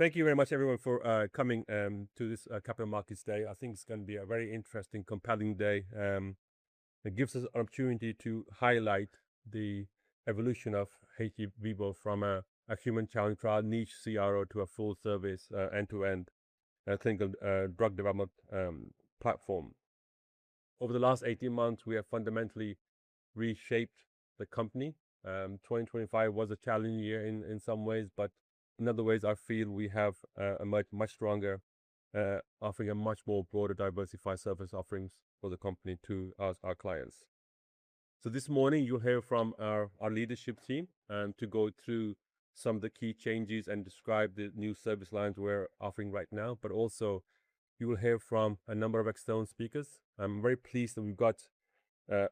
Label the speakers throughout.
Speaker 1: Well, thank you very much everyone for coming to this Capital Markets Day. I think it's going to be a very interesting, compelling day. It gives us an opportunity to highlight the evolution of hVIVO from a human challenge trial niche CRO to a full service, end-to-end, clinical drug development platform. Over the last 18 months, we have fundamentally reshaped the company. 2025 was a challenging year in some ways, but in other ways, I feel we have a much more broader, diversified service offerings for the company to our clients. This morning, you'll hear from our leadership team to go through some of the key changes and describe the new service lines we're offering right now. Also you will hear from a number of external speakers. I'm very pleased that we've got a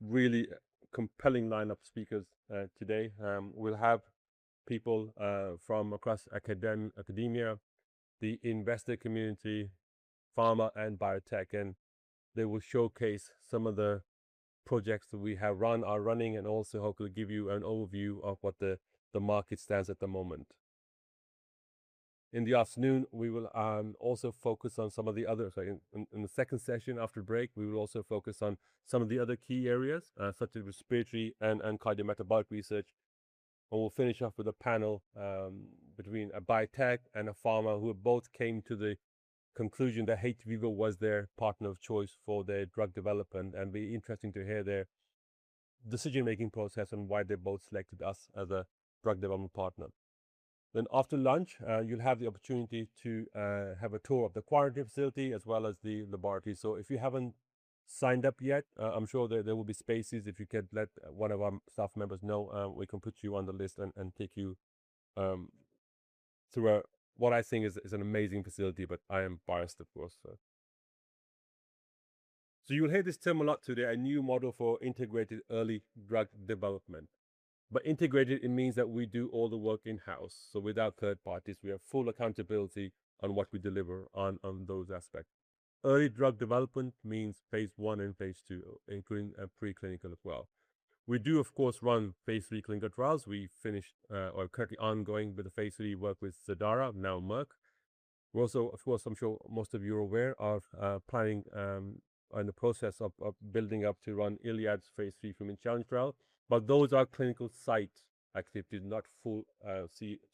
Speaker 1: really compelling lineup of speakers today. We'll have people from across academia, the investor community, pharma and biotech, and they will showcase some of the projects that we have run, are running, and also hopefully give you an overview of what the market stands at the moment. In the afternoon, we will also focus on some of the other. Sorry. In the second session after break, we will also focus on some of the other key areas, such as respiratory and cardiometabolic research. We'll finish off with a panel between a biotech and a pharma who both came to the conclusion that hVIVO was their partner of choice for their drug development. Be interesting to hear their decision-making process and why they both selected us as a drug development partner. After lunch, you'll have the opportunity to have a tour of the quarantine facility as well as the laboratory. If you haven't signed up yet, I'm sure there will be spaces. If you could let one of our staff members know, we can put you on the list and take you throughout what I think is an amazing facility. I am biased, of course. You'll hear this term a lot today, a new model for integrated early drug development. By integrated, it means that we do all the work in-house, so without third parties. We have full accountability on what we deliver on those aspects. Early drug development means phase I and phase II, including preclinical as well. We do, of course, run phase III clinical trials. We finished or are currently ongoing with the phase III work with Cidara, now Merck. We're also, of course, I'm sure most of you are aware, are planning, are in the process of building up to run ILiAD's phase III human challenge trial. Those are clinical sites activity, not full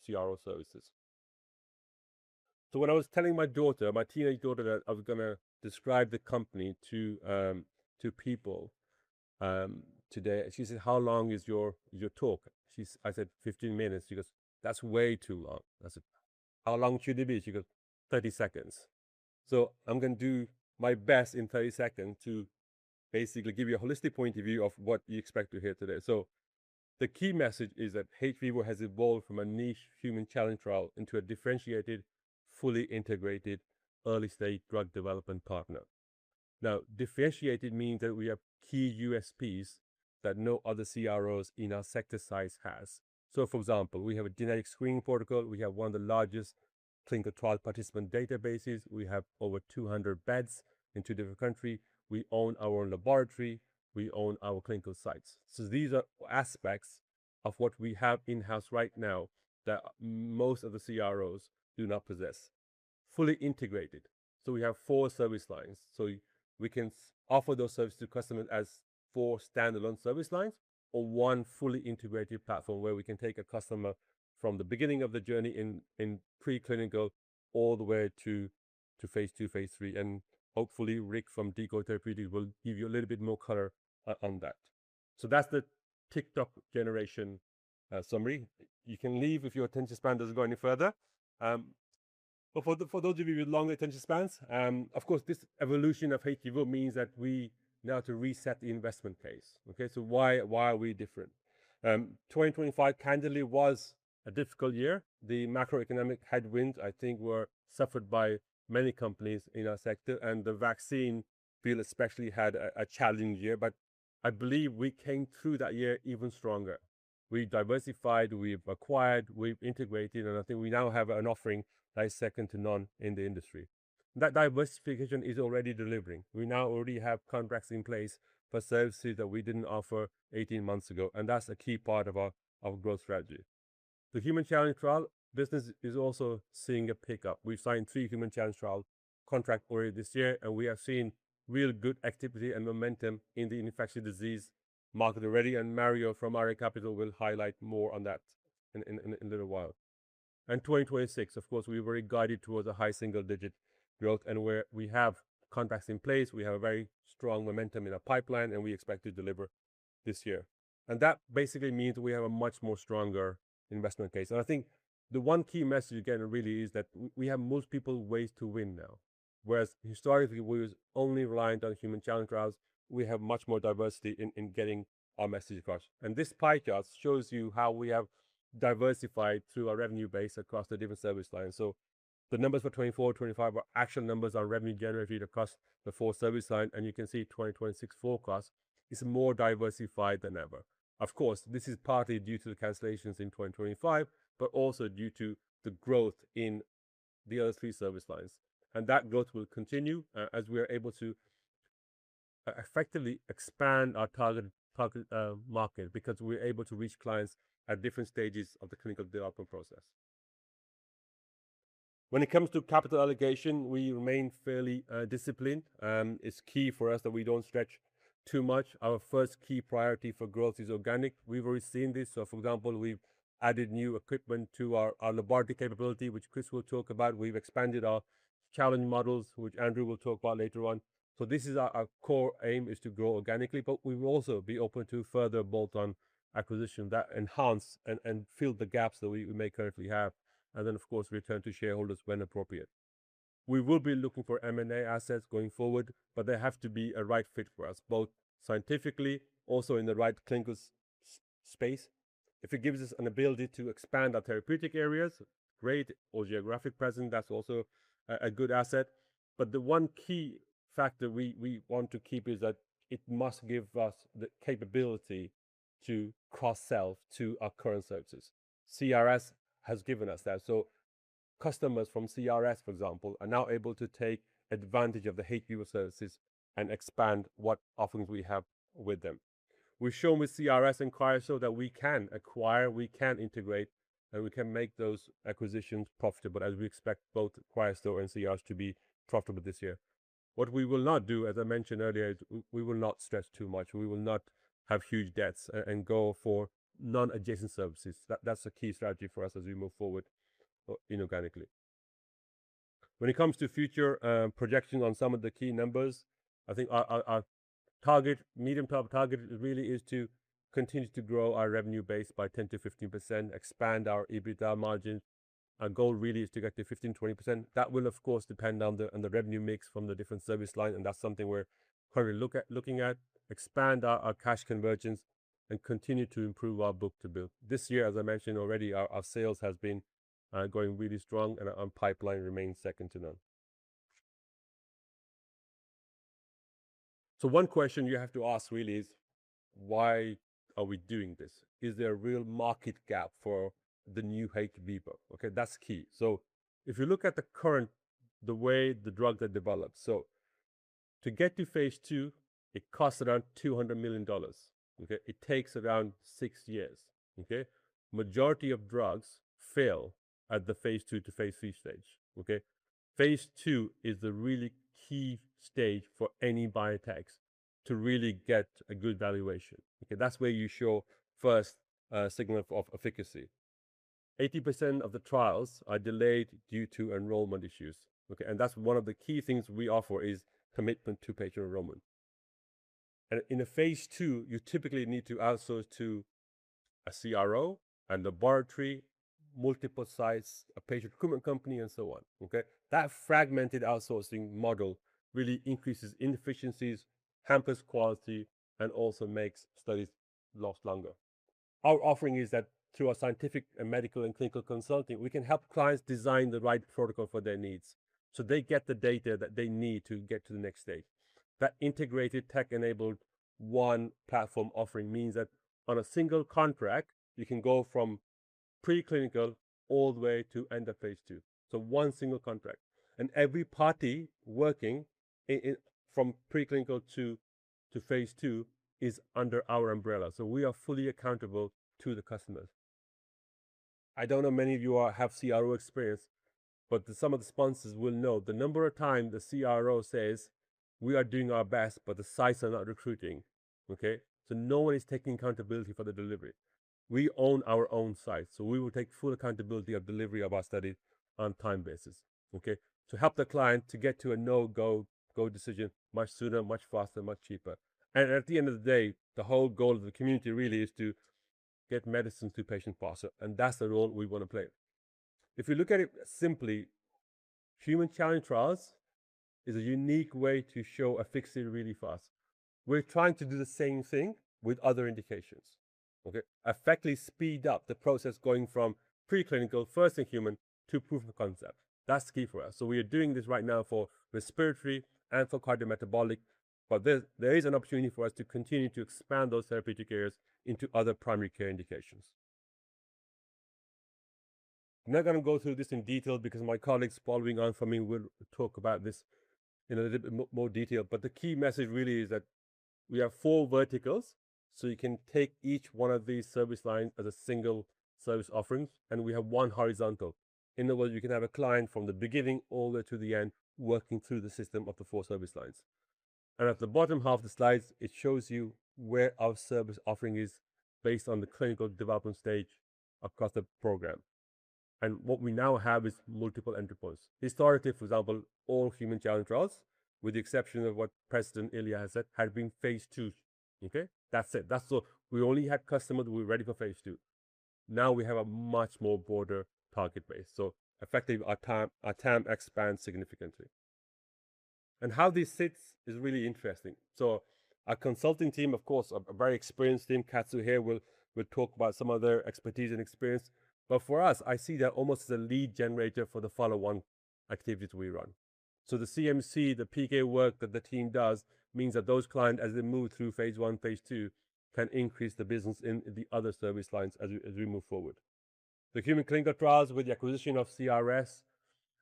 Speaker 1: CRO services. When I was telling my daughter, my teenage daughter, that I was going to describe the company to people today, she said, "How long is your talk?" I said, "15 minutes." She goes, "That's way too long." I said, "How long should it be?" She goes, "30 seconds." I'm going to do my best in 30 seconds to basically give you a holistic point of view of what you expect to hear today. The key message is that hVIVO has evolved from a niche human challenge trial into a differentiated, fully integrated, early-stage drug development partner. Differentiated means that we have key USPs that no other CROs in our sector size has. For example, we have a genetic screening protocol. We have one of the largest clinical trial participant databases. We have over 200 beds in two different countries. We own our own laboratory. We own our clinical sites. These are aspects of what we have in-house right now that most of the CROs do not possess. Fully integrated. We have four service lines, so we can offer those services to customers as four standalone service lines or one fully integrated platform where we can take a customer from the beginning of the journey in preclinical all the way to phase II, phase III, and hopefully Rick from Decoy Therapeutics will give you a little bit more color on that. That's the TikTok generation summary. You can leave if your attention span doesn't go any further. For those of you with long attention spans, of course, this evolution of hVIVO means that we now to reset the investment pace. Why are we different? 2025, candidly, was a difficult year. The macroeconomic headwinds, I think, were suffered by many companies in our sector, and the vaccine field especially had a challenging year. I believe we came through that year even stronger. We diversified, we've acquired, we've integrated, and I think we now have an offering that is second to none in the industry. That diversification is already delivering. We now already have contracts in place for services that we didn't offer 18 months ago, and that's a key part of our growth strategy. The human challenge trial business is also seeing a pickup. We've signed three human challenge trial contracts already this year, and we have seen real good activity and momentum in the infectious disease market already, and Mario from RA Capital will highlight more on that in a little while. 2026, of course, we're very guided towards a high single-digit growth and where we have contracts in place, we have a very strong momentum in our pipeline, and we expect to deliver this year. That basically means we have a much more stronger investment case. I think the one key message again really is that we have multiple ways to win now. Whereas historically we were only reliant on human challenge trials, we have much more diversity in getting our message across. This pie chart shows you how we have diversified through our revenue base across the different service lines. The numbers for 2024, 2025 are actual numbers on revenue generated across the four service lines. You can see 2026 forecast is more diversified than ever. Of course, this is partly due to the cancellations in 2025, but also due to the growth in the other three service lines. That growth will continue, as we are able to effectively expand our target market because we're able to reach clients at different stages of the clinical development process. When it comes to capital allocation, we remain fairly disciplined. It's key for us that we don't stretch too much. Our first key priority for growth is organic. We've already seen this. For example, we've added new equipment to our laboratory capability, which Chris will talk about. We've expanded our challenge models, which Andrew will talk about later on. This is our core aim is to grow organically, we will also be open to further bolt-on acquisition that enhance and fill the gaps that we may currently have. Of course, return to shareholders when appropriate. We will be looking for M&A assets going forward, they have to be a right fit for us, both scientifically, also in the right clinical space. If it gives us an ability to expand our therapeutic areas, great, or geographic presence, that's also a good asset. The one key factor we want to keep is that it must give us the capability to cross-sell to our current services. CRS has given us that. Customers from CRS, for example, are now able to take advantage of the hVIVO services and expand what offerings we have with them. We've shown with CRS and CryoStore that we can acquire, we can integrate, and we can make those acquisitions profitable as we expect both CryoStore and CRS to be profitable this year. What we will not do, as I mentioned earlier, is we will not stretch too much. We will not have huge debts and go for non-adjacent services. That's a key strategy for us as we move forward inorganically. When it comes to future projections on some of the key numbers, I think our medium-term target really is to continue to grow our revenue base by 10%-15%, expand our EBITDA margins. Our goal really is to get to 15%-20%. That will, of course, depend on the revenue mix from the different service lines, and that's something we're currently looking at. Expand our cash conversions and continue to improve our book-to-bill. This year, as I mentioned already, our sales has been going really strong, our pipeline remains second to none. One question you have to ask really is why are we doing this? Is there a real market gap for the new hVIVO? Okay, that's key. If you look at the current, the way the drugs are developed. To get to phase II, it costs around $200 million. It takes around six years. Majority of drugs fail at the phase II to phase III stage. Phase II is the really key stage for any biotech to really get a good valuation. That's where you show first signal of efficacy. 80% of the trials are delayed due to enrollment issues. That's one of the key things we offer is commitment to patient enrollment. In a phase II, you typically need to outsource to a CRO and laboratory, multiple sites, a patient recruitment company, and so on. That fragmented outsourcing model really increases inefficiencies, hampers quality, and also makes studies last longer. Our offering is that through our scientific and medical and clinical consulting, we can help clients design the right protocol for their needs so they get the data that they need to get to the next stage. That integrated tech-enabled one platform offering means that on a single contract, you can go from preclinical all the way to end of phase II. One single contract. Every party working from preclinical to phase II is under our umbrella. We are fully accountable to the customers. I don't know many of you have CRO experience, but some of the sponsors will know the number of times the CRO says, "We are doing our best, but the sites are not recruiting." No one is taking accountability for the delivery. We own our own sites, we will take full accountability of delivery of our study on time basis. To help the client to get to a no-go decision much sooner, much faster, much cheaper. At the end of the day, the whole goal of the community really is to get medicines to patients faster, and that's the role we want to play. If we look at it simply, human challenge trials is a unique way to show efficacy really fast. We're trying to do the same thing with other indications. Effectively speed up the process going from preclinical, first in human, to proof of concept. That's key for us. We are doing this right now for respiratory and for cardiometabolic, but there is an opportunity for us to continue to expand those therapeutic areas into other primary care indications. I'm not going to go through this in detail because my colleagues following on from me will talk about this in a little bit more detail. The key message really is that we have four verticals, you can take each one of these service lines as a single service offering, and we have one horizontal. In other words, you can have a client from the beginning all the way to the end working through the system of the four service lines. At the bottom half of the slides, it shows you where our service offering is based on the clinical development stage across the program. What we now have is multiple entry points. Historically, for example, all human challenge trials, with the exception of what ILiAD has said, had been phase II. That's it. We only had customers who were ready for phase II. Now we have a much more broader target base. Effectively, our TAM expands significantly. How this sits is really interesting. Our consulting team, of course, a very experienced team. Katsu here will talk about some of their expertise and experience. For us, I see that almost as a lead generator for the follow-on activities we run. The CMC, the PK work that the team does means that those clients, as they move through phase I, phase II, can increase the business in the other service lines as we move forward. The human clinical trials with the acquisition of CRS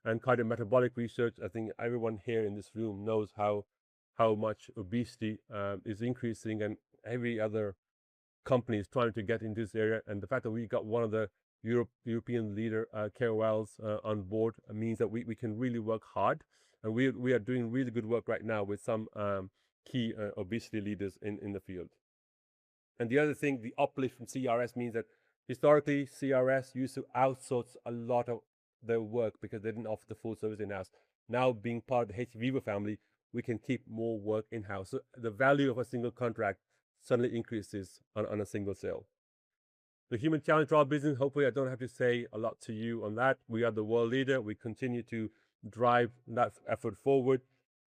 Speaker 1: and cardiometabolic research, I think everyone here in this room knows how much obesity is increasing, and every other company is trying to get in this area. The fact that we got one of the European leader, KOLs, on board means that we can really work hard, and we are doing really good work right now with some key obesity leaders in the field. The other thing, the uplift from CRS means that historically, CRS used to outsource a lot of their work because they didn't offer the full service in-house. Now, being part of the hVIVO family, we can keep more work in-house. The value of a single contract suddenly increases on a single sale. The human challenge trial business, hopefully, I don't have to say a lot to you on that. We are the world leader. We continue to drive that effort forward.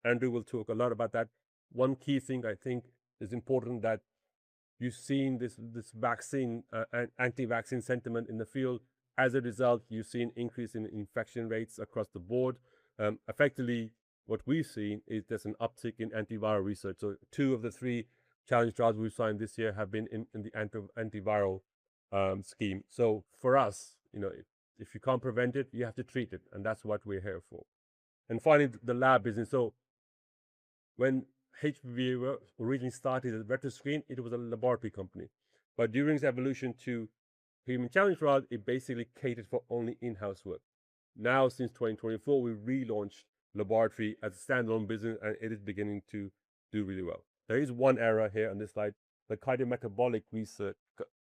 Speaker 1: Andrew will talk a lot about that. One key thing I think is important that you're seeing this vaccine, anti-vaccine sentiment in the field. You've seen increase in infection rates across the board. What we've seen is there's an uptick in antiviral research. Two of the three challenge trials we've signed this year have been in the antiviral scheme. For us, if you can't prevent it, you have to treat it, and that's what we're here for. Finally, the lab business. When hVIVO originally started as Retroscreen, it was a laboratory company. During its evolution to human challenge trials, it basically catered for only in-house work. Since 2024, we've relaunched laboratory as a standalone business. It is beginning to do really well. There is one error here on this slide. The cardiometabolic research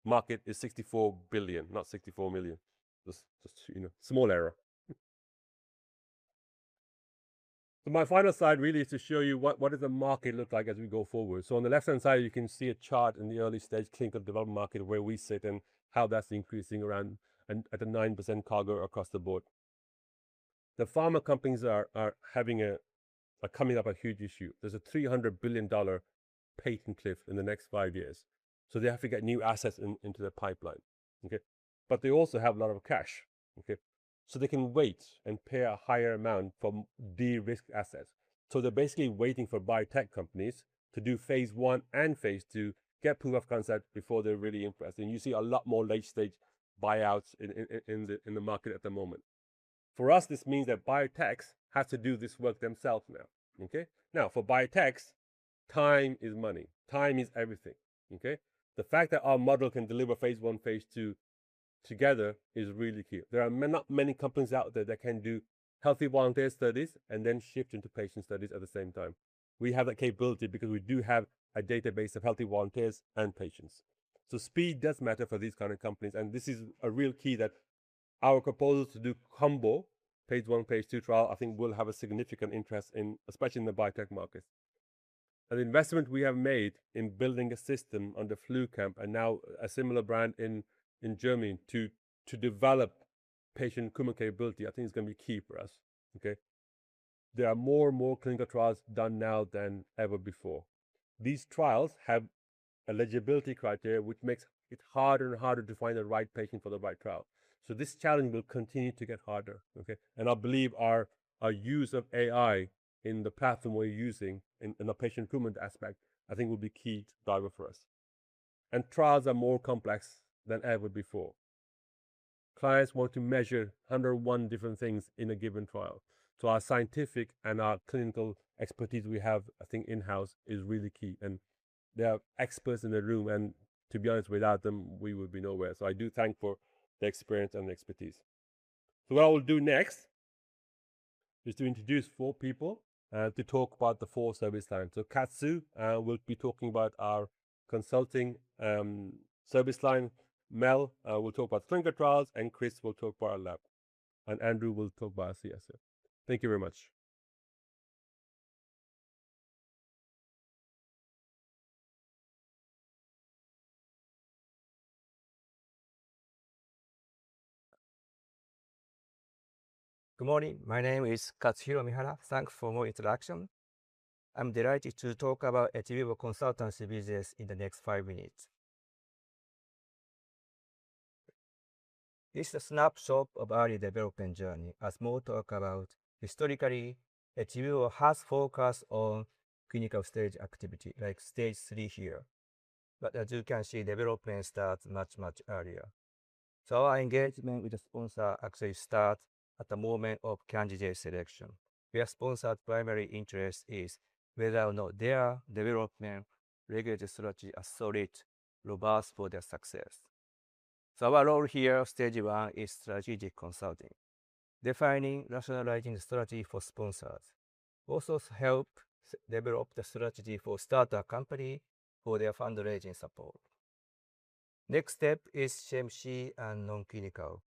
Speaker 1: market is 64 billion, not 64 million. Just a small error. My final slide really is to show you what does the market look like as we go forward. On the left-hand side, you can see a chart in the early stage clinical development market, where we sit and how that's increasing around at a 9% CAGR across the board. The pharma companies are coming up a huge issue. There's a GBP 300 billion patent cliff in the next five years. They have to get new assets into their pipeline. Okay? They also have a lot of cash. Okay? They can wait and pay a higher amount for de-risked assets. They're basically waiting for biotech companies to do phase I and phase II, get proof of concept before they're really impressed. You see a lot more late-stage buyouts in the market at the moment. For us, this means that biotechs have to do this work themselves now. Okay? For biotechs, time is money. Time is everything. Okay? The fact that our model can deliver phase I, phase II together is really key. There are not many companies out there that can do healthy volunteer studies and then shift into patient studies at the same time. We have that capability because we do have a database of healthy volunteers and patients. Speed does matter for these kind of companies. This is a real key that our proposal to do combo, phase I, phase II trial, I think will have a significant interest, especially in the biotech markets. The investment we have made in building a system under FluCamp and now a similar brand in Germany to develop patient recruitment capability, I think is going to be key for us. Okay? There are more and more clinical trials done now than ever before. These trials have eligibility criteria, which makes it harder and harder to find the right patient for the right trial. This challenge will continue to get harder. Okay? I believe our use of AI in the platform we're using in the patient recruitment aspect, I think will be key driver for us. Trials are more complex than ever before. Clients want to measure 101 different things in a given trial. Our scientific and our clinical expertise we have, I think in-house, is really key. There are experts in the room, and to be honest, without them, we would be nowhere. I do thank for their experience and expertise. What I will do next is to introduce four people to talk about the four service lines. Katsu will be talking about our consulting service line. Mel will talk about clinical trials, Chris will talk about our lab, and Andrew will talk about CSO. Thank you very much.
Speaker 2: Good morning. My name is Katsuhiro Mihara. Thanks for your introduction. I'm delighted to talk about hVIVO consultancy business in the next five minutes. This is a snapshot of early development journey. As Mo talked about, historically, hVIVO has focused on clinical stage activity, like stage 3 here. As you can see, development starts much, much earlier. Our engagement with the sponsor actually starts at the moment of candidate selection, where sponsor's primary interest is whether or not their development regulatory strategy are solid, robust for their success. Our role here, stage 1, is strategic consulting, defining, rationalizing the strategy for sponsors. Also help develop the strategy for startup company for their fundraising support. Next step is CMC and non-clinical,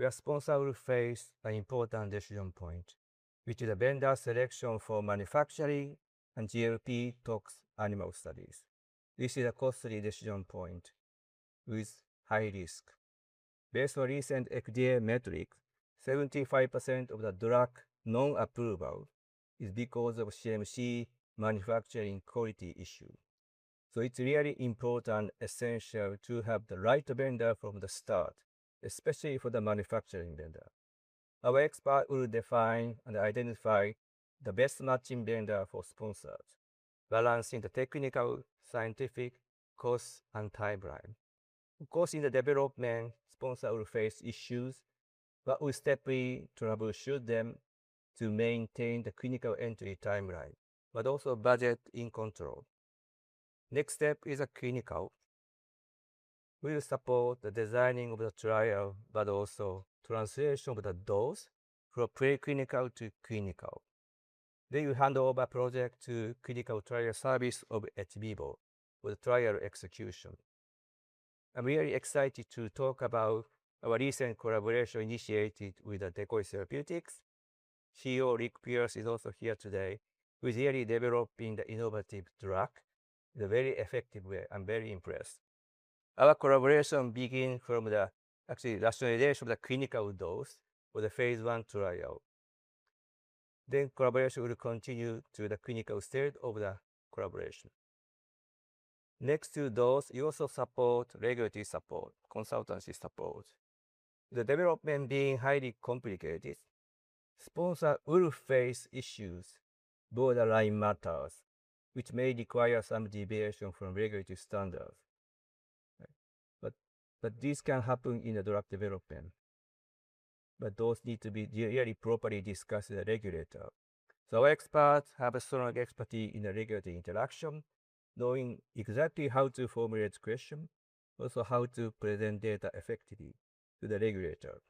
Speaker 2: where sponsor will face an important decision point, which is a vendor selection for manufacturing and GLP tox animal studies. This is a costly decision point with high risk. Based on recent FDA metric, 75% of the drug non-approval is because of CMC manufacturing quality issue. It's really important, essential to have the right vendor from the start, especially for the manufacturing vendor. Our expert will define and identify the best matching vendor for sponsors, balancing the technical, scientific, cost, and timeline. In the development, sponsor will face issues, but we steadily troubleshoot them to maintain the clinical entry timeline, but also budget in control. Next step is clinical. We will support the designing of the trial, but also translation of the dose from pre-clinical to clinical. We hand over project to clinical trial service of hVIVO for the trial execution. I'm really excited to talk about our recent collaboration initiated with the Decoy Therapeutics. CEO Rick Pierce is also here today, who is really developing the innovative drug in a very effective way. I'm very impressed. Our collaboration begin from the actually rationalization of the clinical dose for the phase I trial. Collaboration will continue to the clinical state of the collaboration. Next to dose, we also support regulatory support, consultancy support. The development being highly complicated, sponsor will face issues, borderline matters, which may require some deviation from regulatory standards. This can happen in the drug development. Those need to be really properly discussed with the regulator. Experts have a strong expertise in the regulatory interaction, knowing exactly how to formulate question, also how to present data effectively to the regulator.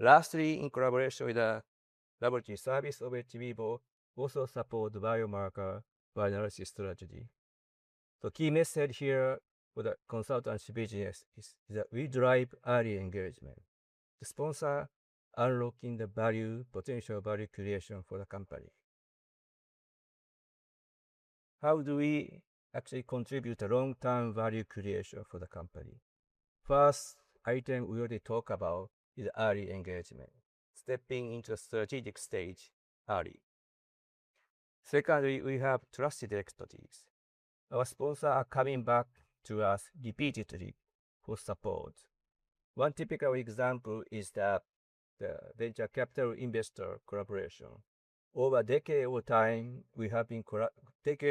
Speaker 2: Lastly, in collaboration with the laboratory service of hVIVO, also support the biomarker bioanalysis strategy. The key message here for the consultancy business is that we drive early engagement. The sponsor unlocking the potential value creation for the company. How do we actually contribute a long-term value creation for the company? First item we already talk about is early engagement, stepping into a strategic stage early. Secondly, we have trusted expertise. Our sponsors are coming back to us repeatedly for support. One typical example is the venture capital investor collaboration. Over decade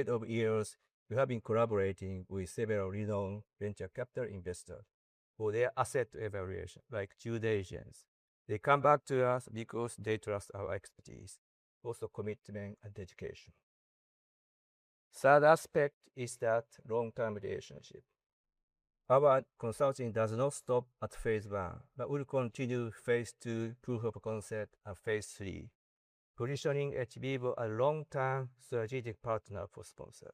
Speaker 2: of years, we have been collaborating with several renowned venture capital investor for their asset evaluation, like Jude Asians. They come back to us because they trust our expertise, also commitment and dedication. Third aspect is that long-term relationship. Our consulting does not stop at phase I, but will continue phase II proof of concept and phase III, positioning hVIVO a long-term strategic partner for sponsor.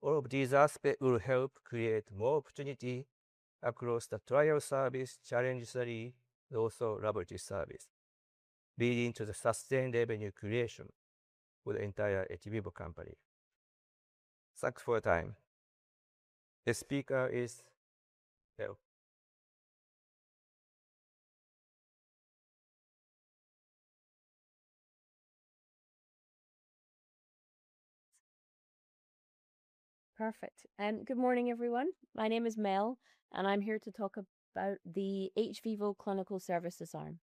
Speaker 2: All of these aspects will help create more opportunity across the trial service, challenge study, and also laboratory service, leading to the sustained revenue creation for the entire hVIVO company. Thanks for your time. The speaker is Mel.
Speaker 3: Perfect. Good morning, everyone. My name is Mel, and I'm here to talk about the hVIVO clinical services arm.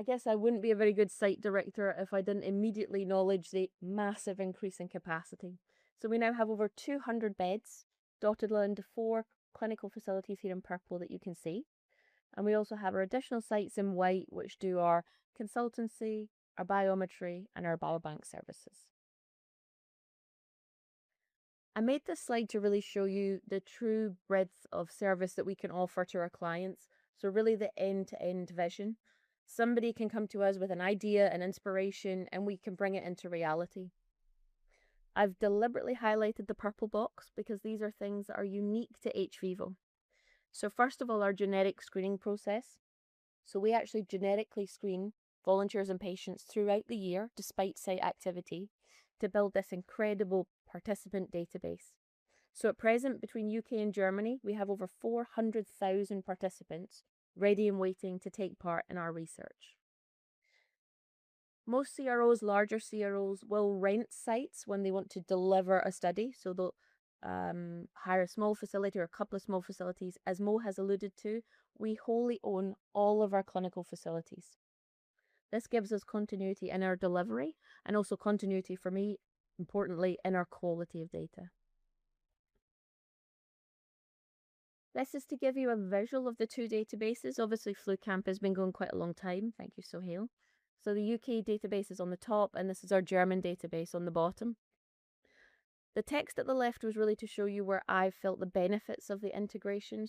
Speaker 3: I guess I wouldn't be a very good site director if I didn't immediately acknowledge the massive increase in capacity. We now have over 200 beds dotted into four clinical facilities here in purple that you can see. We also have our additional sites in white, which do our consultancy, our biometry, and our biobank services. I made this slide to really show you the true breadth of service that we can offer to our clients. Really the end-to-end vision. Somebody can come to us with an idea and inspiration, and we can bring it into reality. I've deliberately highlighted the purple box because these are things that are unique to hVIVO. First of all, our genetic screening process. We actually genetically screen volunteers and patients throughout the year, despite site activity, to build this incredible participant database. At present, between U.K. and Germany, we have over 400,000 participants ready and waiting to take part in our research. Most CROs, larger CROs, will rent sites when they want to deliver a study, so they'll hire a small facility or a couple of small facilities. As Mo has alluded to, we wholly own all of our clinical facilities. This gives us continuity in our delivery and also continuity, for me, importantly, in our quality of data. This is to give you a visual of the two databases. Obviously, FluCamp has been going quite a long time. Thank you, Soheil. The U.K. database is on the top, and this is our German database on the bottom. The text at the left was really to show you where I felt the benefits of the integration.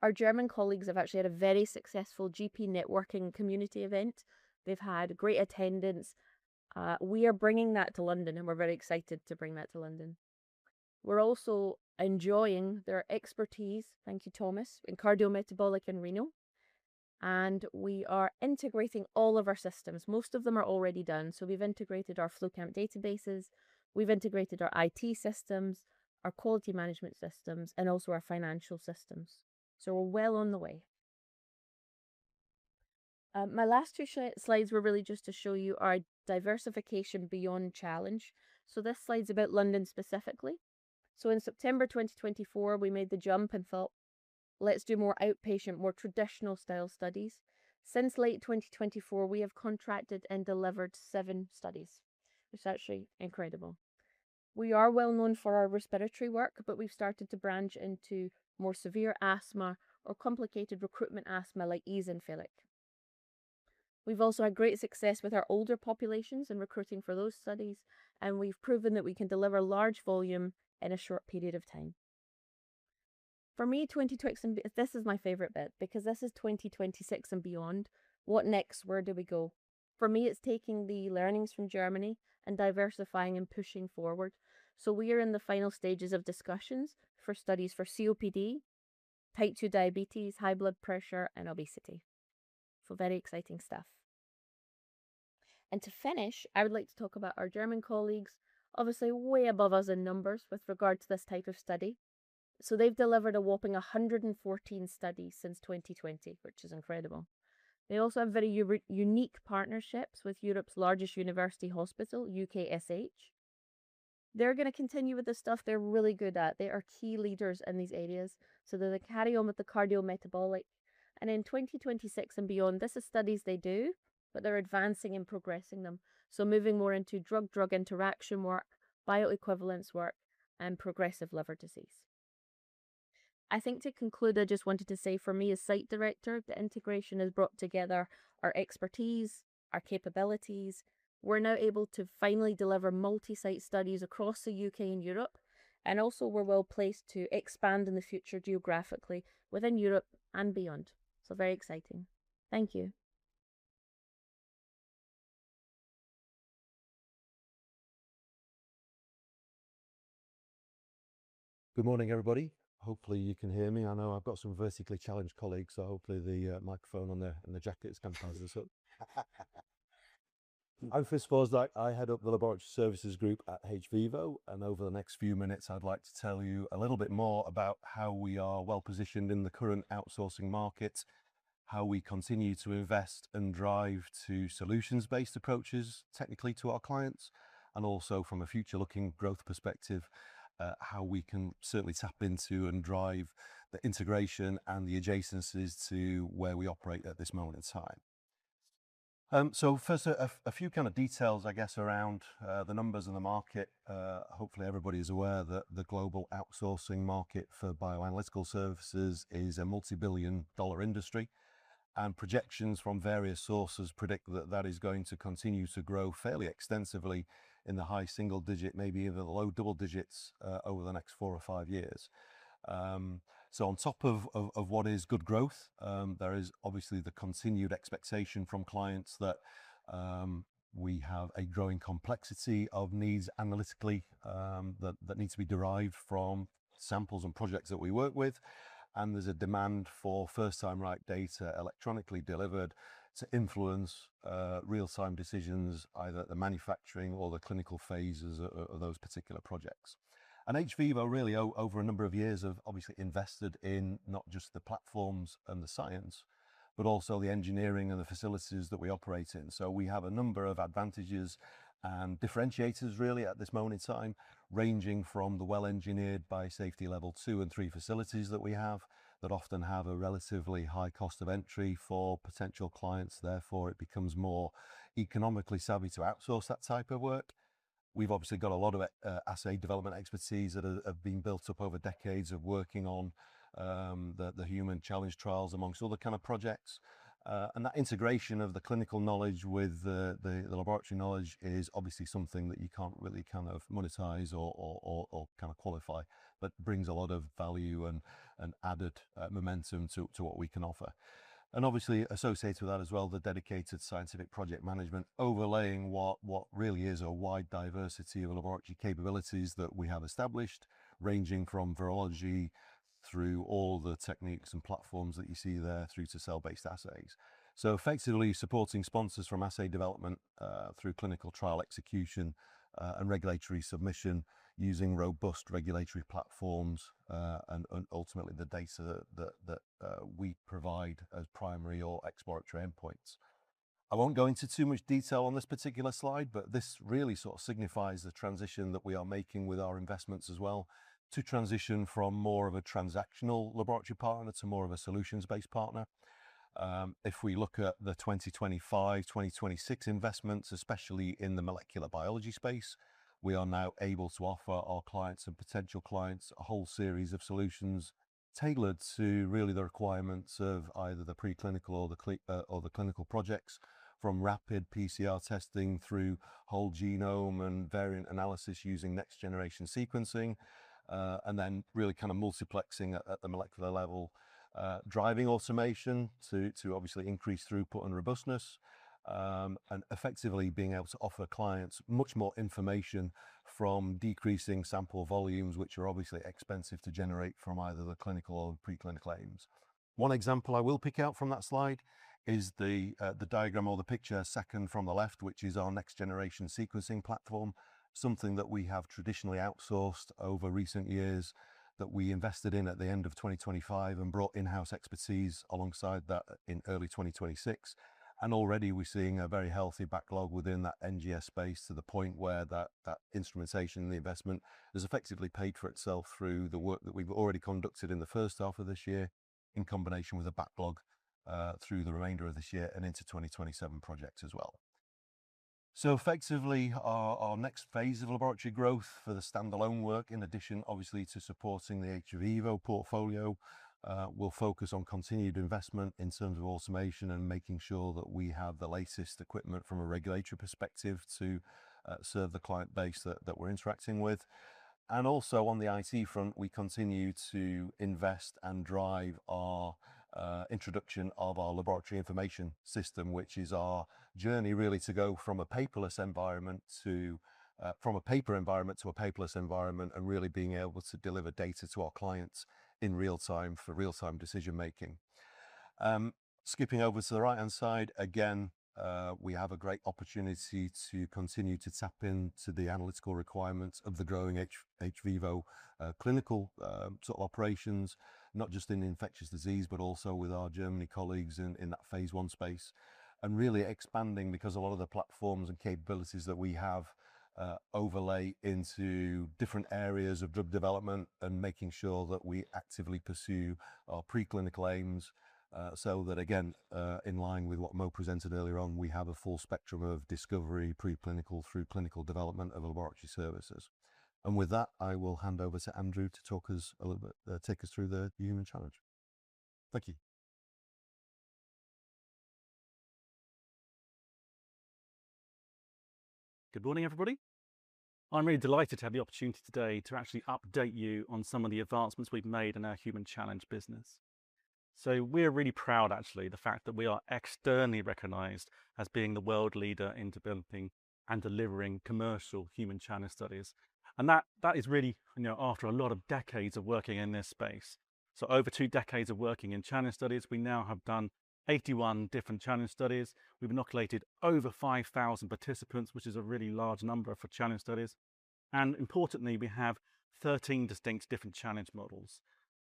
Speaker 3: Our German colleagues have actually had a very successful GP networking community event. They've had great attendance. We are bringing that to London, and we're very excited to bring that to London. We're also enjoying their expertise, thank you, Thomas, in cardiometabolic and renal, and we are integrating all of our systems. Most of them are already done. We've integrated our FluCamp databases, we've integrated our IT systems, our quality management systems, and also our financial systems. We're well on the way. My last two slides were really just to show you our diversification beyond challenge. This slide's about London specifically. In September 2024, we made the jump and thought, "Let's do more outpatient, more traditional style studies." Since late 2024, we have contracted and delivered seven studies, which is actually incredible. We are well known for our respiratory work, but we've started to branch into more severe asthma or complicated recruitment asthma like eosinophilic. We've also had great success with our older populations in recruiting for those studies, and we've proven that we can deliver large volume in a short period of time. This is my favorite bit because this is 2026 and beyond. What next? Where do we go? For me, it's taking the learnings from Germany and diversifying and pushing forward. We are in the final stages of discussions for studies for COPD, type 2 diabetes, high blood pressure, and obesity. Very exciting stuff. To finish, I would like to talk about our German colleagues, obviously way above us in numbers with regard to this type of study. They've delivered a whopping 114 studies since 2020, which is incredible. They also have very unique partnerships with Europe's largest university hospital, UKSH. They're going to continue with the stuff they're really good at. They are key leaders in these areas, they're going to carry on with the cardiometabolic. In 2026 and beyond, this is studies they do, but they're advancing and progressing them. Moving more into drug-drug interaction work, bioequivalence work, and progressive liver disease. I think to conclude, I just wanted to say, for me as site director, the integration has brought together our expertise, our capabilities. We're now able to finally deliver multi-site studies across the U.K. and Europe, we're well-placed to expand in the future geographically within Europe and beyond. Very exciting. Thank you.
Speaker 4: Good morning, everybody. Hopefully, you can hear me. I know I've got some vertically challenged colleagues, so hopefully the microphone on the jacket is compensating us up. I'm Chris Forsdyke. I head up the hVIVO Laboratory Services Group at hVIVO, over the next few minutes, I'd like to tell you a little bit more about how we are well-positioned in the current outsourcing market, how we continue to invest and drive to solutions-based approaches technically to our clients, and also from a future-looking growth perspective, how we can certainly tap into and drive the integration and the adjacencies to where we operate at this moment in time. First, a few kind of details, I guess, around the numbers in the market. Hopefully, everybody's aware that the global outsourcing market for bioanalytical services is a multibillion-dollar industry, projections from various sources predict that that is going to continue to grow fairly extensively in the high single digit, maybe even the low double digits, over the next four or five years. On top of what is good growth, there is obviously the continued expectation from clients that we have a growing complexity of needs analytically, that needs to be derived from samples and projects that we work with. There's a demand for first-time right data electronically delivered to influence real-time decisions, either at the manufacturing or the clinical phases of those particular projects. hVIVO really over a number of years have obviously invested in not just the platforms and the science, but also the engineering and the facilities that we operate in. We have a number of advantages and differentiators really at this moment in time, ranging from the well-engineered bio-safety level 2 and 3 facilities that we have that often have a relatively high cost of entry for potential clients. Therefore, it becomes more economically savvy to outsource that type of work. We've obviously got a lot of assay development expertise that have been built up over decades of working on the human challenge trials amongst other kind of projects. That integration of the clinical knowledge with the laboratory knowledge is obviously something that you can't really kind of monetize or kind of qualify, but brings a lot of value and added momentum to what we can offer. Obviously associated with that as well, the dedicated scientific project management overlaying what really is a wide diversity of laboratory capabilities that we have established, ranging from virology through all the techniques and platforms that you see there through to cell-based assays. Effectively supporting sponsors from assay development, through clinical trial execution, and regulatory submission using robust regulatory platforms, and ultimately the data that we provide as primary or exploratory endpoints. I won't go into too much detail on this particular slide, but this really sort of signifies the transition that we are making with our investments as well to transition from more of a transactional laboratory partner to more of a solutions-based partner. If we look at the 2025, 2026 investments, especially in the molecular biology space, we are now able to offer our clients and potential clients a whole series of solutions tailored to really the requirements of either the preclinical or the clinical projects from rapid PCR testing through whole genome and variant analysis using next-generation sequencing. Then really kind of multiplexing at the molecular level, driving automation to obviously increase throughput and robustness, and effectively being able to offer clients much more information from decreasing sample volumes, which are obviously expensive to generate from either the clinical or pre-clinical aims. One example I will pick out from that slide is the diagram or the picture second from the left, which is our next-generation sequencing platform, something that we have traditionally outsourced over recent years, that we invested in at the end of 2025 and brought in-house expertise alongside that in early 2026. Already we're seeing a very healthy backlog within that NGS space to the point where that instrumentation and the investment has effectively paid for itself through the work that we've already conducted in the first half of this year, in combination with a backlog through the remainder of this year and into 2027 projects as well. Effectively, our next phase of laboratory growth for the standalone work, in addition obviously to supporting the hVIVO portfolio, will focus on continued investment in terms of automation and making sure that we have the latest equipment from a regulatory perspective to serve the client base that we're interacting with. Also on the IT front, we continue to invest and drive our introduction of our laboratory information system, which is our journey really to go from a paper environment to a paperless environment, and really being able to deliver data to our clients in real time for real-time decision making. Skipping over to the right-hand side, again, we have a great opportunity to continue to tap into the analytical requirements of the growing hVIVO clinical operations, not just in infectious disease, but also with our Germany colleagues in that phase I space. Really expanding because a lot of the platforms and capabilities that we have overlay into different areas of drug development and making sure that we actively pursue our pre-clinical aims, so that, again, in line with what Mo presented earlier on, we have a full spectrum of discovery pre-clinical through clinical development of laboratory services. With that, I will hand over to Andrew to take us through the human challenge. Thank you.
Speaker 5: Good morning, everybody. I'm really delighted to have the opportunity today to actually update you on some of the advancements we've made in our human challenge business. We're really proud, actually, the fact that we are externally recognized as being the world leader in developing and delivering commercial human challenge studies. That is really after a lot of decades of working in this space. Over two decades of working in challenge studies, we now have done 81 different challenge studies. We've inoculated over 5,000 participants, which is a really large number for challenge studies. Importantly, we have 13 distinct different challenge models.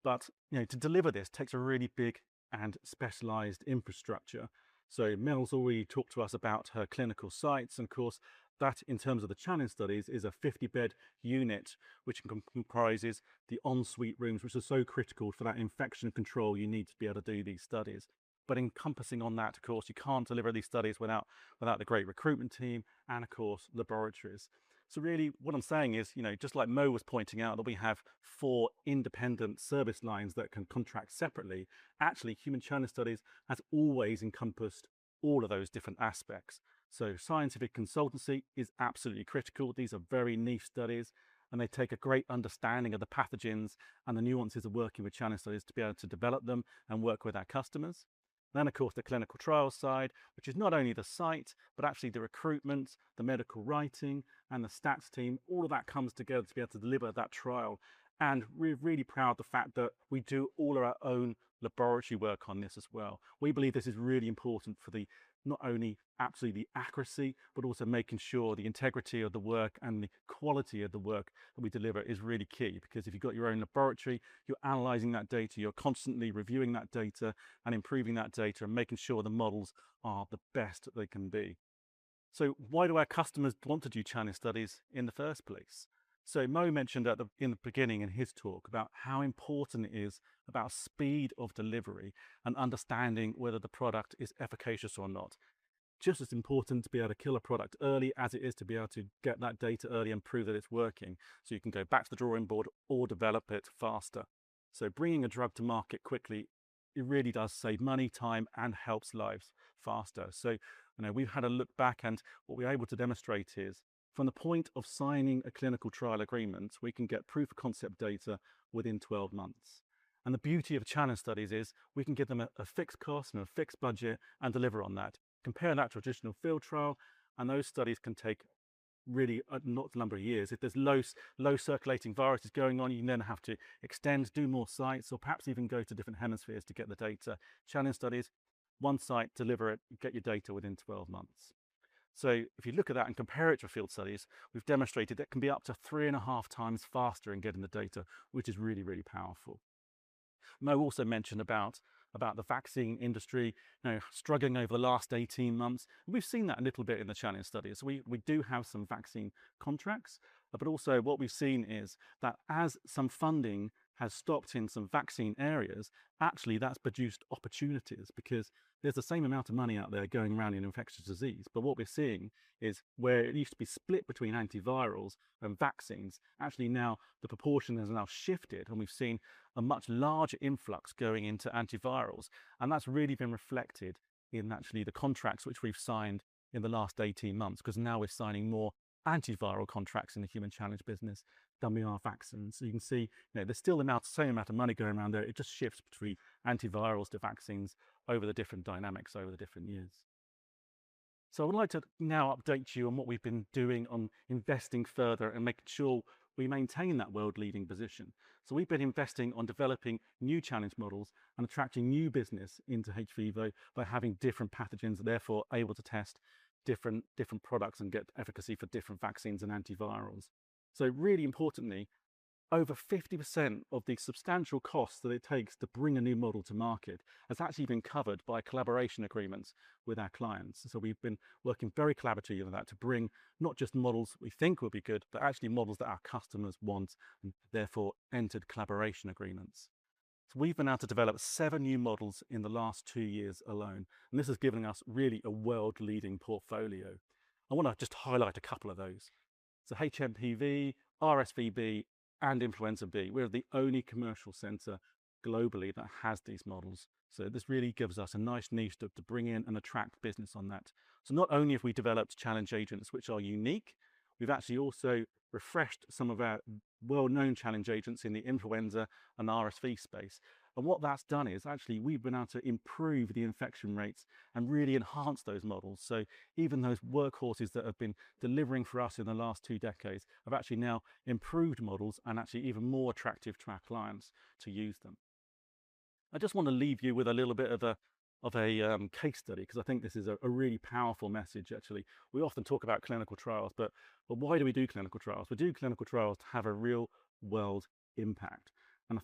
Speaker 5: To deliver this takes a really big and specialized infrastructure. Mel's already talked to us about her clinical sites, and of course, that in terms of the challenge studies is a 50-bed unit, which comprises the en suite rooms, which are so critical for that infection control you need to be able to do these studies. Encompassing on that, of course, you can't deliver these studies without the great recruitment team and of course, laboratories. Really what I'm saying is, just like Mo was pointing out, that we have four independent service lines that can contract separately. Actually, human challenge studies has always encompassed all of those different aspects. Scientific consultancy is absolutely critical. These are very niche studies, and they take a great understanding of the pathogens and the nuances of working with challenge studies to be able to develop them and work with our customers. Of course, the clinical trial side, which is not only the site, but actually the recruitment, the medical writing, and the stats team. All of that comes together to be able to deliver that trial. We're really proud of the fact that we do all of our own laboratory work on this as well. We believe this is really important for not only absolutely the accuracy, but also making sure the integrity of the work and the quality of the work that we deliver is really key. Because if you've got your own laboratory, you're analyzing that data, you're constantly reviewing that data and improving that data and making sure the models are the best that they can be. Why do our customers want to do challenge studies in the first place? Mo mentioned in the beginning in his talk about how important it is about speed of delivery and understanding whether the product is efficacious or not. Just as important to be able to kill a product early as it is to be able to get that data early and prove that it's working, so you can go back to the drawing board or develop it faster. Bringing a drug to market quickly, it really does save money, time, and helps lives faster. We've had a look back and what we're able to demonstrate is from the point of signing a clinical trial agreement, we can get proof of concept data within 12 months. The beauty of challenge studies is we can give them a fixed cost and a fixed budget and deliver on that. Compare that to a traditional field trial, those studies can take really a number of years. If there's low circulating viruses going on, you then have to extend, do more sites, or perhaps even go to different hemispheres to get the data. Challenge studies, one site, deliver it, get your data within 12 months. If you look at that and compare it to field studies, we've demonstrated it can be up to three and a half times faster in getting the data, which is really, really powerful. Mo also mentioned about the vaccine industry struggling over the last 18 months. We've seen that a little bit in the challenge studies. We do have some vaccine contracts. Also what we've seen is that as some funding has stopped in some vaccine areas, actually that's produced opportunities because there's the same amount of money out there going around in infectious disease. What we're seeing is where it used to be split between antivirals and vaccines, actually now the proportion has now shifted, and we've seen a much larger influx going into antivirals. That's really been reflected in actually the contracts which we've signed in the last 18 months, because now we're signing more antiviral contracts in the human challenge business than we are vaccines. You can see there's still the same amount of money going around there. It just shifts between antivirals to vaccines over the different dynamics over the different years. I would like to now update you on what we've been doing on investing further and making sure we maintain that world-leading position. We've been investing on developing new challenge models and attracting new business into hVIVO by having different pathogens, therefore able to test different products and get efficacy for different vaccines and antivirals. Really importantly, over 50% of the substantial cost that it takes to bring a new model to market has actually been covered by collaboration agreements with our clients. We've been working very collaboratively with that to bring not just models that we think will be good, but actually models that our customers want, and therefore entered collaboration agreements. We've been able to develop seven new models in the last two years alone, and this has given us really a world-leading portfolio. I want to just highlight a couple of those. hMPV, RSV B, and influenza B, we're the only commercial center globally that has these models. This really gives us a nice niche to bring in and attract business on that. Not only have we developed challenge agents which are unique, we've actually also refreshed some of our well-known challenge agents in the influenza and RSV space. What that's done is actually we've been able to improve the infection rates and really enhance those models. Even those workhorses that have been delivering for us in the last two decades have actually now improved models and actually even more attractive to our clients to use them. I just want to leave you with a little bit of a case study, because I think this is a really powerful message actually. We often talk about clinical trials, but why do we do clinical trials? We do clinical trials to have a real-world impact, I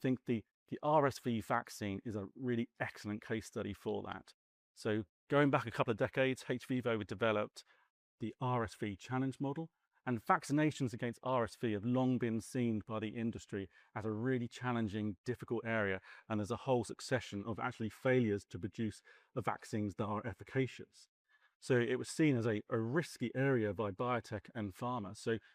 Speaker 5: think the RSV vaccine is a really excellent case study for that. Going back a couple of decades, hVIVO, we developed the RSV challenge model vaccinations against RSV have long been seen by the industry as a really challenging, difficult area, there's a whole succession of actually failures to produce the vaccines that are efficacious. It was seen as a risky area by biotech and pharma.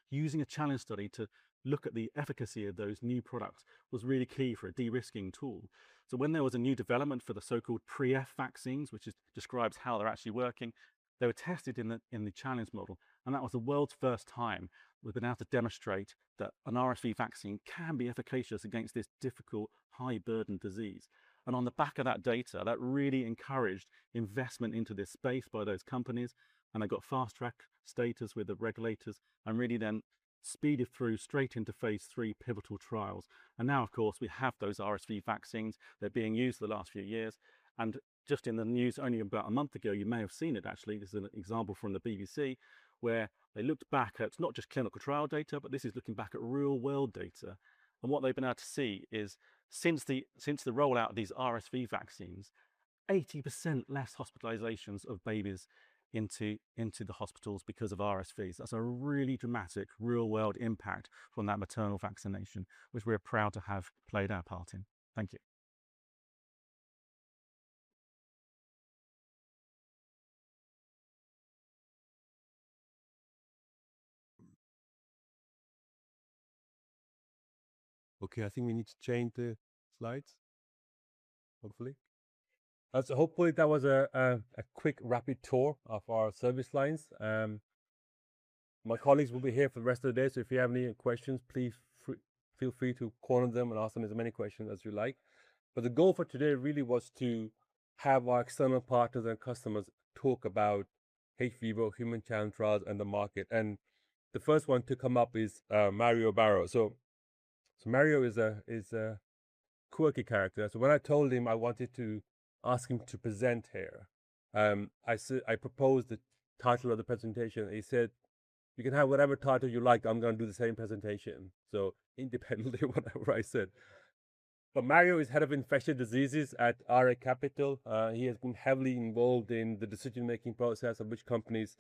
Speaker 5: Using a challenge study to look at the efficacy of those new products was really key for a de-risking tool. When there was a new development for the so-called Pre-F vaccines, which describes how they're actually working, they were tested in the challenge model, that was the world's first time we've been able to demonstrate that an RSV vaccine can be efficacious against this difficult, high-burden disease. On the back of that data, that really encouraged investment into this space by those companies, they got fast-track status with the regulators really then speeded through straight into phase III pivotal trials. Now of course, we have those RSV vaccines. They're being used the last few years, just in the news only about a month ago, you may have seen it actually, this is an example from the BBC, where they looked back at not just clinical trial data, but this is looking back at real-world data. What they've been able to see is since the rollout of these RSV vaccines, 80% less hospitalizations of babies into the hospitals because of RSV. That's a really dramatic real-world impact from that maternal vaccination, which we're proud to have played our part in. Thank you.
Speaker 1: Okay. I think we need to change the slides, hopefully. Hopefully that was a quick rapid tour of our service lines. My colleagues will be here for the rest of the day, if you have any questions, please feel free to corner them and ask them as many questions as you like. The goal for today really was to have our external partners and customers talk about hVIVO human challenge trials and the market. The first one to come up is Mario Barro. Mario is a quirky character. When I told him I wanted to ask him to present here, I proposed the title of the presentation, he said, "You can have whatever title you like, I'm going to do the same presentation." Independently, whatever I said. Mario is head of infectious diseases at RA Capital. He has been heavily involved in the decision-making process of which companies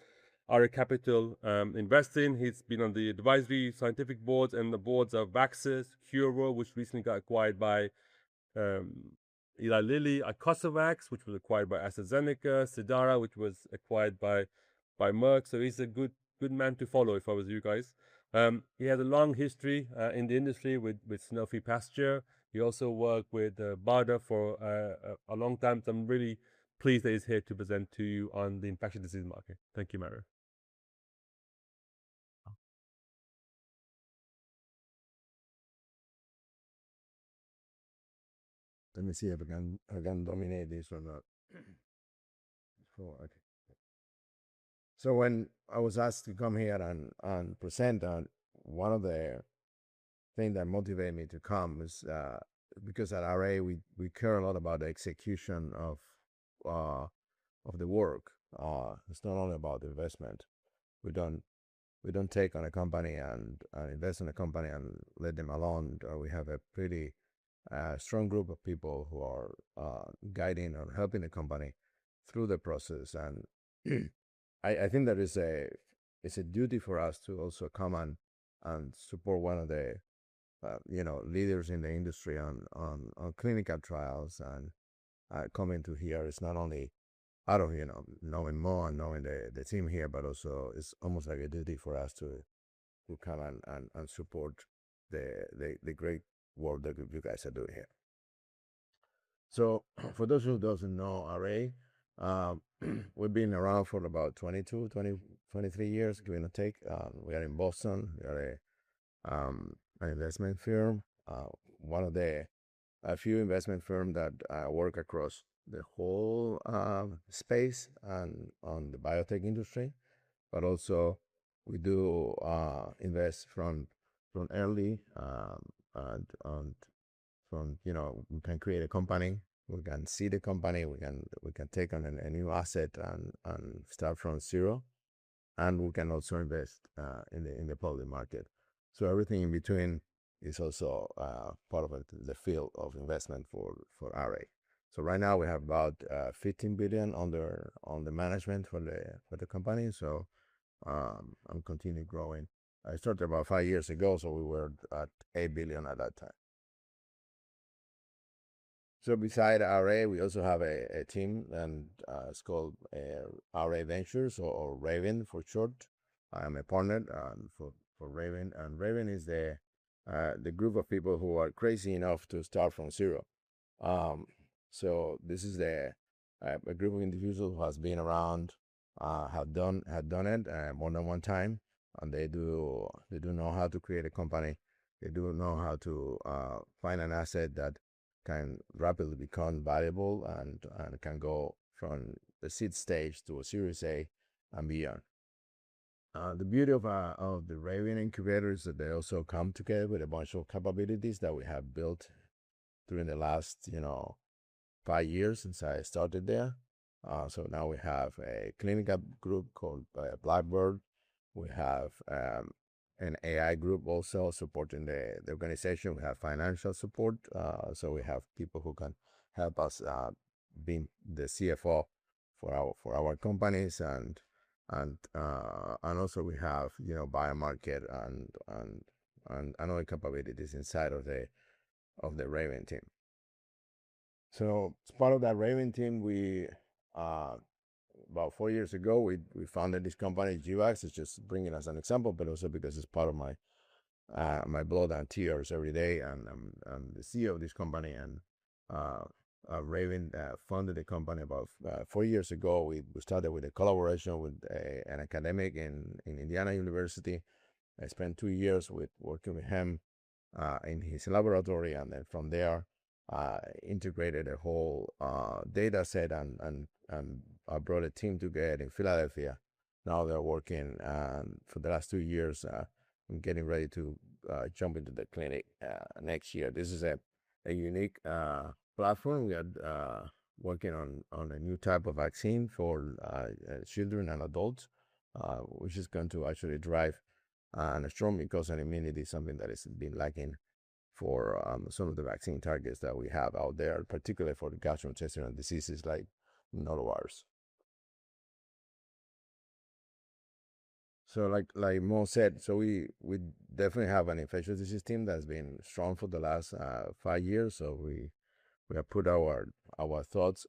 Speaker 1: RA Capital invests in. He's been on the advisory scientific boards and the boards of Vaxess, Curevo, which recently got acquired by Eli Lilly, Icosavax, which was acquired by AstraZeneca, Cidara, which was acquired by Merck. He's a good man to follow if I was you guys. He has a long history in the industry with Sanofi Pasteur. He also worked with BARDA for a long time, I'm really pleased that he's here to present to you on the infectious disease market. Thank you, Mario.
Speaker 6: Let me see if I can dominate this or not. Okay. When I was asked to come here and present, one of the things that motivated me to come was because at RA, we care a lot about the execution of the work. It's not only about the investment. We don't take on a company and invest in a company and let them alone. We have a pretty strong group of people who are guiding and helping the company through the process. I think that it's a duty for us to also come and support one of the leaders in the industry on clinical trials. Coming to here is not only out of knowing Mo and knowing the team here, but also it's almost like a duty for us to come and support the great work that you guys are doing here. For those who don't know RA, we've been around for about 22, 23 years, give or take. We are in Boston. We are an investment firm. A few investment firms that work across the whole space and on the biotech industry, but also we do invest from early. We can create a company, we can seed a company, we can take on a new asset and start from zero, and we can also invest in the public market. Everything in between is also part of the field of investment for RA. Right now we have about $15 billion under management for the company. I'm continuing growing. I started about five years ago, we were at $8 billion at that time. Beside RA, we also have a team, and it's called RA Ventures or RAVen for short. I am a partner for RAVen is the group of people who are crazy enough to start from zero. This is a group of individuals who has been around, have done it more than one time, and they do know how to create a company. They do know how to find an asset that can rapidly become valuable and can go from the seed stage to a Series A and beyond. The beauty of the RAVen incubator is that they also come together with a bunch of capabilities that we have built during the last five years since I started there. Now we have a clinical group called Blackbird. We have an AI group also supporting the organization. We have financial support. We have people who can help us being the CFO for our companies, and also we have bio-market and other capabilities inside of the RAVen team. As part of that RAVen team, about four years ago, we founded this company, GVAX. It's just bringing as an example, but also because it's part of my blood and tears every day, and I'm the CEO of this company. RAVen funded the company about four years ago. We started with a collaboration with an academic in Indiana University. I spent two years working with him in his laboratory, then from there integrated a whole dataset and brought a team together in Philadelphia. Now they're working for the last two years getting ready to jump into the clinic next year. This is a unique platform. We are working on a new type of vaccine for children and adults which is going to actually drive a strong mucosal immunity, something that has been lacking for some of the vaccine targets that we have out there, particularly for gastrointestinal diseases like norovirus. Like Mo said, we definitely have an infectious disease team that's been strong for the last five years. We have put our thoughts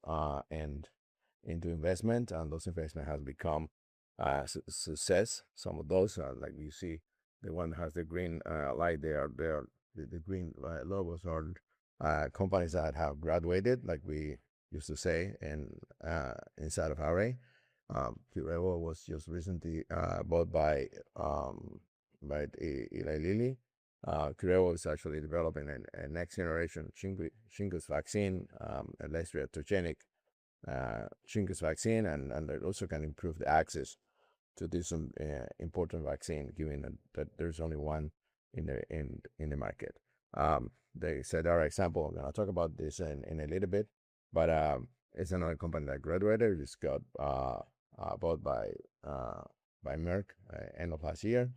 Speaker 6: into investment, and those investment has become a success. Some of those are like you see the one has the green light there. The green logos are companies that have graduated, like we used to say inside of RA. Curevo was just recently bought by Eli Lilly. Curevo is actually developing a next-generation shingles vaccine, a less reactogenic shingles vaccine, and it also can improve the access to this important vaccine, given that there's only one in the market. The Cidara example, and I'll talk about this in a little bit, but it's another company that graduated. It got bought by Merck end of last year.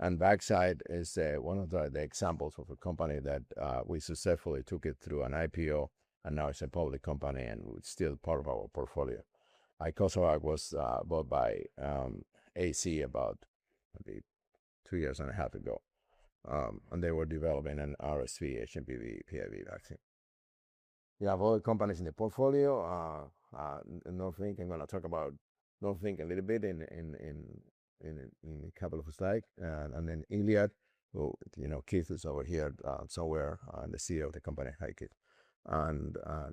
Speaker 6: Vaxcyte is one of the examples of a company that we successfully took it through an IPO, and now it's a public company, and it's still part of our portfolio. Icosavax was bought by AstraZeneca about maybe two years and a half ago, and they were developing an RSV, hMPV, PIV vaccine. We have other companies in the portfolio. Norvink, I'm going to talk about Norvink a little bit in a couple of slides. Then ILiAD, who Keith is over here somewhere, the CEO of the company, Keith.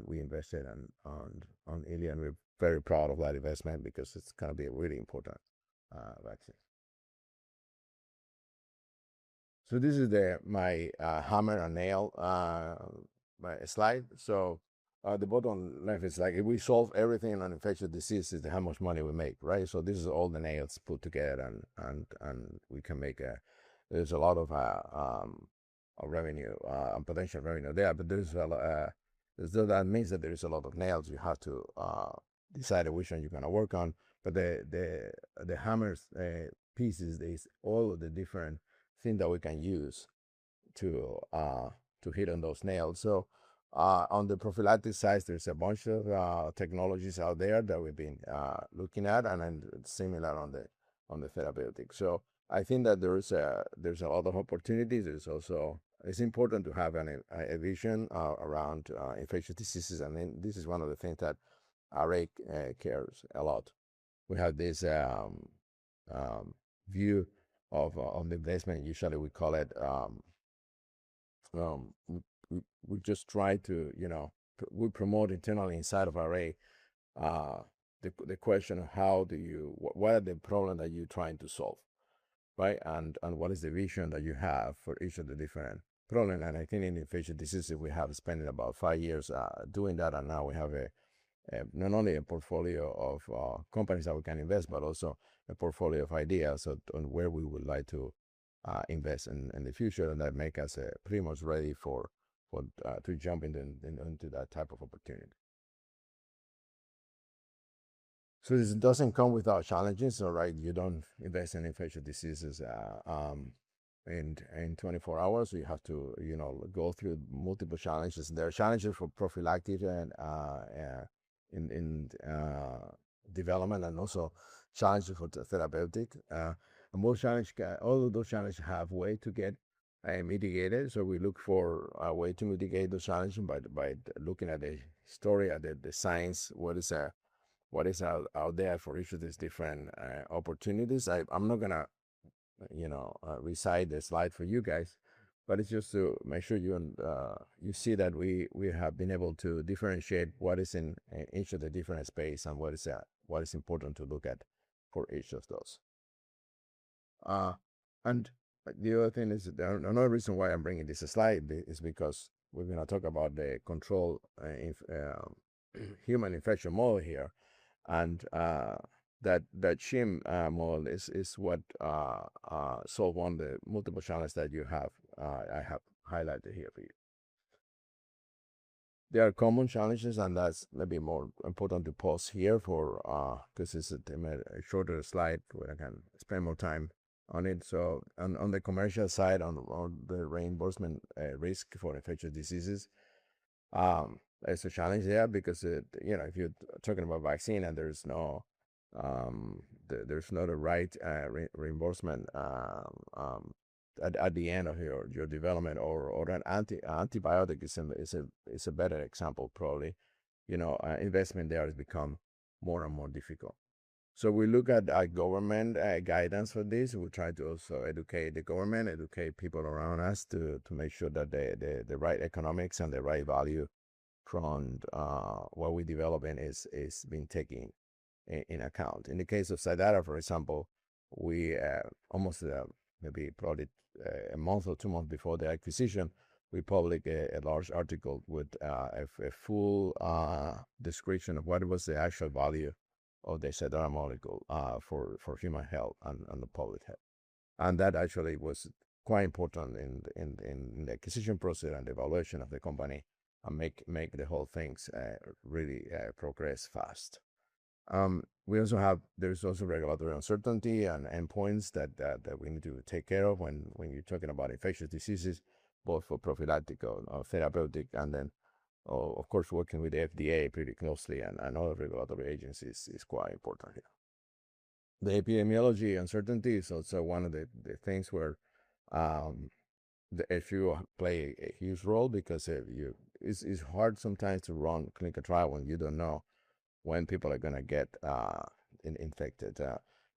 Speaker 6: We invested on ILiAD, and we're very proud of that investment because it's going to be a really important vaccine. This is my hammer and nail slide. At the bottom left, it's like if we solve everything on infectious diseases, how much money we make, right? This is all the nails put together, and we can make a-- There's a lot of potential revenue there. That means that there is a lot of nails you have to decide which one you're going to work on. The hammers pieces is all the different thing that we can use to hit on those nails. On the prophylactic side, there's a bunch of technologies out there that we've been looking at, and similar on the therapeutics. I think that there's a lot of opportunities. It's important to have a vision around infectious diseases, and this is one of the things that RA cares a lot. We have this view on the investment. Usually, we call it-- We promote internally inside of RA Capital the question, what are the problem that you're trying to solve? Right? What is the vision that you have for each of the different problems? I think in infectious diseases, we have spent about five years doing that, and now we have not only a portfolio of companies that we can invest but also a portfolio of ideas on where we would like to invest in the future, and that make us pretty much ready to jump into that type of opportunity. This doesn't come without challenges, right? You don't invest in infectious diseases in 24 hours. You have to go through multiple challenges. There are challenges for prophylactic in development and also challenges for therapeutic. All of those challenges have way to get mitigated. We look for a way to mitigate those challenges by looking at the story, at the science, what is out there for each of these different opportunities. I'm not going to recite the slide for you guys, but it's just to make sure you see that we have been able to differentiate what is in each of the different space and what is important to look at for each of those. The other thing is, another reason why I'm bringing this slide is because we're going to talk about the controlled human infection model here, and that CHIM model is what solve one of the multiple challenges that I have highlighted here for you. There are common challenges, and that's maybe more important to pause here because it's a shorter slide where I can spend more time on it. On the commercial side, on the reimbursement risk for infectious diseases, it's a challenge, yeah, because if you're talking about vaccine and there's not a right reimbursement at the end of your development or an antibiotic is a better example, probably. Investment there has become more and more difficult. We look at government guidance for this. We try to also educate the government, educate people around us to make sure that the right economics and the right value from what we're developing is being taken in account. In the case of Cidara, for example, we almost maybe, probably a month or two months before the acquisition, we published a large article with a full description of what was the actual value of the Cidara molecule for human health and the public health. That actually was quite important in the acquisition process and the valuation of the company and make the whole things really progress fast. There's also regulatory uncertainty and endpoints that we need to take care of when you're talking about infectious diseases, both for prophylactic or therapeutic. Of course, working with the FDA pretty closely and other regulatory agencies is quite important here. The epidemiology uncertainty is also one of the things where the FDA play a huge role because it's hard sometimes to run clinical trial when you don't know when people are going to get infected.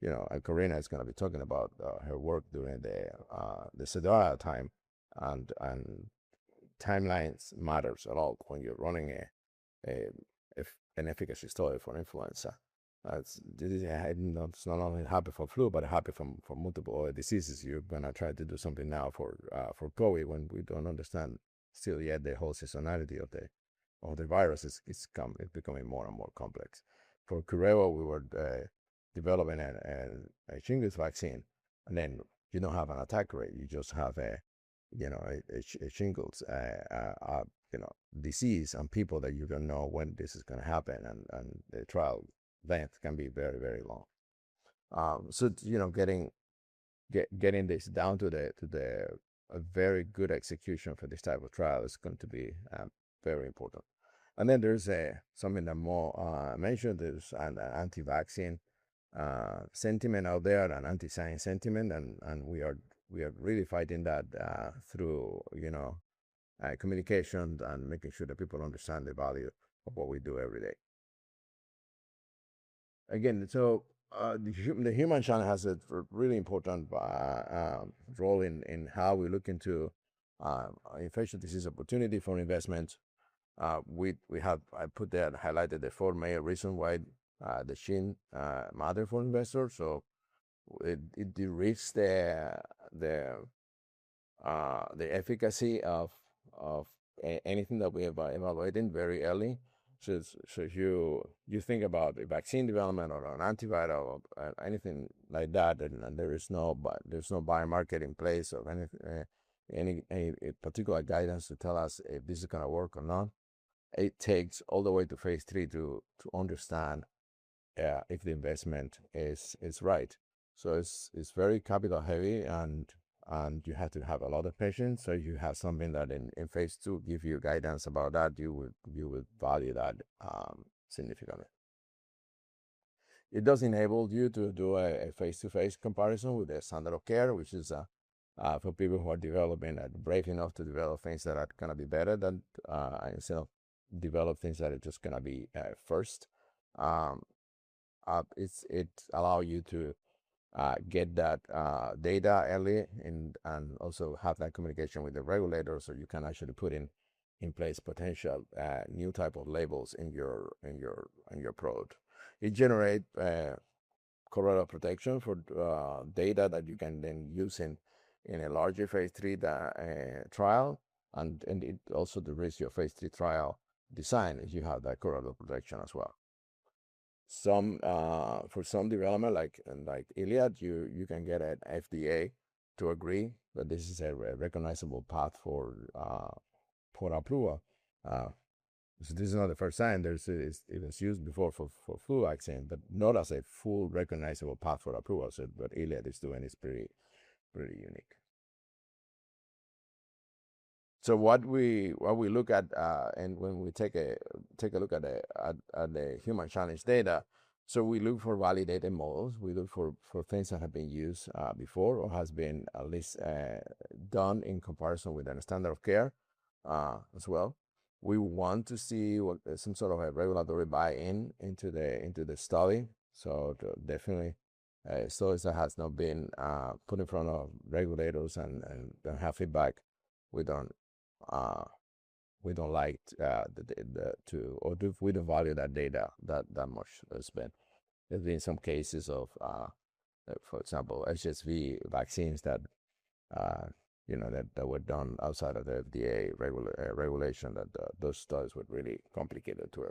Speaker 6: Corrina is going to be talking about her work during the Cidara time, and timelines matters a lot when you're running an efficacy study for influenza. This not only happen for flu, but happen for multiple other diseases. You're going to try to do something now for COVID, when we don't understand still yet the whole seasonality of the virus. It's becoming more and more complex. For CureVac, we were developing a shingles vaccine, you don't have an attack rate. You just have a shingles disease and people that you don't know when this is going to happen, the trial length can be very long. Getting this down to the very good execution for this type of trial is going to be very important. There's something that Mo mentioned. There's an anti-vaccine sentiment out there and anti-science sentiment, we are really fighting that through communication and making sure that people understand the value of what we do every day. The human challenge has a really important role in how we look into infectious disease opportunity for investment. I put there and highlighted the four main reason why the CHIM model for investors. It de-risks the efficacy of anything that we are evaluating very early. If you think about a vaccine development or an antiviral or anything like that, there's no biomarker in place of any particular guidance to tell us if this is going to work or not, it takes all the way to phase III to understand if the investment is right. It's very capital heavy, you have to have a lot of patience. You have something that in phase II give you guidance about that, you would value that significantly. It does enable you to do a face-to-face comparison with the standard of care, which is for people who are developing and brave enough to develop things that are going to be better than instead of develop things that are just going to be first. It allow you to get that data early and also have that communication with the regulators so you can actually put in place potential new type of labels in your product. It generate correlate protection for data that you can then use in a larger phase III trial, and it also derisk your phase III trial design if you have that correlate protection as well. For some development, like ILiAD, you can get an FDA to agree that this is a recognizable path for approval. This is not the first time. It was used before for flu vaccine, not as a full recognizable path for approval. What ILiAD is doing is pretty unique. When we take a look at the human challenge data, we look for validated models. We look for things that have been used before or has been at least done in comparison with a standard of care as well. We want to see some sort of a regulatory buy-in into the study. Definitely a study that has not been put in front of regulators and don't have feedback, we don't value that data that much. There's been some cases of, for example, HSV vaccines that were done outside of the FDA regulation, that those studies were really complicated to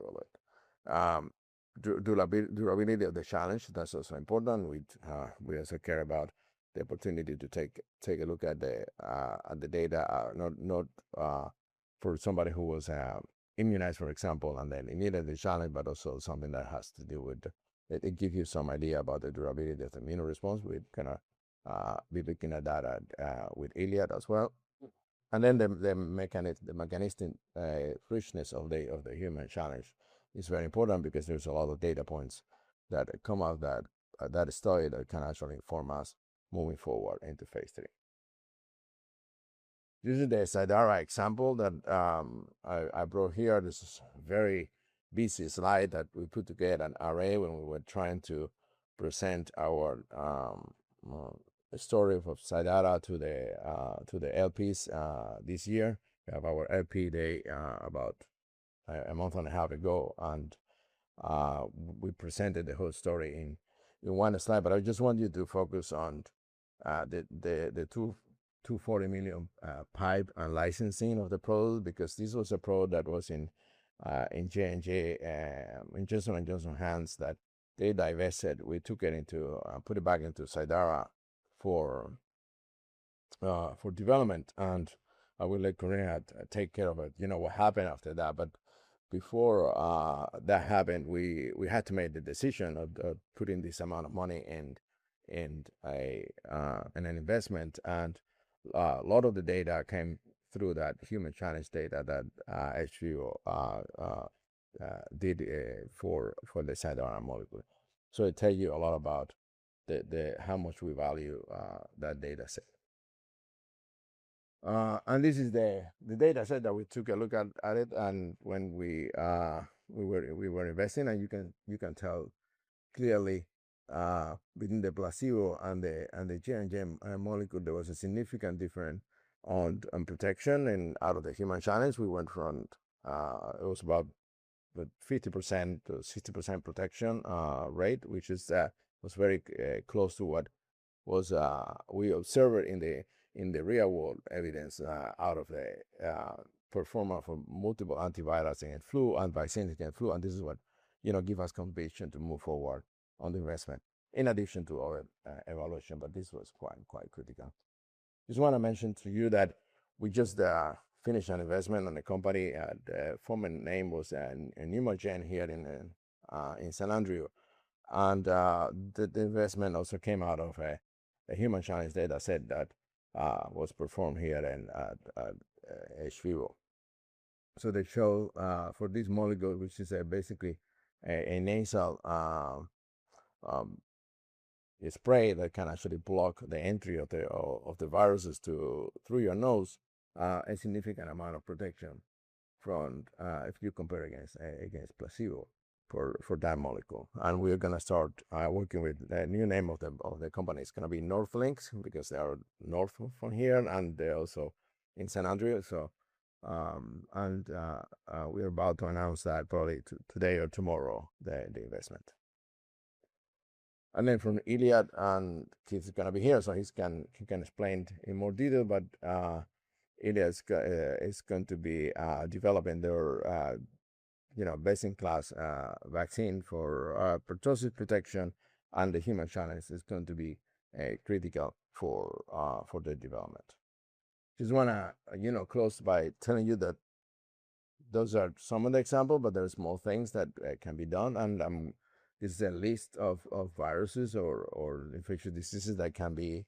Speaker 6: evaluate. Durability of the challenge, that's also important. We also care about the opportunity to take a look at the data, not for somebody who was immunized, for example, and then he needed the challenge, but also something that has to do with. It gives you some idea about the durability of the immune response. We're looking at data with ILiAD as well. The mechanistic richness of the human challenge is very important because there's a lot of data points that come out that study that can actually inform us moving forward into phase III. This is the Cidara example that I brought here. This is a very busy slide that we put together at RA when we were trying to present our story of Cidara to the LPs this year. We have our LP day about a month and a half ago, and we presented the whole story in one slide. I just want you to focus on the 240 million pipe and licensing of the product because this was a product that was in J&J, in Johnson & Johnson hands, that they divested. We put it back into Cidara for development, and I will let Corrina take care of it. You know what happened after that. Before that happened, we had to make the decision of putting this amount of money in an investment, and a lot of the data came through that human challenge data that hVIVO did for the Cidara molecule. It tells you a lot about how much we value that data set. This is the data set that we took a look at it, and when we were investing, and you can tell clearly, between the placebo and the J&J molecule, there was a significant difference on protection. Out of the human challenge, we went from, it was about 50%-60% protection rate, which was very close to what we observed in the real-world evidence out of the performer for multiple antivirals against flu and vaccines against flu, and this is what give us conviction to move forward on the investment in addition to our evaluation. This was quite critical. Just want to mention to you that we just finished an investment on a company. The former name was Pneumagen here in St Andrews. The investment also came out of a human challenge data set that was performed here at hVIVO. They show for this molecule, which is basically a nasal spray that can actually block the entry of the viruses through your nose, a significant amount of protection if you compare against placebo for that molecule. We're going to start working with the new name of the company. It's going to be Norvink because they are north from here, and they're also in St Andrews. We're about to announce that probably today or tomorrow, the investment. From ILiAD, and Keith's going to be here, so he can explain in more detail, but ILiAD is going to be developing their best-in-class vaccine for pertussis protection, and the human challenge is going to be critical for their development. Just want to close by telling you that those are some of the examples, but there's more things that can be done, and this is a list of viruses or infectious diseases that can be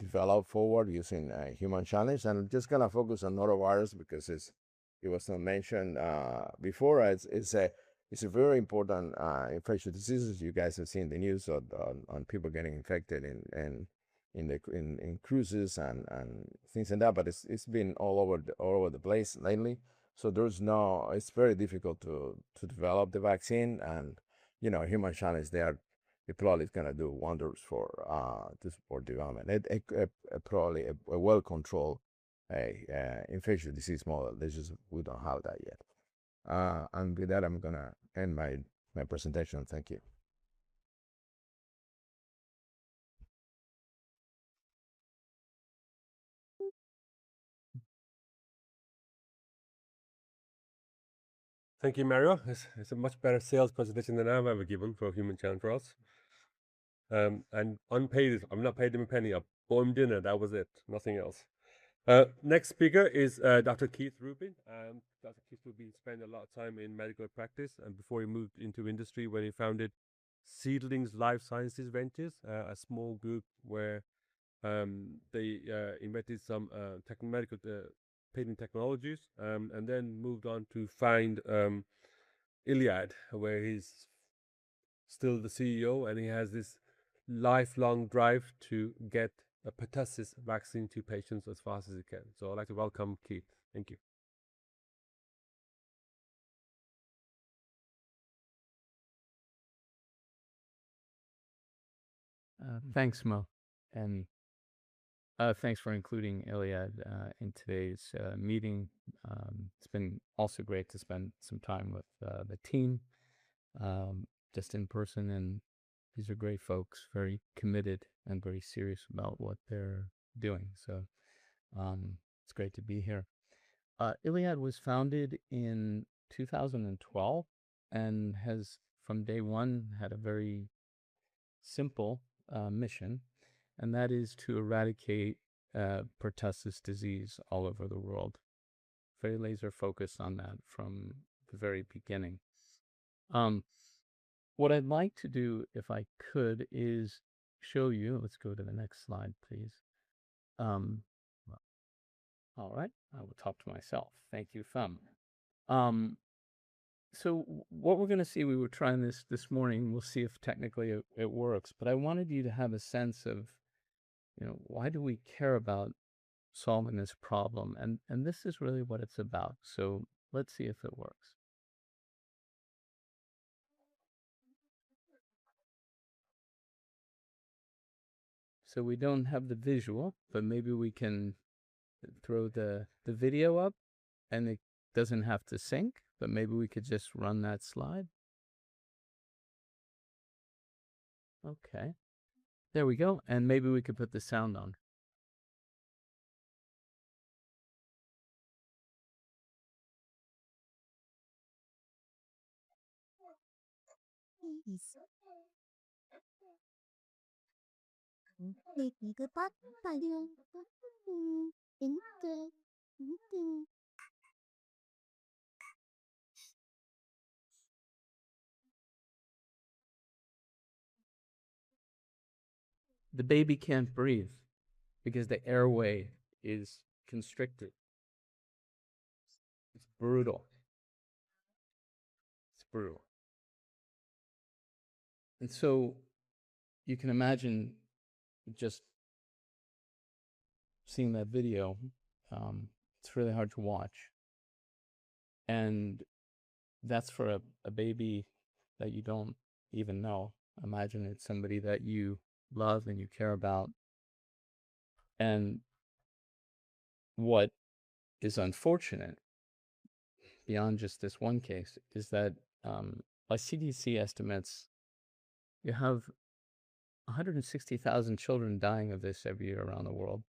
Speaker 6: developed forward using human challenge. I'm just going to focus on norovirus because it was not mentioned before. It's a very important infectious diseases. You guys have seen the news on people getting infected in cruises and things like that, but it's been all over the place lately. It's very difficult to develop the vaccine, and human challenge, it probably is going to do wonders to support development. Probably a well-controlled infectious disease model. We don't have that yet. With that, I'm going to end my presentation. Thank you.
Speaker 1: Thank you, Mario. It's a much better sales presentation than I've ever given for Human Geneplex. Unpaid. I've not paid him a penny. I bought him dinner, that was it. Nothing else. Next speaker is Dr. Keith Rubin. Dr. Keith Rubin spent a lot of time in medical practice before he moved into industry, where he founded Seedlings Life Science Ventures, a small group where they invented some medical patent technologies, and then moved on to found ILiAD, where he's still the CEO, and he has this lifelong drive to get a pertussis vaccine to patients as fast as he can. I'd like to welcome Keith. Thank you.
Speaker 7: Thanks, Mo, and thanks for including ILiAD in today's meeting. It's been also great to spend some time with the team just in person. These are great folks, very committed and very serious about what they're doing. It's great to be here. ILiAD was founded in 2012 and has, from day one, had a very simple mission, and that is to eradicate pertussis disease all over the world. Very laser-focused on that from the very beginning. What I'd like to do, if I could, is show you. Let's go to the next slide, please. All right. I will talk to myself. Thank you, Fam. What we're going to see, we were trying this this morning. We'll see if technically it works, but I wanted you to have a sense of why do we care about solving this problem? This is really what it's about. Let's see if it works. We don't have the visual, but maybe we can throw the video up. It doesn't have to sync, but maybe we could just run that slide. Okay. There we go. Maybe we could put the sound on. The baby can't breathe because the airway is constricted. It's brutal. You can imagine just seeing that video. It's really hard to watch, and that's for a baby that you don't even know. Imagine it's somebody that you love and you care about. What is unfortunate, beyond just this one case, is that by CDC estimates, you have 160,000 children dying of this every year around the world,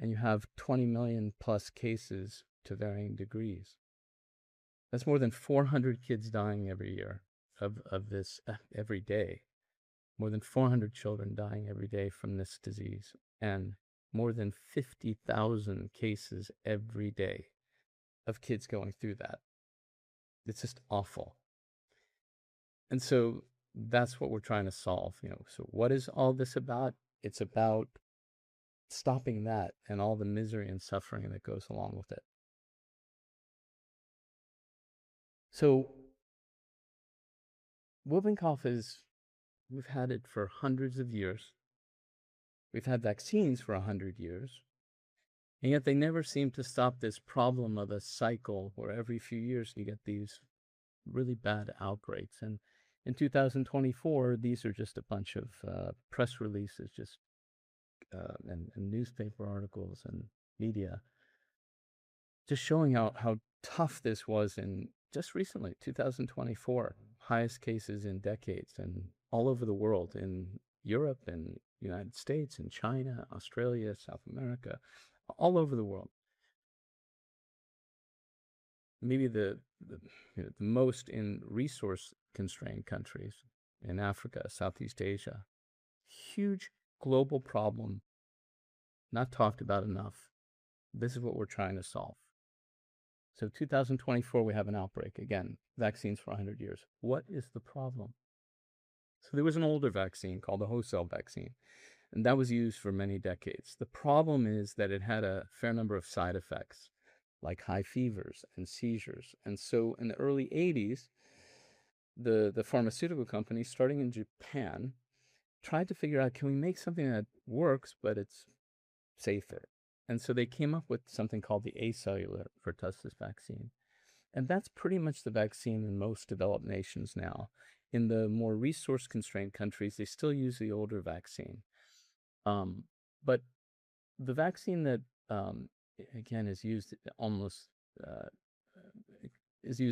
Speaker 7: and you have 20 million plus cases to varying degrees. That's more than 400 children dying every day from this disease, more than 50,000 cases every day of kids going through that. It's just awful. That's what we're trying to solve. What is all this about? It's about stopping that and all the misery and suffering that goes along with it. Whooping cough is, we've had it for hundreds of years. We've had vaccines for 100 years, yet they never seem to stop this problem of a cycle where every few years you get these really bad outbreaks. In 2024, these are just a bunch of press releases and newspaper articles and media just showing how tough this was in just recently, 2024. Highest cases in decades all over the world, in Europe, U.S. and China, Australia, South America, all over the world. Maybe the most in resource-constrained countries in Africa, Southeast Asia. Huge global problem, not talked about enough. This is what we're trying to solve. 2024, we have an outbreak. Again, vaccines for 100 years. What is the problem? There was an older vaccine called the whole cell vaccine, that was used for many decades. The problem is that it had a fair number of side effects, like high fevers and seizures. In the early '80s, the pharmaceutical companies, starting in Japan tried to figure out, can we make something that works but it's safer? They came up with something called the acellular pertussis vaccine, that's pretty much the vaccine in most developed nations now. In the more resource-constrained countries, they still use the older vaccine. The vaccine that, again, is used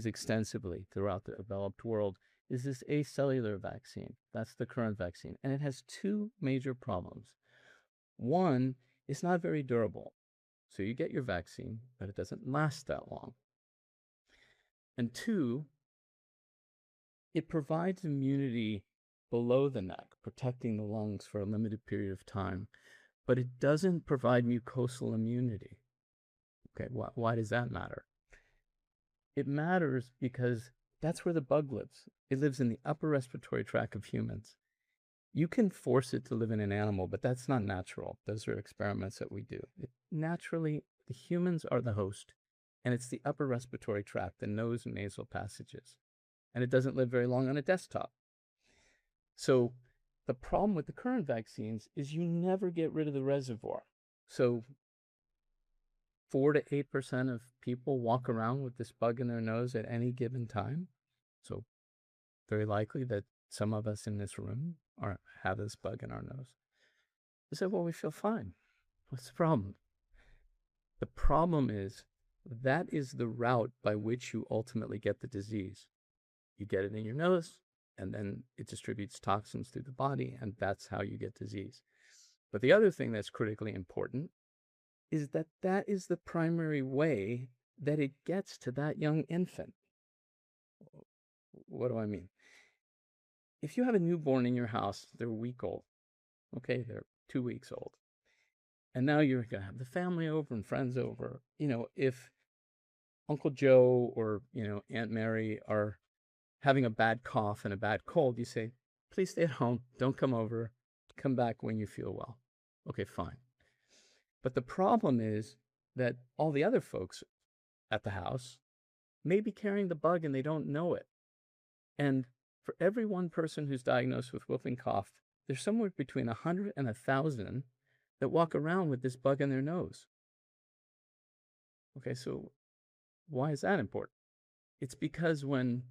Speaker 7: extensively throughout the developed world is this acellular vaccine. That's the current vaccine, it has two major problems. One, it's not very durable. You get your vaccine, but it doesn't last that long. Two, it provides immunity below the neck, protecting the lungs for a limited period of time, but it doesn't provide mucosal immunity. Okay, why does that matter? It matters because that's where the bug lives. It lives in the upper respiratory tract of humans. You can force it to live in an animal, but that's not natural. Those are experiments that we do. Naturally, the humans are the host, it's the upper respiratory tract, the nose and nasal passages, it doesn't live very long on a desktop. The problem with the current vaccines is you never get rid of the reservoir. 4-8% of people walk around with this bug in their nose at any given time. Very likely that some of us in this room have this bug in our nose. You say, "Well, we feel fine. What's the problem?" The problem is that is the route by which you ultimately get the disease. You get it in your nose, then it distributes toxins through the body, that's how you get disease. The other thing that's critically important is that that is the primary way that it gets to that young infant. What do I mean? If you have a newborn in your house, they're one week old. Okay, they're two weeks old, now you're going to have the family over and friends over. If Uncle Joe or Aunt Mary are having a bad cough and a bad cold, you say, "Please stay at home. Don't come over. Come back when you feel well." Okay, fine. The problem is that all the other folks at the house may be carrying the bug, and they don't know it. For every one person who's diagnosed with whooping cough, there's somewhere between 100 and 1,000 that walk around with this bug in their nose. Why is that important? It's because when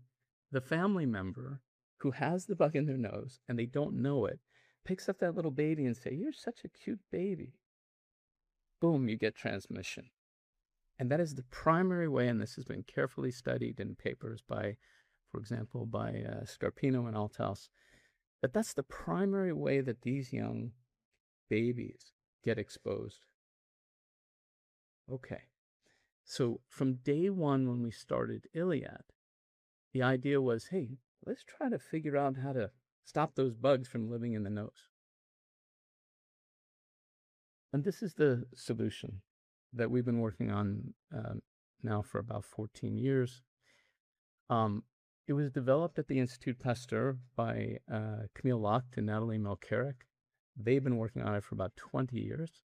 Speaker 7: the family member who has the bug in their nose and they don't know it, picks up that little baby and say, "You're such a cute baby," boom, you get transmission. That is the primary way, and this has been carefully studied in papers by, for example, by Scarpino and Althaus, but that's the primary way that these young babies get exposed. Okay. From day one when we started ILiAD, the idea was, "Hey, let's try to figure out how to stop those bugs from living in the nose." This is the solution that we've been working on now for about 14 years. It was developed at the Institut Pasteur by Camille Locht and Nathalie Mielcarek. They've been working on it for about 20 years.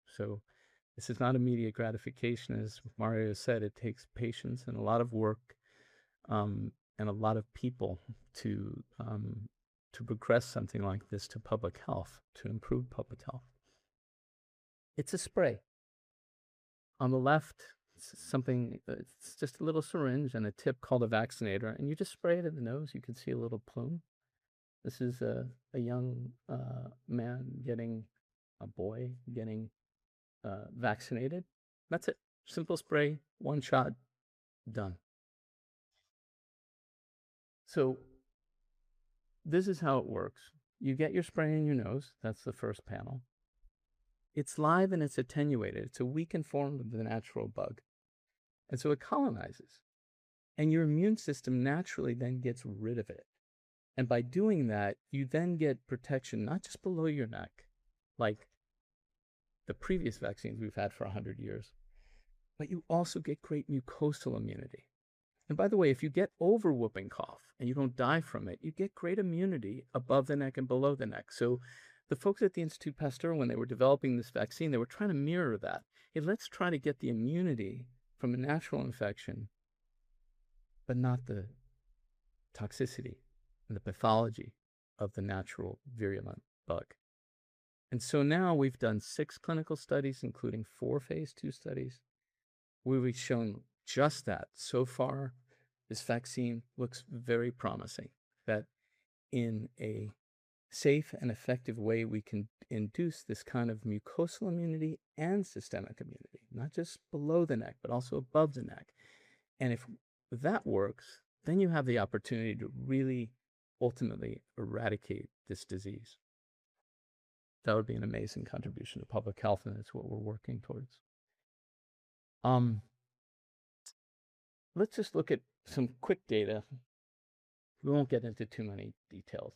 Speaker 7: This is not immediate gratification. As Mario said, it takes patience and a lot of work, and a lot of people to progress something like this to public health, to improve public health. It's a spray. On the left, it's just a little syringe and a tip called a vaccinator, and you just spray it in the nose. You can see a little plume. This is a young man, a boy, getting vaccinated. That's it. Simple spray, one shot, done. This is how it works. You get your spray in your nose. That's the first panel. It's live, and it's attenuated. It's a weakened form of the natural bug. It colonizes, and your immune system naturally then gets rid of it. By doing that, you then get protection not just below your neck, like the previous vaccines we've had for 100 years, but you also get great mucosal immunity. By the way, if you get over whooping cough, and you don't die from it, you get great immunity above the neck and below the neck. The folks at the Institut Pasteur, when they were developing this vaccine, they were trying to mirror that. "Hey, let's try to get the immunity from a natural infection, but not the toxicity and the pathology of the natural virulent bug." Now we've done six clinical studies, including four phase II studies, where we've shown just that. So far, this vaccine looks very promising that in a safe and effective way, we can induce this kind of mucosal immunity and systemic immunity, not just below the neck, but also above the neck. If that works, then you have the opportunity to really ultimately eradicate this disease. That would be an amazing contribution to public health, and it's what we're working towards. Let's just look at some quick data. We won't get into too many details.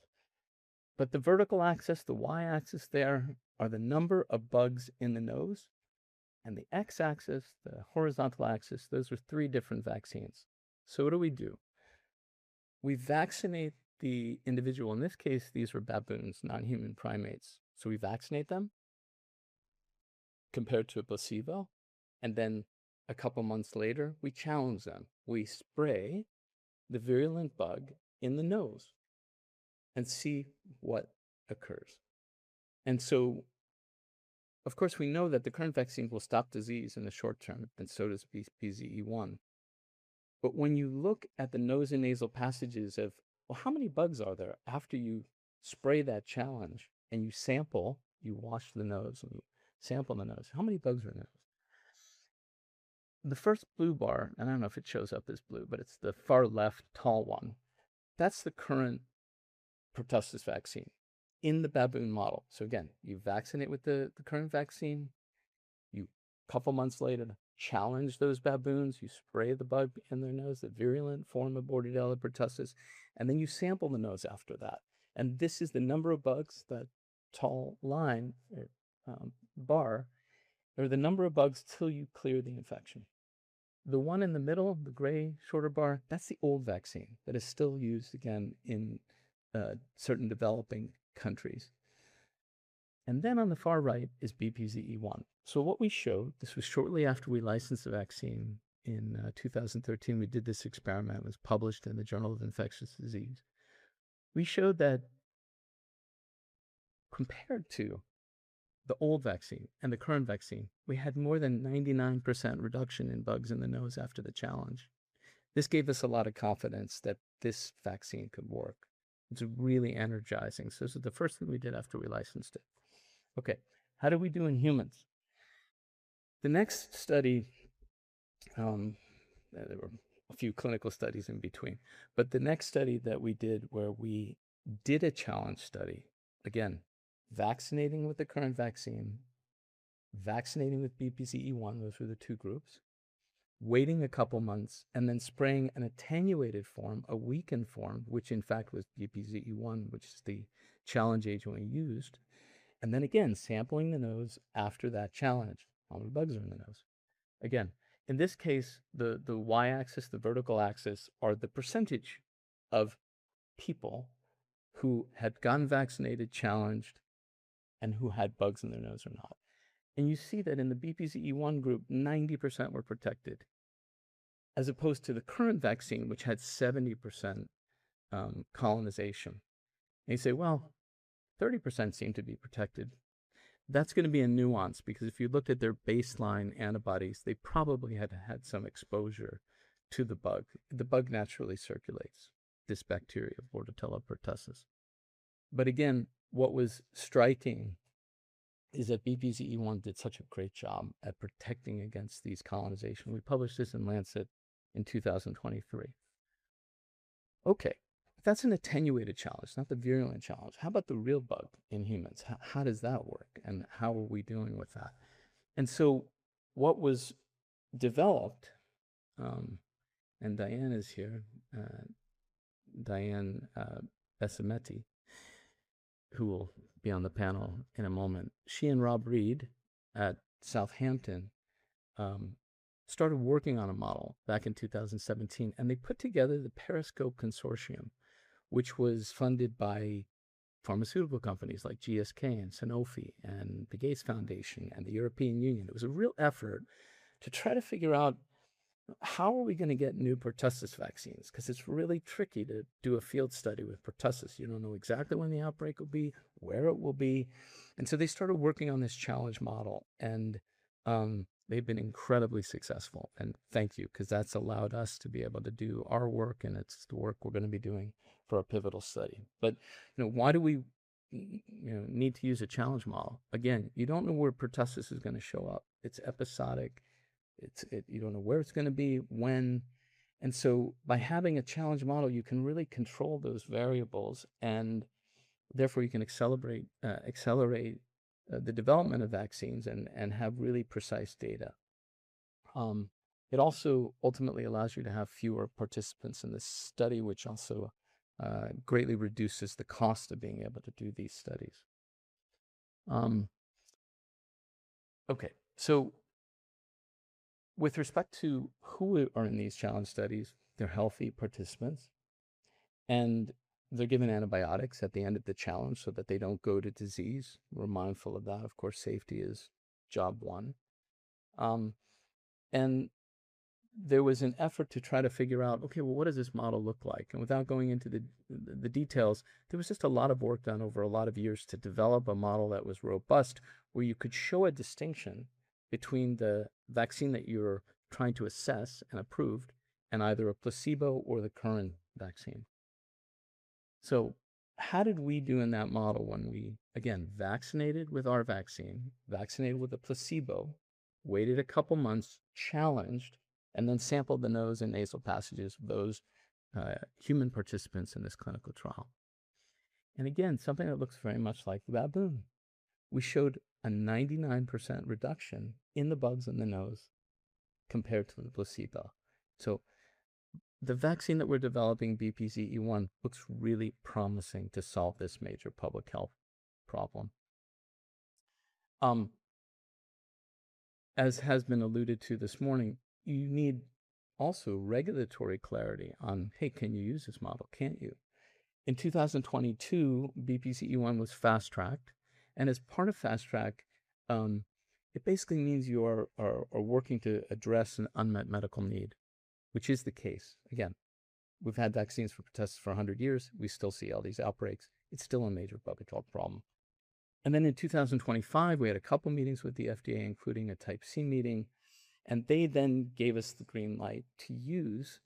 Speaker 7: The vertical axis, the y-axis there, are the number of bugs in the nose, and the x-axis, the horizontal axis, those are three different vaccines. What do we do? We vaccinate the individual. In this case, these were baboons, non-human primates. We vaccinate them compared to a placebo. Then a couple of months later, we challenge them. We spray the virulent bug in the nose and see what occurs. Of course, we know that the current vaccine will stop disease in the short term, and so does BPZE1. When you look at the nose and nasal passages of, well, how many bugs are there after you spray that challenge and you sample, you wash the nose, and you sample the nose, how many bugs are in the nose? The first blue bar, I don't know if it shows up as blue, but it's the far left tall one. That's the current pertussis vaccine in the baboon model. Again, you vaccinate with the current vaccine, you a couple of months later challenge those baboons. You spray the bug in their nose, that virulent form of Bordetella pertussis, then you sample the nose after that. This is the number of bugs, that tall line or bar, or the number of bugs till you clear the infection. The one in the middle, the gray shorter bar, that's the old vaccine that is still used again in certain developing countries. On the far right is BPZE1. What we showed, this was shortly after we licensed the vaccine in 2013, we did this experiment. It was published in The Journal of Infectious Diseases. We showed that compared to the old vaccine and the current vaccine, we had more than 99% reduction in bugs in the nose after the challenge. This gave us a lot of confidence that this vaccine could work. It's really energizing. This is the first thing we did after we licensed it. Okay. How did we do in humans? The next study, there were a few clinical studies in between, the next study that we did where we did a challenge study, again, vaccinating with the current vaccine, vaccinating with BPZE1, those were the two groups, waiting a couple of months, then spraying an attenuated form, a weakened form, which in fact was BPZE1, which is the challenge agent we used. Then again, sampling the nose after that challenge. How many bugs are in the nose? Again, in this case, the y-axis, the vertical axis, are the percentage of people who had gotten vaccinated, challenged, and who had bugs in their nose or not. You see that in the BPZE1 group, 90% were protected, as opposed to the current vaccine, which had 70% colonization. You say, "Well, 30% seem to be protected." That's going to be a nuance because if you looked at their baseline antibodies, they probably had had some exposure to the bug. The bug naturally circulates, this bacteria, Bordetella pertussis. Again, what was striking is that BPZE1 did such a great job at protecting against these colonization. We published this in The Lancet in 2023. Okay. That's an attenuated challenge, not the virulent challenge. How about the real bug in humans? How does that work, and how are we doing with that? What was developed, and Diane is here, Diane Gbesemete, who will be on the panel in a moment. She and Robert Read at Southampton started working on a model back in 2017, and they put together the PERISCOPE Consortium, which was funded by pharmaceutical companies like GSK and Sanofi and the Gates Foundation and the European Union. It was a real effort to try to figure out how are we going to get new pertussis vaccines, because it's really tricky to do a field study with pertussis. You don't know exactly when the outbreak will be, where it will be. They started working on this challenge model, and they've been incredibly successful. Thank you, because that's allowed us to be able to do our work, and it's the work we're going to be doing for our pivotal study. Why do we need to use a challenge model? Again, you don't know where pertussis is going to show up. It's episodic. You don't know where it's going to be, when. By having a challenge model, you can really control those variables, and therefore you can accelerate the development of vaccines and have really precise data. It also ultimately allows you to have fewer participants in this study, which also greatly reduces the cost of being able to do these studies. With respect to who are in these challenge studies, they're healthy participants, and they're given antibiotics at the end of the challenge so that they don't go to disease. We're mindful of that. Of course, safety is job one. There was an effort to try to figure out, well, what does this model look like? Without going into the details, there was just a lot of work done over a lot of years to develop a model that was robust, where you could show a distinction between the vaccine that you're trying to assess and approved and either a placebo or the current vaccine. How did we do in that model when we, again, vaccinated with our vaccine, vaccinated with a placebo, waited a couple of months, challenged, and then sampled the nose and nasal passages of those human participants in this clinical trial? Again, something that looks very much like the baboon. We showed a 99% reduction in the bugs in the nose compared to the placebo. The vaccine that we're developing, BPZE1, looks really promising to solve this major public health problem. As has been alluded to this morning, you need also regulatory clarity on, hey, can you use this model? Can't you? In 2022, BPZE1 was fast-tracked, and as part of fast track, it basically means you are working to address an unmet medical need, which is the case. Again, we've had vaccines for pertussis for 100 years. We still see all these outbreaks. It's still a major public health problem. In 2025, we had a couple meetings with the FDA, including a type C meeting, and they then gave us the green light to use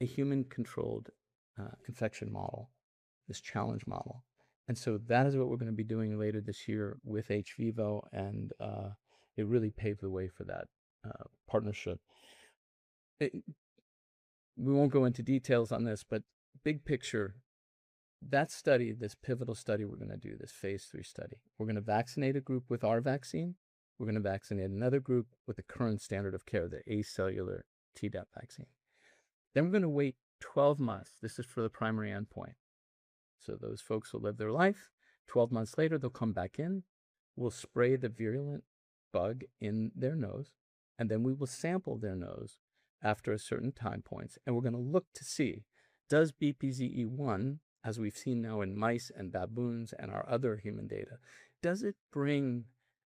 Speaker 7: a human-controlled infection model, this challenge model. That is what we're going to be doing later this year with hVIVO, and it really paved the way for that partnership. We won't go into details on this, but big picture, that study, this pivotal study we're going to do, this phase III study, we're going to vaccinate a group with our vaccine. We're going to vaccinate another group with the current standard of care, the acellular Tdap vaccine. We're going to wait 12 months. This is for the primary endpoint. Those folks will live their life. 12 months later, they'll come back in. We'll spray the virulent bug in their nose, and then we will sample their nose after certain time points, and we're going to look to see, does BPZE1, as we've seen now in mice and baboons and our other human data, does it bring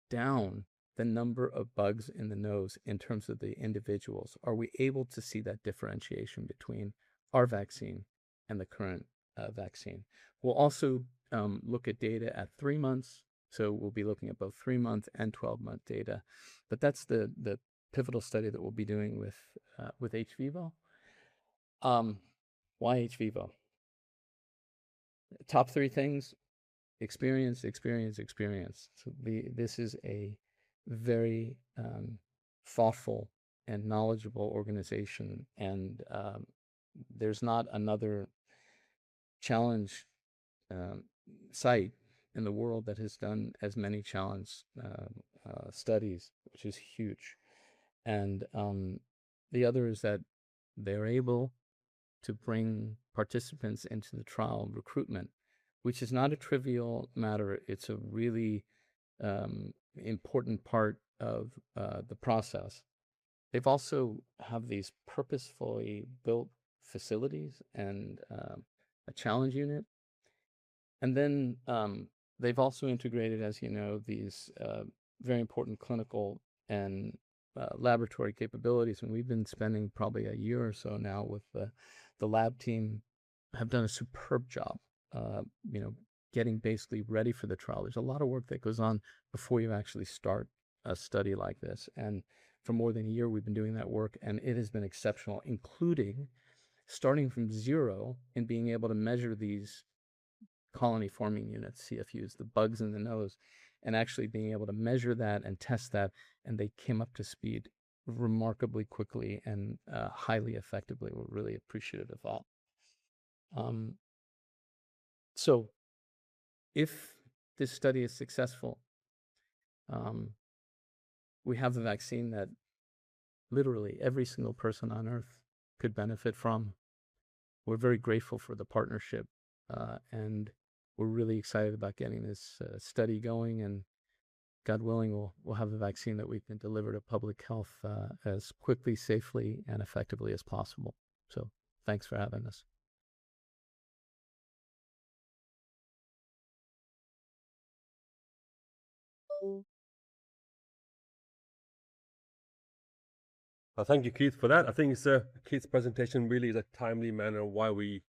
Speaker 7: down the number of bugs in the nose in terms of the individuals? Are we able to see that differentiation between our vaccine and the current vaccine? We'll also look at data at 3 months, so we'll be looking at both 3-month and 12-month data. That's the pivotal study that we'll be doing with hVIVO. Why hVIVO? Top 3 things, experience, experience. This is a very thoughtful and knowledgeable organization, and there's not another challenge site in the world that has done as many challenge studies, which is huge. The other is that they're able to bring participants into the trial recruitment, which is not a trivial matter. It's a really important part of the process. They also have these purposefully built facilities and a challenge unit. They've also integrated, as you know, these very important clinical and laboratory capabilities, and we've been spending probably a year or so now with the lab team, have done a superb job getting basically ready for the trial. There's a lot of work that goes on before you actually start a study like this, and for more than a year, we've been doing that work, and it has been exceptional, including starting from zero and being able to measure these colony-forming units, CFUs, the bugs in the nose, and actually being able to measure that and test that, and they came up to speed remarkably quickly and highly effectively. We're really appreciative of that. If this study is successful, we have the vaccine that literally every single person on Earth could benefit from. We're very grateful for the partnership, and we're really excited about getting this study going, and God willing, we'll have the vaccine that we can deliver to public health as quickly, safely, and effectively as possible. Thanks for having us.
Speaker 1: Thank you, Keith, for that. I think Keith's presentation really is a timely manner why we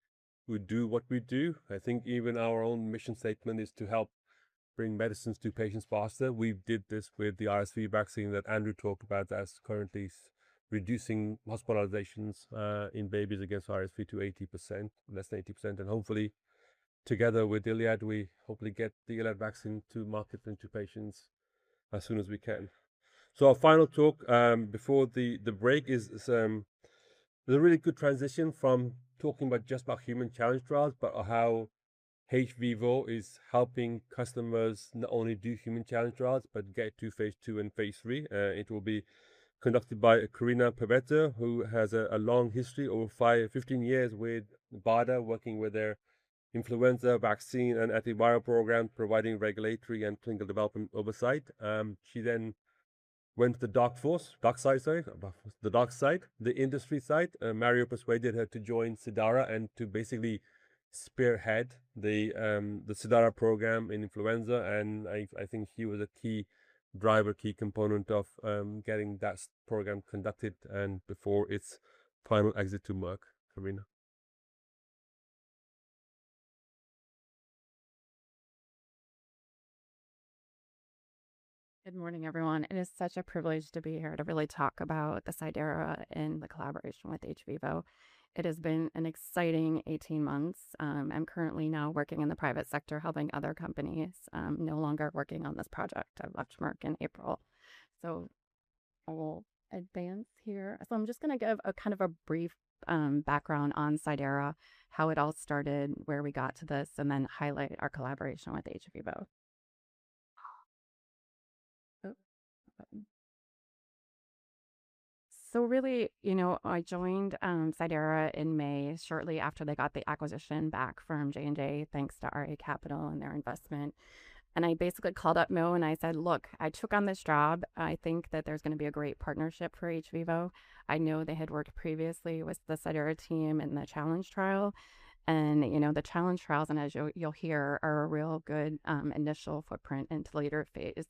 Speaker 1: do what we do. I think even our own mission statement is to help bring medicines to patients faster. We did this with the RSV vaccine that Andrew talked about that's currently reducing hospitalizations in babies against RSV to less than 80%. Hopefully, together with ILiAD, we hopefully get the ILiAD vaccine to market and to patients as soon as we can. Our final talk before the break is a really good transition from talking just about human challenge trials, but how hVIVO is helping customers not only do human challenge trials but get to phase II and phase III. It will be conducted by Corrina Pavetto, who has a long history, over 15 years with BARDA, working with their influenza vaccine and antiviral program, providing regulatory and clinical development oversight. She then went to the dark side, the industry side. Mario persuaded her to join Cidara to basically spearhead the Cidara program in influenza. I think she was a key driver, key component of getting that program conducted before its final exit to Merck. Corrina.
Speaker 8: Good morning, everyone. It is such a privilege to be here to really talk about Cidara and the collaboration with hVIVO. It has been an exciting 18 months. I am currently now working in the private sector, helping other companies. No longer working on this project. I left Merck in April. I will advance here. I am just going to give a brief background on Cidara, how it all started, where we got to this, then highlight our collaboration with hVIVO. Really, I joined Cidara in May shortly after they got the acquisition back from J&J, thanks to RA Capital and their investment. I basically called up Mo and I said, "Look, I took on this job. I think that there's going to be a great partnership for hVIVO." I know they had worked previously with the Cidara team in the challenge trial, the challenge trials, as you'll hear, are a real good initial footprint into later phase.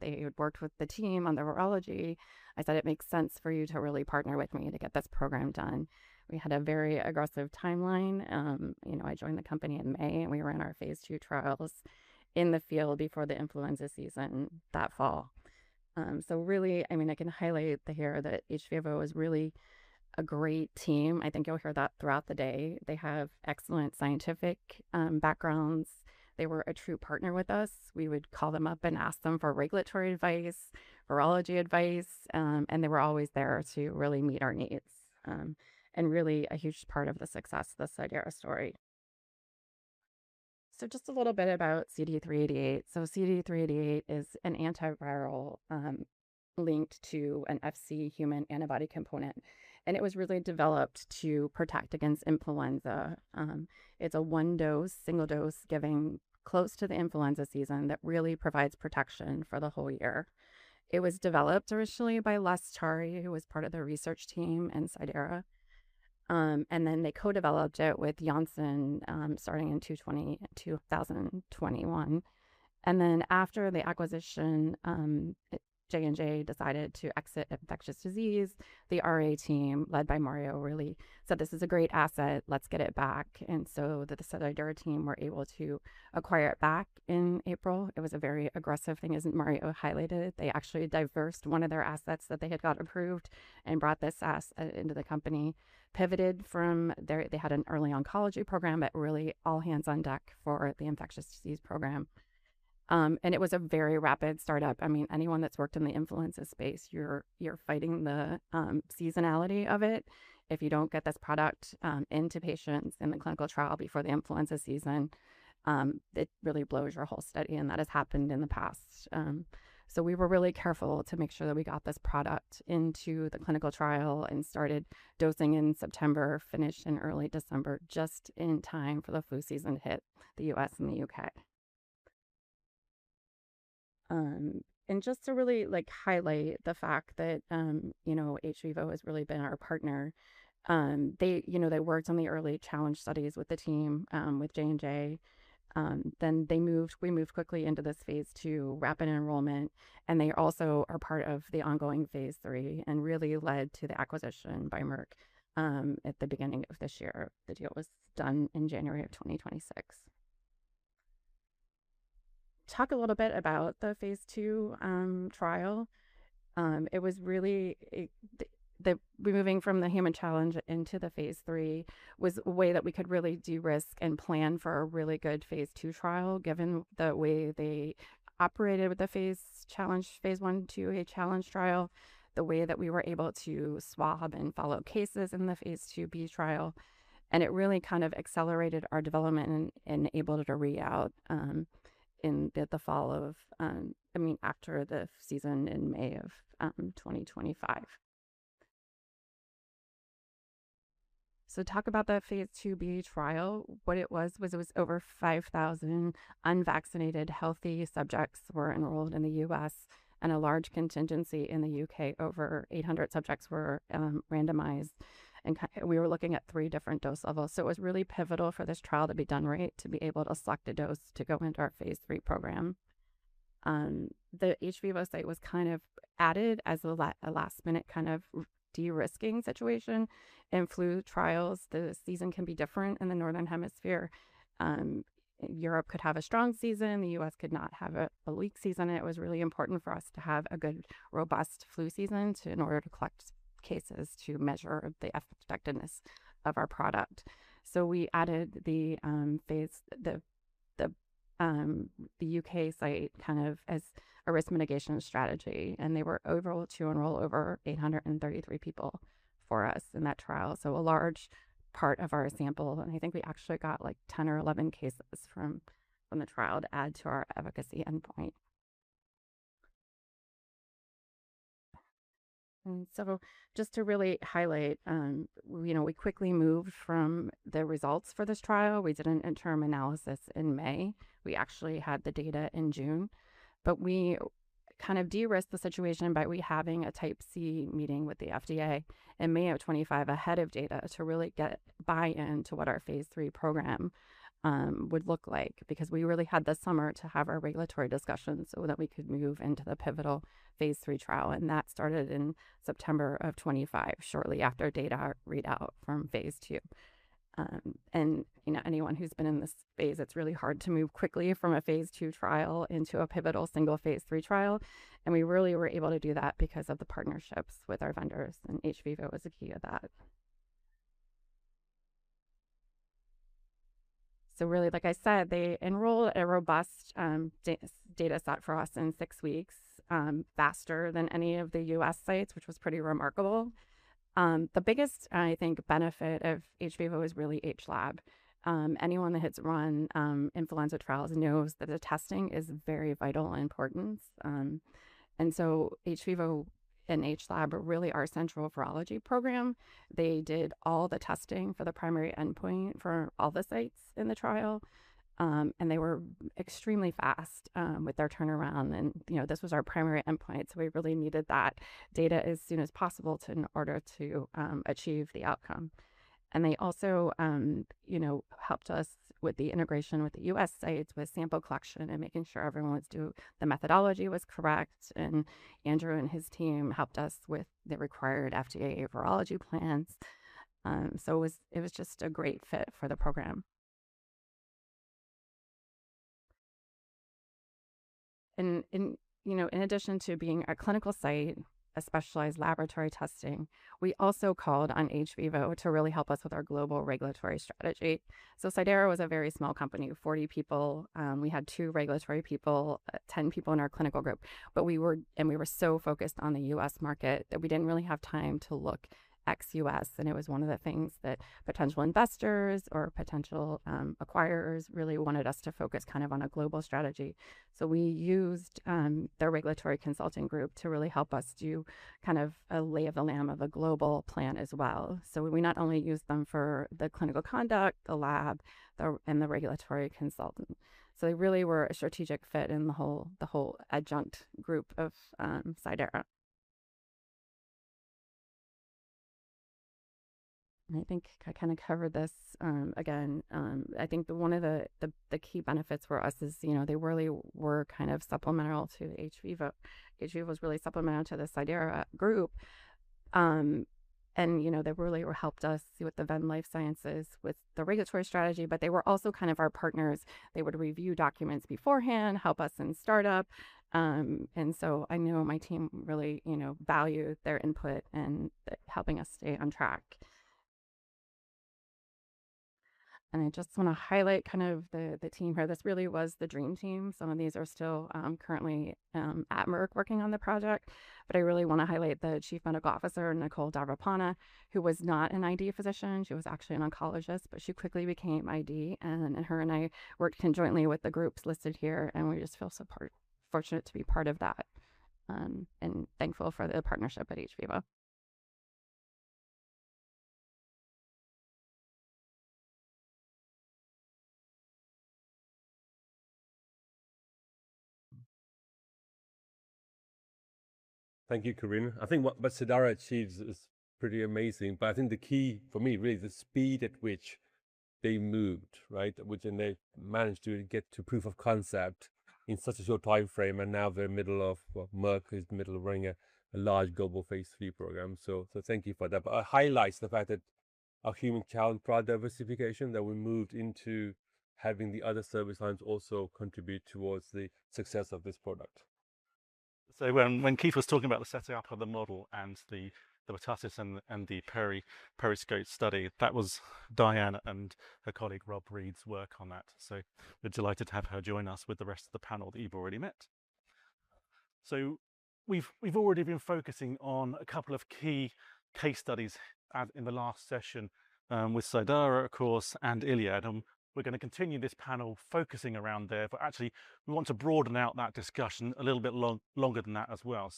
Speaker 8: They had worked with the team on the virology. I said, "It makes sense for you to really partner with me to get this program done." We had a very aggressive timeline. I joined the company in May, we ran our phase II trials in the field before the influenza season that fall. Really, I can highlight here that hVIVO is really a great team. I think you'll hear that throughout the day. They have excellent scientific backgrounds. They were a true partner with us. We would call them up and ask them for regulatory advice, virology advice, they were always there to really meet our needs, really a huge part of the success of the Cidara story. Just a little bit about CD388. CD388 is an antiviral linked to an Fc human antibody component, it was really developed to protect against influenza. It's a one-dose, single-dose given close to the influenza season that really provides protection for the whole year. It was developed originally by Les Tari, who was part of the research team in Cidara, then they co-developed it with Janssen starting in 2021. After the acquisition, J&J decided to exit infectious disease. The RA team, led by Mario, really said, "This is a great asset. Let's get it back." The Cidara team were able to acquire it back in April. It was a very aggressive thing, as Mario highlighted. They actually divested one of their assets that they had got approved and brought this asset into the company, pivoted from. They had an early oncology program, but really all hands on deck for the infectious disease program. It was a very rapid startup. Anyone that's worked in the influenza space, you're fighting the seasonality of it. If you don't get this product into patients in the clinical trial before the influenza season, it really blows your whole study, and that has happened in the past. We were really careful to make sure that we got this product into the clinical trial and started dosing in September, finished in early December, just in time for the flu season to hit the U.S. and the U.K. Just to really highlight the fact that hVIVO has really been our partner. They worked on the early challenge studies with the team, with J&J. We moved quickly into this phase II rapid enrollment, and they also are part of the ongoing phase III, and really led to the acquisition by Merck at the beginning of this year. The deal was done in January of 2026. Talk a little bit about the phase II trial. Moving from the human challenge into the phase III was a way that we could really de-risk and plan for a really good phase II trial, given the way they operated with the phase I/II-A challenge trial, the way that we were able to swab and follow cases in the phase II-B trial, and it really kind of accelerated our development and enabled a readout after the season in May of 2025. Talk about the phase II-B trial. What it was, it was over 5,000 unvaccinated healthy subjects were enrolled in the U.S. and a large contingency in the U.K. Over 800 subjects were randomized, and we were looking at 3 different dose levels. It was really pivotal for this trial to be done right, to be able to select a dose to go into our phase III program. The hVIVO site was kind of added as a last-minute kind of de-risking situation. In flu trials, the season can be different in the Northern Hemisphere. Europe could have a strong season, the U.S. could not, have a weak season, and it was really important for us to have a good, robust flu season in order to collect cases to measure the effectiveness of our product. We added the U.K. site kind of as a risk mitigation strategy, and they were able to enroll over 833 people for us in that trial. A large part of our sample, and I think we actually got 10 or 11 cases from the trial to add to our efficacy endpoint. Just to really highlight, we quickly moved from the results for this trial. We did an interim analysis in May. We actually had the data in June, We kind of de-risked the situation by having a type C meeting with the FDA in May of 2025 ahead of data to really get buy-in to what our phase III program would look like. We really had the summer to have our regulatory discussions so that we could move into the pivotal phase III trial, and that started in September of 2025, shortly after data readout from phase II. Anyone who's been in this phase, it's really hard to move quickly from a phase II trial into a pivotal single phase III trial, and we really were able to do that because of the partnerships with our vendors, and hVIVO was a key of that. Really like I said, they enrolled a robust dataset for us in six weeks, faster than any of the U.S. sites, which was pretty remarkable. The biggest, I think, benefit of hVIVO is really hLAB. Anyone that's run influenza trials knows that the testing is very vital in importance. hVIVO and hLAB are really our central virology program. They did all the testing for the primary endpoint for all the sites in the trial, and they were extremely fast with their turnaround. This was our primary endpoint, so we really needed that data as soon as possible in order to achieve the outcome. They also helped us with the integration with the U.S. sites, with sample collection, and making sure everyone was doing the methodology was correct, and Andrew and his team helped us with the required FDA virology plans. It was just a great fit for the program. In addition to being a clinical site, a specialized laboratory testing, we also called on hVIVO to really help us with our global regulatory strategy. Cidara was a very small company, 40 people. We had two regulatory people, 10 people in our clinical group, and we were so focused on the U.S. market that we didn't really have time to look ex-U.S., and it was one of the things that potential investors or potential acquirers really wanted us to focus on a global strategy. We used their regulatory consulting group to really help us do a lay of the land of a global plan as well. We not only used them for the clinical conduct, the lab, and the regulatory consultant. They really were a strategic fit in the whole adjunct group of Cidara. I think I covered this. Again, I think one of the key benefits for us is they really were supplemental to hVIVO. hVIVO was really supplemental to the Cidara group. They really helped us with the Venn Life Sciences, with the regulatory strategy, but they were also our partners. They would review documents beforehand, help us in startup. I know my team really valued their input in helping us stay on track. I just want to highlight the team here. This really was the dream team. Some of these are still currently at Merck working on the project, but I really want to highlight the Chief Medical Officer, Nicole Davarpanah, who was not an ID physician. She was actually an oncologist, but she quickly became ID, and her and I worked conjointly with the groups listed here, and we just feel so fortunate to be part of that, and thankful for the partnership at hVIVO.
Speaker 1: Thank you, Corrina. I think what Cidara achieves is pretty amazing, but I think the key for me, really, is the speed at which they moved, and they've managed to get to proof of concept in such a short timeframe, and now Merck & Co. is the middle of running a large global phase III program. Thank you for that. It highlights the fact that our human talent product diversification, that we moved into having the other service lines also contribute towards the success of this product.
Speaker 5: When Keith was talking about the setting up of the model and the METATASIS and the PERISCOPE study, that was Diane and her colleague Robert Read's work on that. We're delighted to have her join us with the rest of the panel that you've already met. We've already been focusing on a couple of key case studies in the last session, with Cidara, of course, and ILiAD. We're going to continue this panel focusing around there, actually we want to broaden out that discussion a little bit longer than that as well.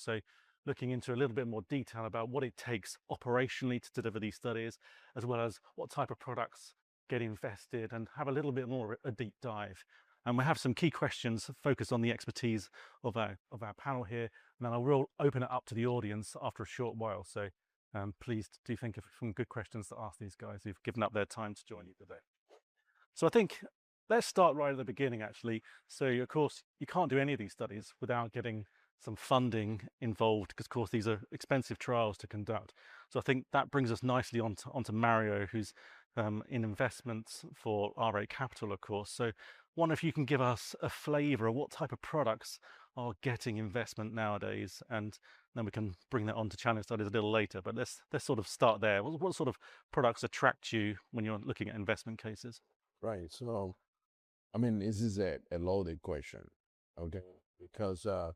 Speaker 5: Looking into a little bit more detail about what it takes operationally to deliver these studies, as well as what type of products get invested, and have a little bit more of a deep dive. We have some key questions focused on the expertise of our panel here, and then we'll open it up to the audience after a short while. Please do think of some good questions to ask these guys who've given up their time to join you today. I think let's start right at the beginning, actually. Of course, you can't do any of these studies without getting some funding involved, because of course, these are expensive trials to conduct. I think that brings us nicely onto Mario, who's in investments for RA Capital, of course. I wonder if you can give us a flavor of what type of products are getting investment nowadays, and then we can bring that onto challenge studies a little later. Let's start there. What sort of products attract you when you're looking at investment cases?
Speaker 6: Right. This is a loaded question, okay? Because the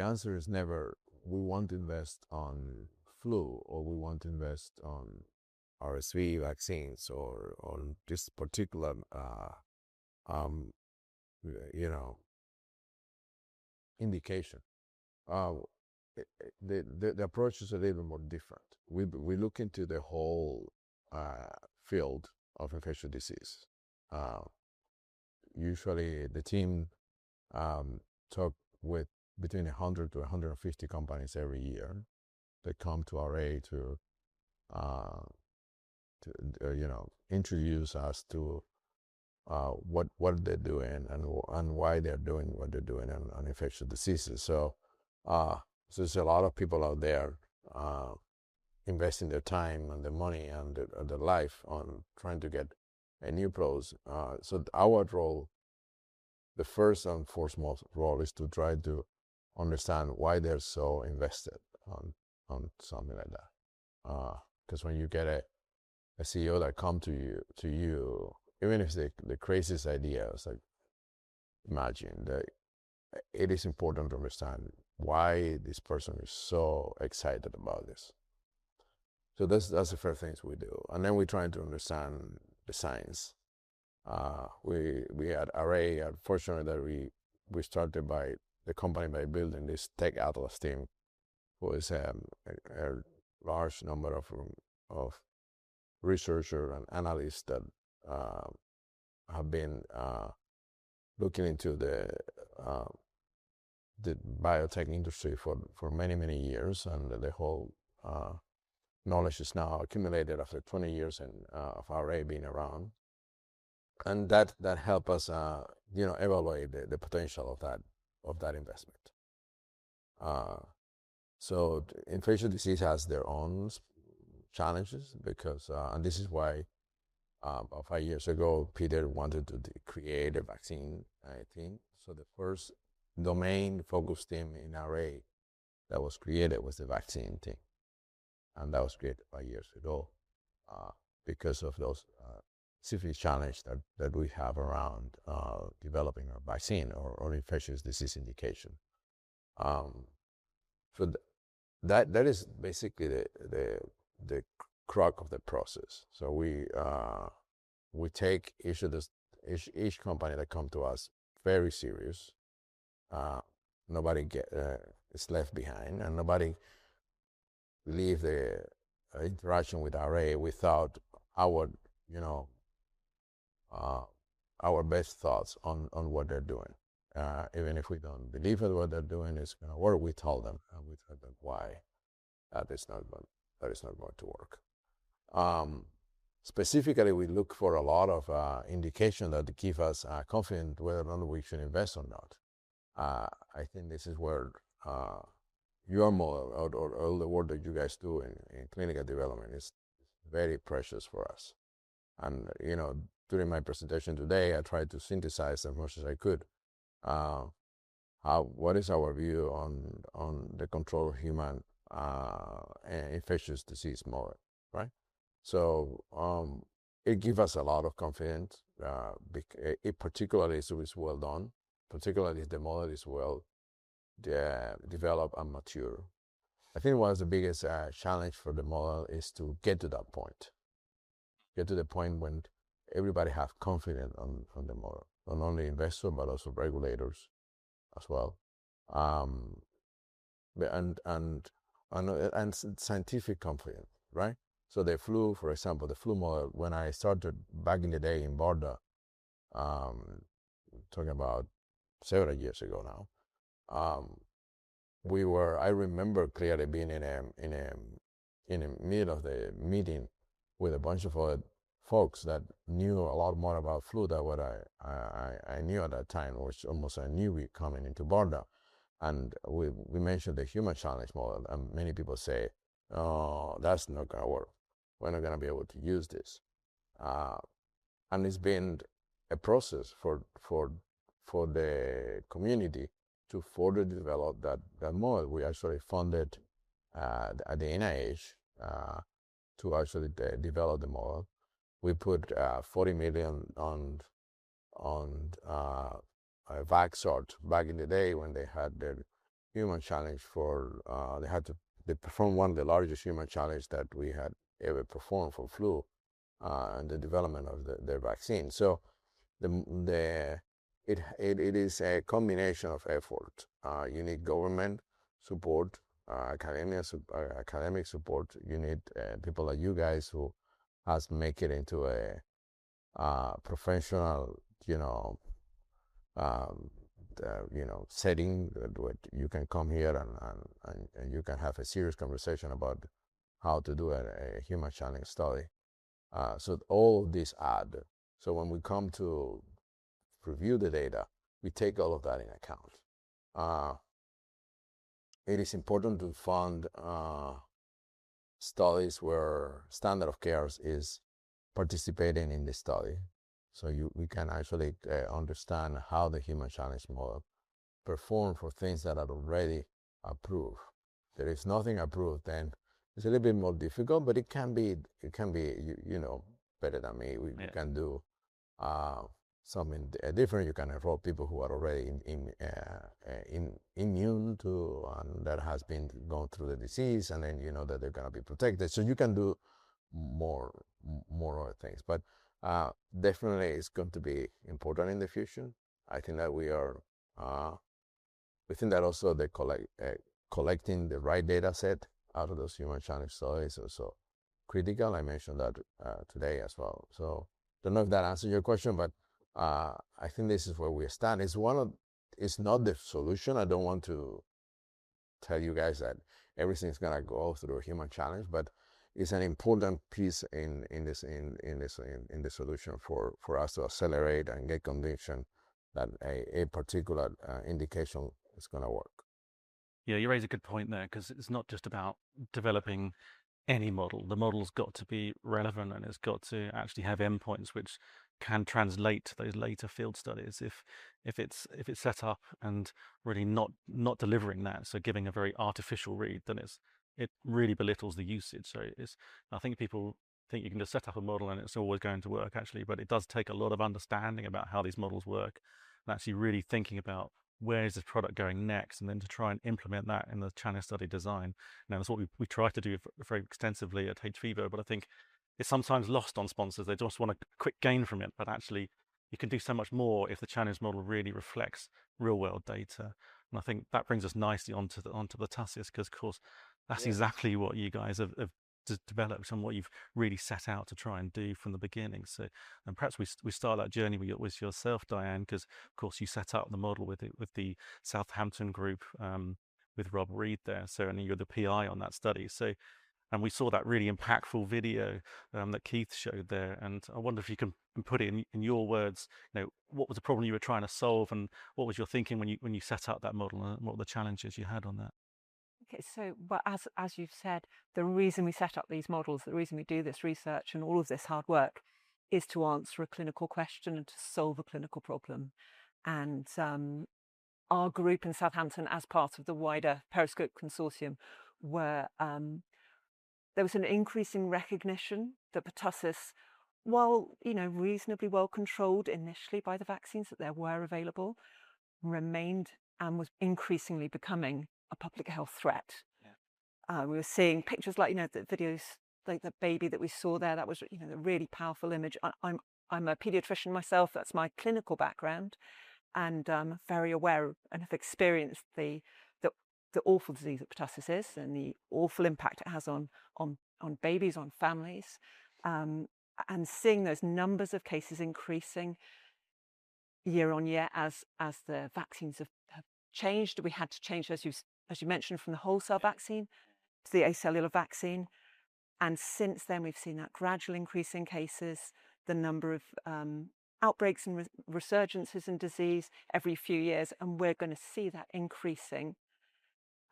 Speaker 6: answer is never we want to invest on flu, or we want to invest on RSV vaccines, or on this particular indication. The approach is a little more different. We look into the whole field of infectious disease. Usually, the team talk with between 100 to 150 companies every year that come to RA to introduce us to what they're doing and why they're doing what they're doing on infectious diseases. There's a lot of people out there investing their time and their money and their life on trying to get a new approach. Our role, the first and foremost role, is to try to understand why they're so invested on something like that. Because when you get a CEO that comes to you, even if it's the craziest idea, it's like imagine, it is important to understand why this person is so excited about this. That's the first thing we do, and then we try to understand the science. We at RA are fortunate that we started the company by building this TechAtlas team, who is a large number of researchers and analysts that have been looking into the biotech industry for many, many years, and the whole knowledge is now accumulated after 20 years of RA being around, and that help us evaluate the potential of that investment. Infectious disease has their own challenges because and this is why about five years ago, Peter wanted to create a vaccine team. The first domain-focused team in RA that was created was the vaccine team, and that was created five years ago because of those specific challenge that we have around developing a vaccine or infectious disease indication. That is basically the crux of the process. We take each company that come to us very serious. Nobody is left behind, and nobody leave the interaction with RA without our best thoughts on what they're doing. Even if we don't believe in what they're doing, what we tell them, and we tell them why that is not going to work. Specifically, we look for a lot of indication that give us confidence whether or not we should invest or not. I think this is where your model or all the work that you guys do in clinical development is very precious for us. And during my presentation today, I tried to synthesize as much as I could. What is our view on the control of human infectious disease model? Right? It give us a lot of confidence, particularly if it was well done, particularly if the model is well developed and mature. I think one of the biggest challenge for the model is to get to that point. Get to the point when everybody have confidence on the model. Not only investor, but also regulators as well. And scientific confidence, right? The flu, for example, the flu model. When I started back in the day in BARDA, talking about several years ago now. We mentioned the human challenge model, and many people say, "Oh, that's not going to work. We're not going to be able to use this." And it's been a process for the community to further develop that model. We actually funded at the NIH to actually develop the model. We put 40 million on Vaxart back in the day when they had their human challenge. They performed one of the largest human challenge that we had ever performed for flu, and the development of their vaccine. It is a combination of effort. You need government support, academic support. You need people like you guys who has make it into a professional setting where you can come here and you can have a serious conversation about how to do a human challenge study. All this add. When we come to review the data, we take all of that in account. It is important to fund studies where standard of cares is participating in the study, so we can actually understand how the human challenge model perform for things that are already approved. There is nothing approved, and it's a little bit more difficult, but it can be better than me. We can do something different. You can enroll people who are already immune to, and that has been going through the disease, and then you know that they're going to be protected. You can do more other things. Definitely it's going to be important in the future. I think that also the collecting the right data set out of those human challenge studies is also critical. I mentioned that today as well. Don't know if that answered your question, but I think this is where we stand. It's not the solution. I don't want to tell you guys that everything's going to go through a human challenge, but it's an important piece in the solution for us to accelerate and get conviction that a particular indication is going to work.
Speaker 5: Yeah, you raise a good point there, because it's not just about developing any model. The model's got to be relevant, and it's got to actually have endpoints which can translate to those later field studies. If it's set up and really not delivering that, so giving a very artificial read, then it really belittles the usage. I think people think you can just set up a model, and it's always going to work, actually, but it does take a lot of understanding about how these models work and actually really thinking about where is this product going next, and then to try and implement that in the challenge study design. That's what we try to do very extensively at hVIVO, but I think it's sometimes lost on sponsors. They just want a quick gain from it, but actually you can do so much more if the challenge model really reflects real-world data. I think that brings us nicely onto the pertussis, because of course, that's exactly what you guys have developed and what you've really set out to try and do from the beginning. Perhaps we start that journey with yourself, Diane, because of course you set out the model with the Southampton group, with Rob Read there. You're the PI on that study. We saw that really impactful video that Keith showed there, and I wonder if you can put in your words what was the problem you were trying to solve, and what was your thinking when you set out that model, and what were the challenges you had on that?
Speaker 9: As you've said, the reason we set up these models, the reason we do this research and all of this hard work is to answer a clinical question and to solve a clinical problem. Our group in Southampton, as part of the wider PERISCOPE Consortium, there was an increasing recognition that pertussis, while reasonably well controlled initially by the vaccines that there were available, remained and was increasingly becoming a public health threat.
Speaker 5: Yeah.
Speaker 9: We were seeing pictures like the videos, like the baby that we saw there. That was a really powerful image. I'm a pediatrician myself. That's my clinical background, and I'm very aware of and have experienced the awful disease that pertussis is and the awful impact it has on babies, on families. Seeing those numbers of cases increasing year-on-year as the vaccines have changed. We had to change, as you mentioned, from the whole cell vaccine to the acellular vaccine, and since then we've seen that gradual increase in cases, the number of outbreaks and resurgences in disease every few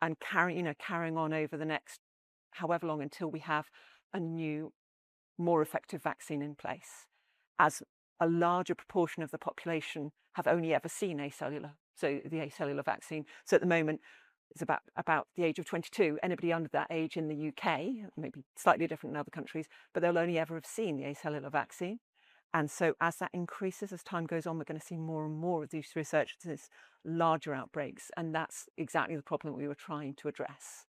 Speaker 9: years, and we're going to see that increasing and carrying on over the next however long until we have a new, more effective vaccine in place, as a larger proportion of the population have only ever seen acellular, so the acellular vaccine. At the moment, it's about the age of 22, anybody under that age in the U.K., maybe slightly different in other countries. They'll only ever have seen the acellular vaccine. As that increases, as time goes on, we're going to see more and more of these resurgences, larger outbreaks, and that's exactly the problem that we were trying to address.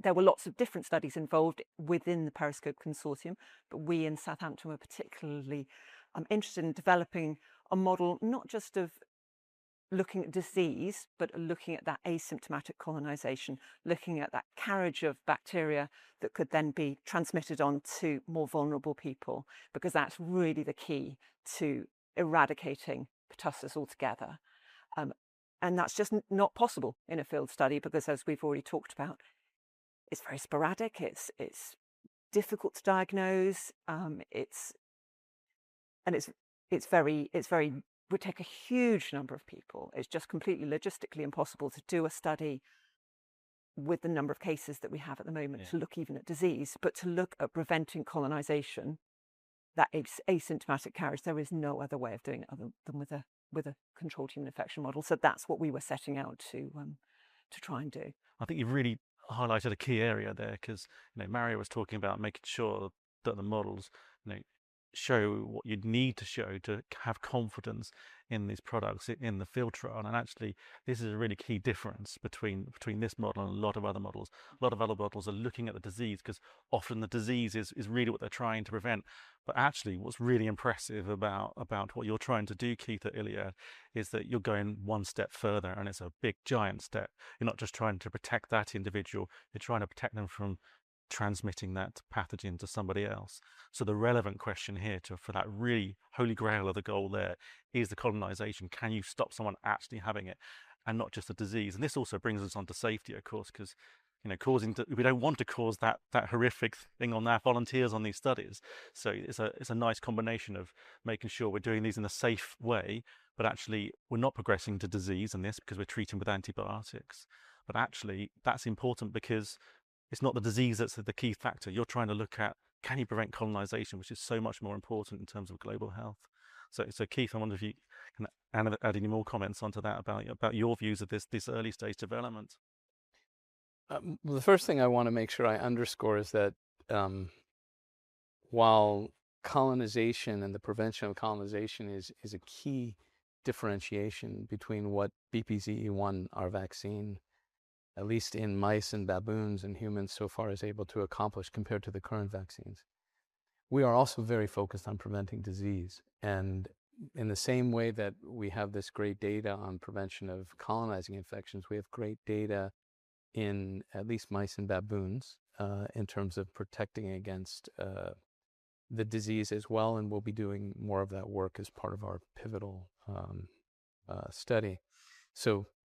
Speaker 9: There were lots of different studies involved within the PERISCOPE Consortium. We in Southampton were particularly interested in developing a model, not just of looking at disease, but looking at that asymptomatic colonization, looking at that carriage of bacteria that could then be transmitted on to more vulnerable people, because that's really the key to eradicating pertussis altogether. That's just not possible in a field study, because as we've already talked about, it's very sporadic, it's difficult to diagnose, and it would take a huge number of people. It's just completely logistically impossible to do a study with the number of cases that we have at the moment.
Speaker 5: Yeah
Speaker 9: To look even at disease. To look at preventing colonization, that asymptomatic carriage, there is no other way of doing it other than with a controlled human infection model. That's what we were setting out to try and do.
Speaker 5: I think you've really highlighted a key area there, because Mario was talking about making sure that the models show what you'd need to show to have confidence in these products in the filter. Actually, this is a really key difference between this model and a lot of other models. A lot of other models are looking at the disease, because often the disease is really what they're trying to prevent. Actually, what's really impressive about what you're trying to do, Keith, at ILiAD, is that you're going one step further, and it's a big giant step. You're not just trying to protect that individual, you're trying to protect them from transmitting that pathogen to somebody else. The relevant question here for that really holy grail of the goal there is the colonization. Can you stop someone actually having it and not just the disease? This also brings us on to safety, of course, because we don't want to cause that horrific thing on our volunteers on these studies. It's a nice combination of making sure we're doing these in a safe way, but actually we're not progressing to disease in this because we're treating with antibiotics. Actually, that's important because it's not the disease that's the key factor. You're trying to look at can you prevent colonization, which is so much more important in terms of global health. Keith, I wonder if you can add any more comments onto that about your views of this early stage development.
Speaker 7: Well, the first thing I want to make sure I underscore is that while colonization and the prevention of colonization is a key differentiation between what BPZE1, our vaccine, at least in mice and baboons and humans so far is able to accomplish compared to the current vaccines. We are also very focused on preventing disease, and in the same way that we have this great data on prevention of colonizing infections, we have great data in at least mice and baboons in terms of protecting against the disease as well, and we'll be doing more of that work as part of our pivotal study.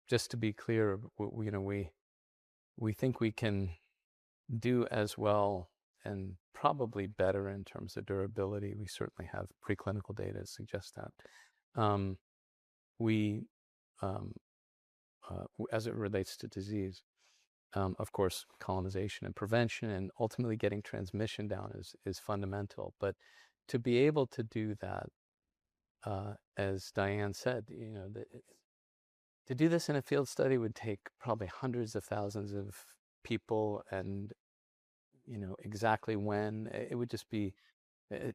Speaker 7: Just to be clear, We think we can do as well and probably better in terms of durability. We certainly have preclinical data suggest that. As it relates to disease, of course, colonization and prevention and ultimately getting transmission down is fundamental. To be able to do that, as Diane said, to do this in a field study would take probably hundreds of thousands of people and exactly when. It would just be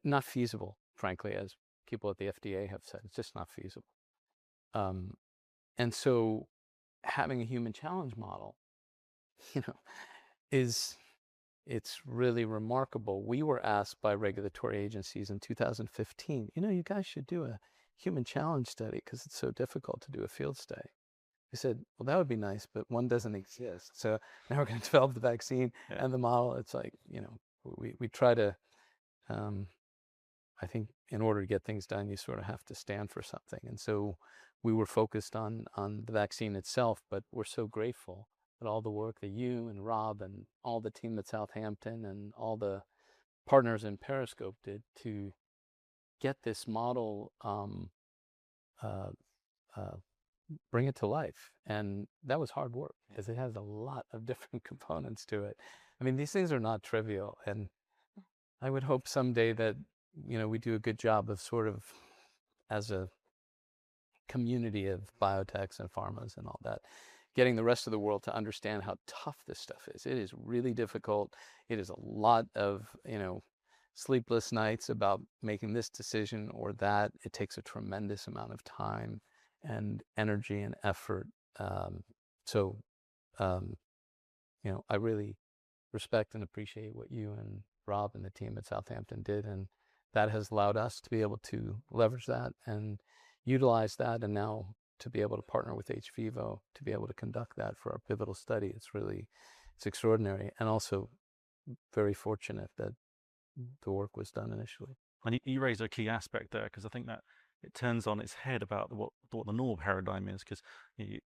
Speaker 7: not feasible, frankly, as people at the FDA have said. It's just not feasible. Having a human challenge model is really remarkable. We were asked by regulatory agencies in 2015, "You guys should do a human challenge study because it's so difficult to do a field study." We said, "Well, that would be nice, but one doesn't exist." Now we're going to develop the vaccine and the model. I think in order to get things done, you sort of have to stand for something. We were focused on the vaccine itself, but we're so grateful that all the work that you and Rob and all the team at Southampton and all the partners in PERISCOPE did to get this model, bring it to life, and that was hard work because it has a lot of different components to it. These things are not trivial, and I would hope someday that we do a good job of sort of as a community of biotechs and pharmas and all that, getting the rest of the world to understand how tough this stuff is. It is really difficult. It is a lot of sleepless nights about making this decision or that. It takes a tremendous amount of time and energy and effort. I really respect and appreciate what you and Rob and the team at Southampton did, and that has allowed us to be able to leverage that and utilize that, and now to be able to partner with hVIVO to be able to conduct that for our pivotal study, it's really extraordinary, and also very fortunate that the work was done initially.
Speaker 5: You raise a key aspect there, because I think that it turns on its head about what the normal paradigm is, because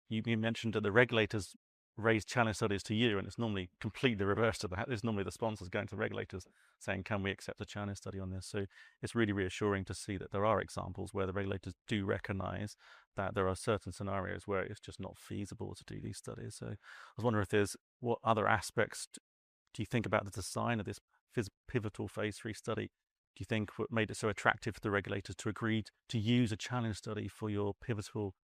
Speaker 5: you mentioned that the regulators raised challenge studies to you, and it's normally completely reverse to that. It's normally the sponsors going to the regulators saying, "Can we accept a challenge study on this?" It's really reassuring to see that there are examples where the regulators do recognize that there are certain scenarios where it's just not feasible to do these studies. I was wondering what other aspects do you think about the design of this pivotal phase III study? Do you think what made it so attractive for the regulators to agree to use a challenge study for your pivotal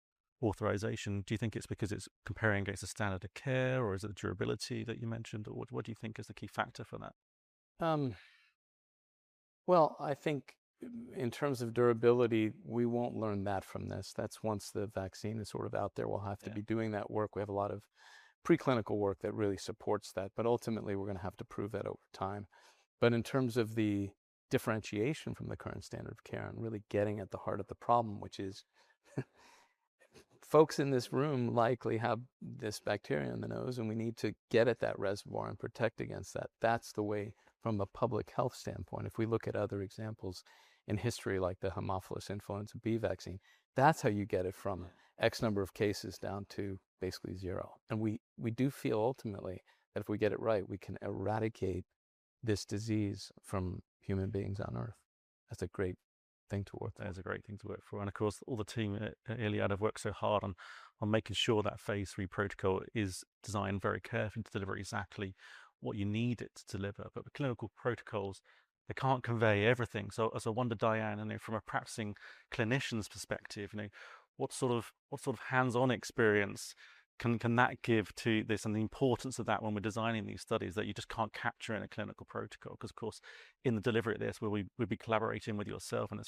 Speaker 5: authorization, do you think it is because it is comparing against a standard of care, or is it the durability that you mentioned, or what do you think is the key factor for that?
Speaker 7: Well, I think in terms of durability, we won't learn that from this. That is once the vaccine is sort of out there. We will have to be doing that work. We have a lot of preclinical work that really supports that, but ultimately, we are going to have to prove that over time. In terms of the differentiation from the current standard of care and really getting at the heart of the problem, which is folks in this room likely have this bacteria in the nose, and we need to get at that reservoir and protect against that. That is the way from a public health standpoint, if we look at other examples in history, like the Haemophilus influenzae b vaccine, that is how you get it from X number of cases down to basically zero. We do feel ultimately that if we get it right, we can eradicate this disease from human beings on Earth. That is a great thing to work for.
Speaker 5: That is a great thing to work for. Of course, all the team at ILiAD have worked so hard on making sure that phase III protocol is designed very carefully to deliver exactly what you need it to deliver. With clinical protocols, they cannot convey everything. I wonder, Diane, from a practicing clinician's perspective, what sort of hands-on experience can that give to this, and the importance of that when we are designing these studies that you just cannot capture in a clinical protocol? Of course, in the delivery of this, we will be collaborating with yourself, and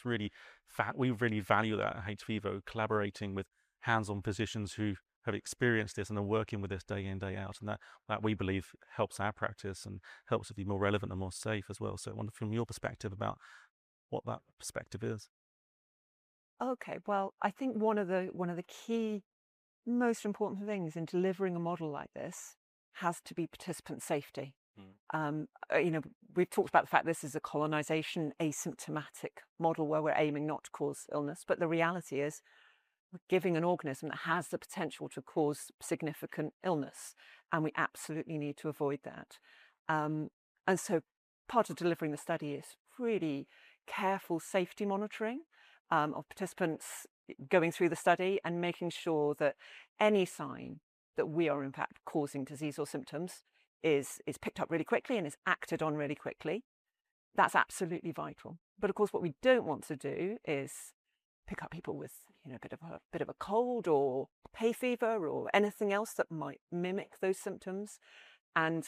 Speaker 5: we really value that at hVIVO, collaborating with hands-on physicians who have experienced this and are working with this day in, day out, and that we believe helps our practice and helps to be more relevant and more safe as well. I wonder from your perspective about what that perspective is.
Speaker 9: I think one of the key most important things in delivering a model like this has to be participant safety. We've talked about the fact this is a colonization asymptomatic model where we're aiming not to cause illness, but the reality is we're giving an organism that has the potential to cause significant illness, and we absolutely need to avoid that. Part of delivering the study is really careful safety monitoring of participants going through the study and making sure that any sign that we are in fact causing disease or symptoms is picked up really quickly and is acted on really quickly. That's absolutely vital. Of course, what we don't want to do is pick up people with a bit of a cold or hay fever or anything else that might mimic those symptoms and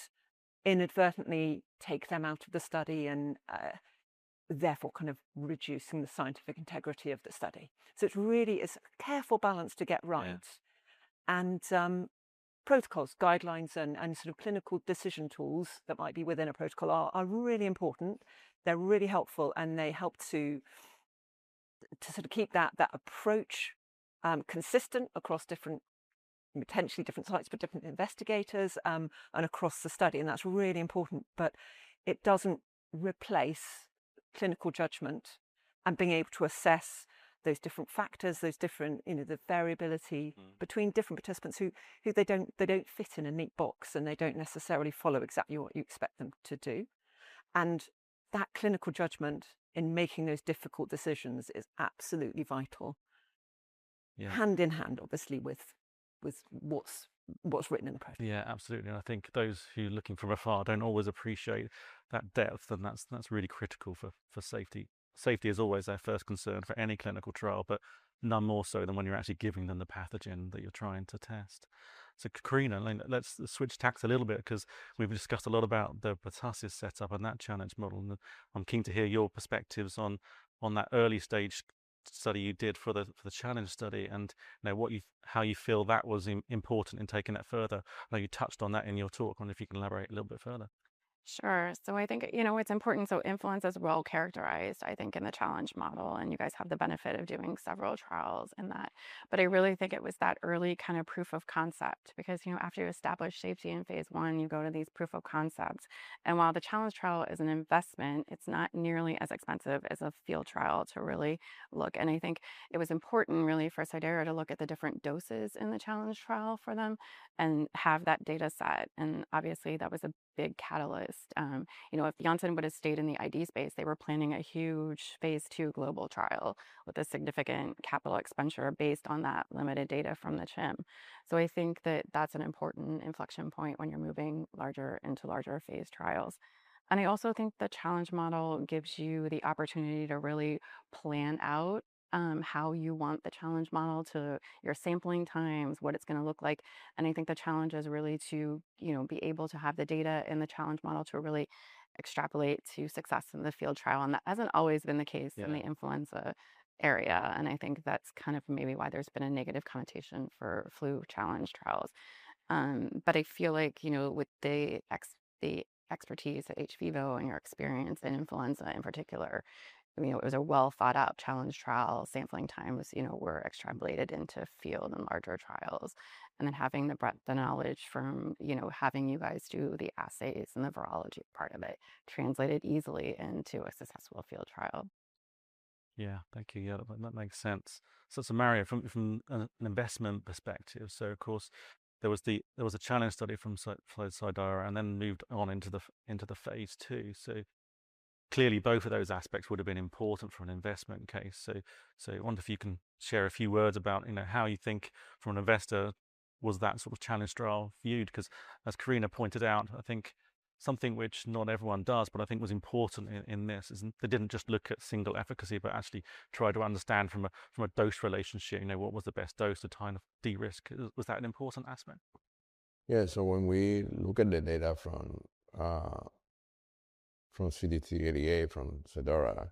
Speaker 9: inadvertently take them out of the study and therefore kind of reducing the scientific integrity of the study. It really is a careful balance to get right.
Speaker 5: Yeah.
Speaker 9: Protocols, guidelines, and sort of clinical decision tools that might be within a protocol are really important. They're really helpful, and they help to sort of keep that approach consistent across potentially different sites, but different investigators, and across the study, and that's really important. It doesn't replace clinical judgment and being able to assess those different factors, the variability- between different participants who don't fit in a neat box, they don't necessarily follow exactly what you expect them to do. That clinical judgment in making those difficult decisions is absolutely vital.
Speaker 5: Yeah.
Speaker 9: Hand in hand, obviously, with what's written in the paper.
Speaker 5: Yeah, absolutely. I think those who are looking from afar don't always appreciate that depth, that's really critical for safety. Safety is always our first concern for any clinical trial, but none more so than when you're actually giving them the pathogen that you're trying to test. Corrina, let's switch tacks a little bit because we've discussed a lot about the Pertussis setup, that challenge model. I'm keen to hear your perspectives on that early-stage study you did for the challenge study, how you feel that was important in taking that further. I know you touched on that in your talk, if you can elaborate a little bit further.
Speaker 8: Sure. I think it's important, influenza is well-characterized, I think, in the challenge model, you guys have the benefit of doing several trials in that. I really think it was that early kind of proof of concept because after you establish safety in phase I, you go to these proof of concepts. While the challenge trial is an investment, it's not nearly as expensive as a field trial to really look. I think it was important, really, for Cidara to look at the different doses in the challenge trial for them, have that data set. Obviously, that was a big catalyst. If Janssen would've stayed in the ID space, they were planning a huge phase II global trial with a significant capital expenditure based on that limited data from the CHIM. I think that that's an important inflection point when you're moving into larger phase trials. I also think the challenge model gives you the opportunity to really plan out how you want the challenge model to your sampling times, what it's going to look like. I think the challenge is really to be able to have the data in the challenge model to really extrapolate to success in the field trial, and that hasn't always been the case.
Speaker 5: Yeah
Speaker 8: In the influenza area. I think that's kind of maybe why there's been a negative connotation for flu challenge trials. I feel like, with the expertise at hVIVO and your experience in influenza in particular, it was a well-thought-out challenge trial. Sampling times were extrapolated into field and larger trials. Then having the breadth of knowledge from having you guys do the assays and the virology part of it translated easily into a successful field trial.
Speaker 5: Yeah. Thank you. That makes sense. Mario, from an investment perspective, of course, there was a challenge study from Cidara, then moved on into the phase II. Clearly, both of those aspects would've been important for an investment case. I wonder if you can share a few words about how you think, from an investor, was that sort of challenge trial viewed? Because as Corrina pointed out, I think something which not everyone does, but I think was important in this is they didn't just look at single efficacy, but actually tried to understand from a dose relationship what was the best dose to try and de-risk. Was that an important aspect?
Speaker 6: Yeah. When we look at the data from CD388 from Cidara,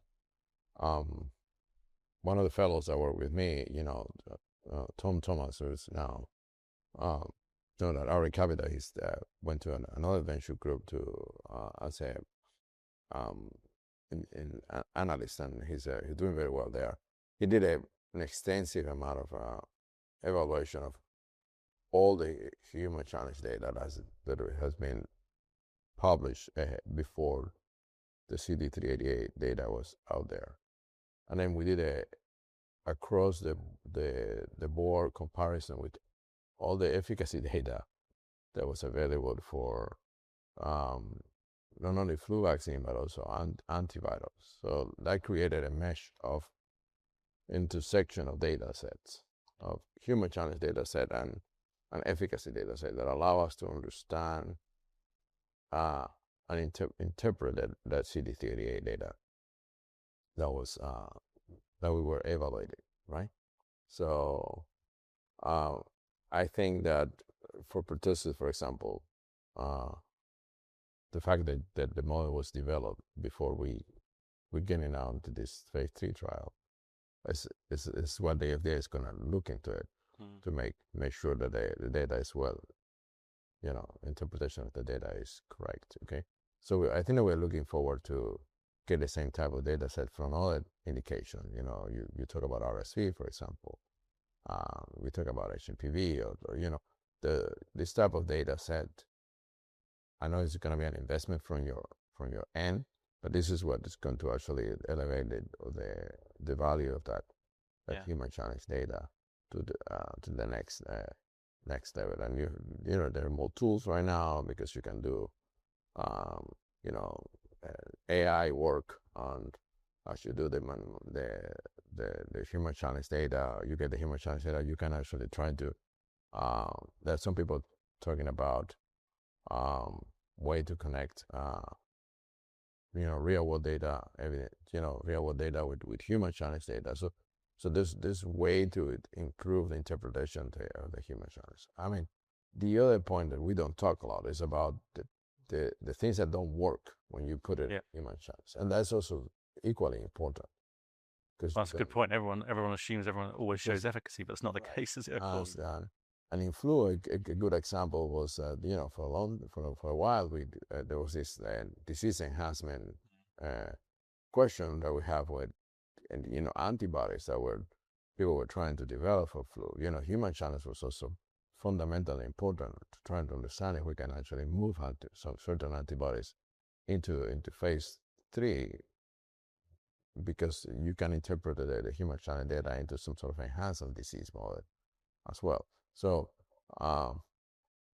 Speaker 6: one of the fellows that worked with me, Tom Thomas, who's now at Arrecabida, he went to another venture group to an analyst, he's doing very well there. He did an extensive amount of evaluation of all the human challenge data that has been published before the CD388 data was out there. Then we did an across-the-board comparison with all the efficacy data that was available for not only flu vaccine, but also antivirals. That created a mesh of intersection of data sets, of human challenge data set, and efficacy data set that allow us to understand and interpret that CD388 data that we were evaluating, right? I think that for pertussis, for example, the fact that the model was developed before we're getting on to this phase III trial is what the FDA is going to look into it. To make sure that the interpretation of the data is correct, okay. I think that we're looking forward to get the same type of data set from other indications. You talk about RSV, for example. We talk about hMPV. This type of data set, I know it's going to be an investment from your end, but this is what is going to actually elevate the value of that.
Speaker 5: Yeah
Speaker 6: Human challenge data to the next level. There are more tools right now because you can do AI work as you do the human challenge data. You get the human challenge data, you can actually try. There's some people talking about way to connect real-world data with human challenge data. There's way to improve the interpretation of the human challenge. The other point that we don't talk a lot is about the things that don't work when you put it.
Speaker 5: Yeah
Speaker 6: In human challenge, that's also equally important because.
Speaker 5: That's a good point. Everyone assumes everyone always shows efficacy, but it's not the case, is it, of course.
Speaker 6: In flu, a good example was for a while, there was this disease enhancement question that we have with antibodies that people were trying to develop for flu. Human challenge was also fundamentally important to trying to understand if we can actually move certain antibodies into phase III, because you can interpret the human challenge data into some sort of enhanced disease model as well.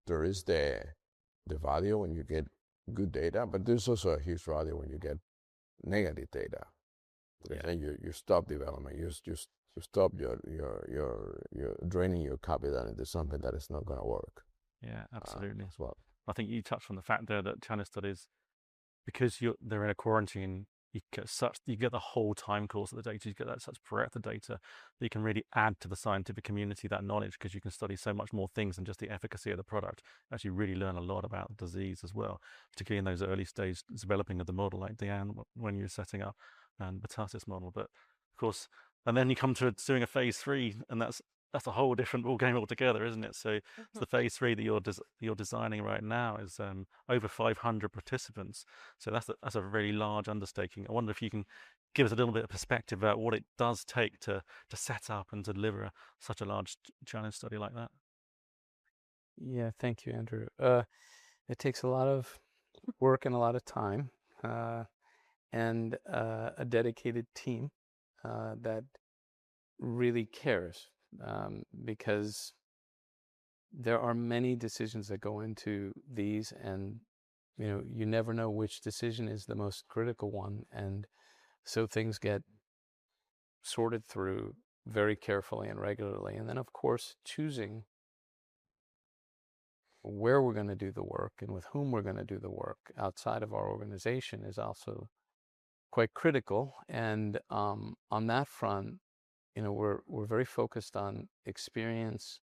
Speaker 6: There is the value when you get good data, but there's also a huge value when you get negative data.
Speaker 5: Yeah.
Speaker 6: Then you stop development. You stop draining your capital into something that is not going to work.
Speaker 5: Yeah, absolutely.
Speaker 6: as well.
Speaker 5: I think you touched on the fact there that challenge studies, because they're in a quarantine, you get the whole time course of the data, you get such breadth of data that you can really add to the scientific community that knowledge, because you can study so much more things than just the efficacy of the product. Actually really learn a lot about the disease as well, particularly in those early stages developing of the model, like Diane, when you're setting up the pertussis model. Of course, then you come to doing a phase III, and that's a whole different ball game altogether, isn't it? The phase III that you're designing right now is over 500 participants, that's a very large undertaking. I wonder if you can give us a little bit of perspective about what it does take to set up and deliver such a large challenge study like that.
Speaker 7: Yeah. Thank you, Andrew. It takes a lot of work and a lot of time, and a dedicated team that really cares, because there are many decisions that go into these, and you never know which decision is the most critical one. Things get sorted through very carefully and regularly. Then, of course, choosing where we're going to do the work and with whom we're going to do the work outside of our organization is also quite critical. On that front, we're very focused on experience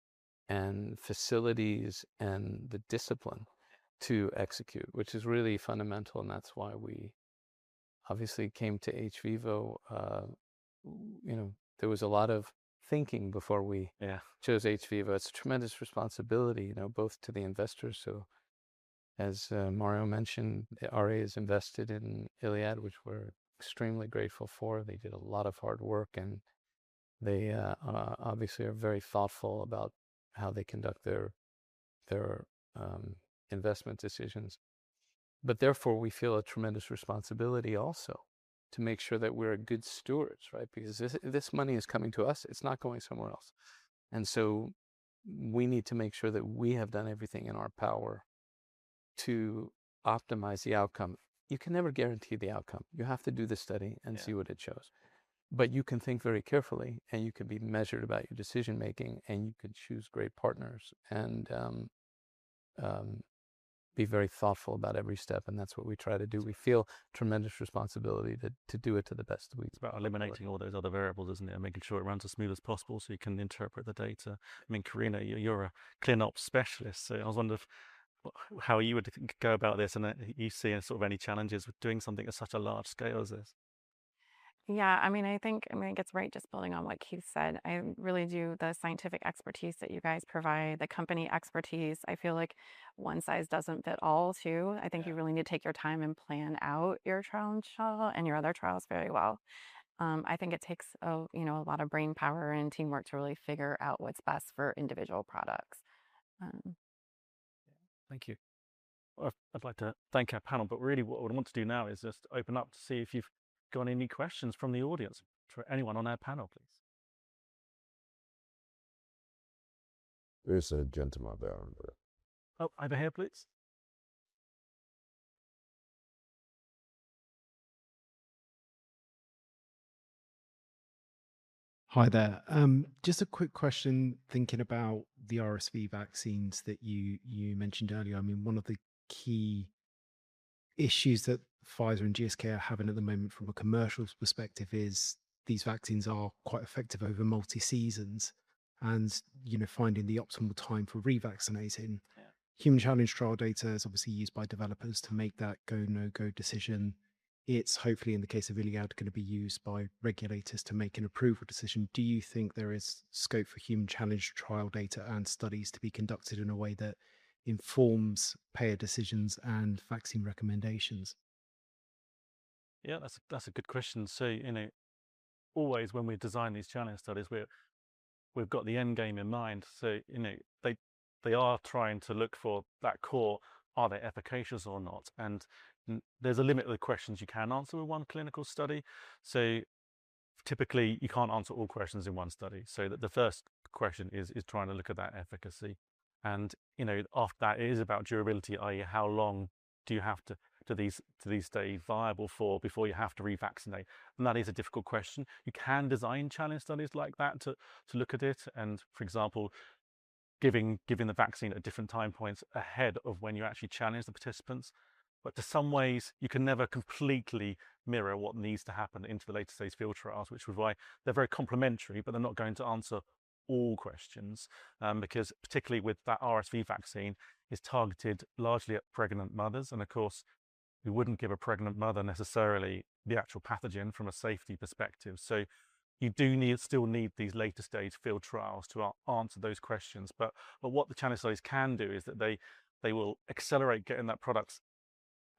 Speaker 7: and facilities, and the discipline to execute, which is really fundamental, and that's why we obviously came to hVIVO. There was a lot of thinking before we
Speaker 5: Yeah
Speaker 7: chose hVIVO. It's a tremendous responsibility, both to the investors who, as Mario mentioned, RA has invested in ILiAD, which we're extremely grateful for. They did a lot of hard work, and they obviously are very thoughtful about how they conduct their investment decisions. Therefore, we feel a tremendous responsibility also to make sure that we're good stewards, right? Because this money is coming to us, it's not going somewhere else. We need to make sure that we have done everything in our power to optimize the outcome. You can never guarantee the outcome. You have to do the study and see what it shows.
Speaker 5: Yeah.
Speaker 7: You can think very carefully, you can be measured about your decision-making, you can choose great partners, be very thoughtful about every step, that's what we try to do. We feel tremendous responsibility to do it to the best we can.
Speaker 5: It's about eliminating all those other variables, isn't it? Making sure it runs as smooth as possible so you can interpret the data. Corrina, you're a clin op specialist, I was wondering how you would go about this, you seeing any challenges with doing something at such a large scale as this?
Speaker 8: Yeah. I think it's right just building on what Keith said. I really do. The scientific expertise that you guys provide, the company expertise, I feel like one size doesn't fit all, too.
Speaker 5: Yeah.
Speaker 8: I think you really need to take your time and plan out your challenge trial and your other trials very well. I think it takes a lot of brainpower and teamwork to really figure out what is best for individual products.
Speaker 5: Thank you. I would like to thank our panel, really what I want to do now is just open up to see if you have got any questions from the audience for anyone on our panel, please.
Speaker 6: There is a gentleman there, Andrew.
Speaker 5: Over here, please.
Speaker 10: Hi there. Just a quick question, thinking about the RSV vaccines that you mentioned earlier. One of the key issues that Pfizer and GSK are having at the moment from a commercials perspective is these vaccines are quite effective over multi seasons, and finding the optimal time for revaccinating.
Speaker 5: Yeah.
Speaker 10: Human challenge trial data is obviously used by developers to make that go, no-go decision. It's hopefully, in the case of ILiAD, going to be used by regulators to make an approval decision. Do you think there is scope for human challenge trial data and studies to be conducted in a way that informs payer decisions and vaccine recommendations?
Speaker 5: Yeah, that's a good question. Always when we design these challenge studies, we've got the end game in mind. They are trying to look for that core, are they efficacious or not? There's a limit to the questions you can answer with one clinical study. Typically, you can't answer all questions in one study. The first question is trying to look at that efficacy. After that, it is about durability, i.e., how long do these stay viable for before you have to revaccinate? That is a difficult question. You can design challenge studies like that to look at it and, for example, giving the vaccine at different time points ahead of when you actually challenge the participants. To some ways, you can never completely mirror what needs to happen into the later-stage field trials, which is why they're very complementary, they're not going to answer all questions. Particularly with that RSV vaccine, it's targeted largely at pregnant mothers, of course, we wouldn't give a pregnant mother necessarily the actual pathogen from a safety perspective. You do still need these later stage field trials to answer those questions. What the challenge studies can do is that they will accelerate getting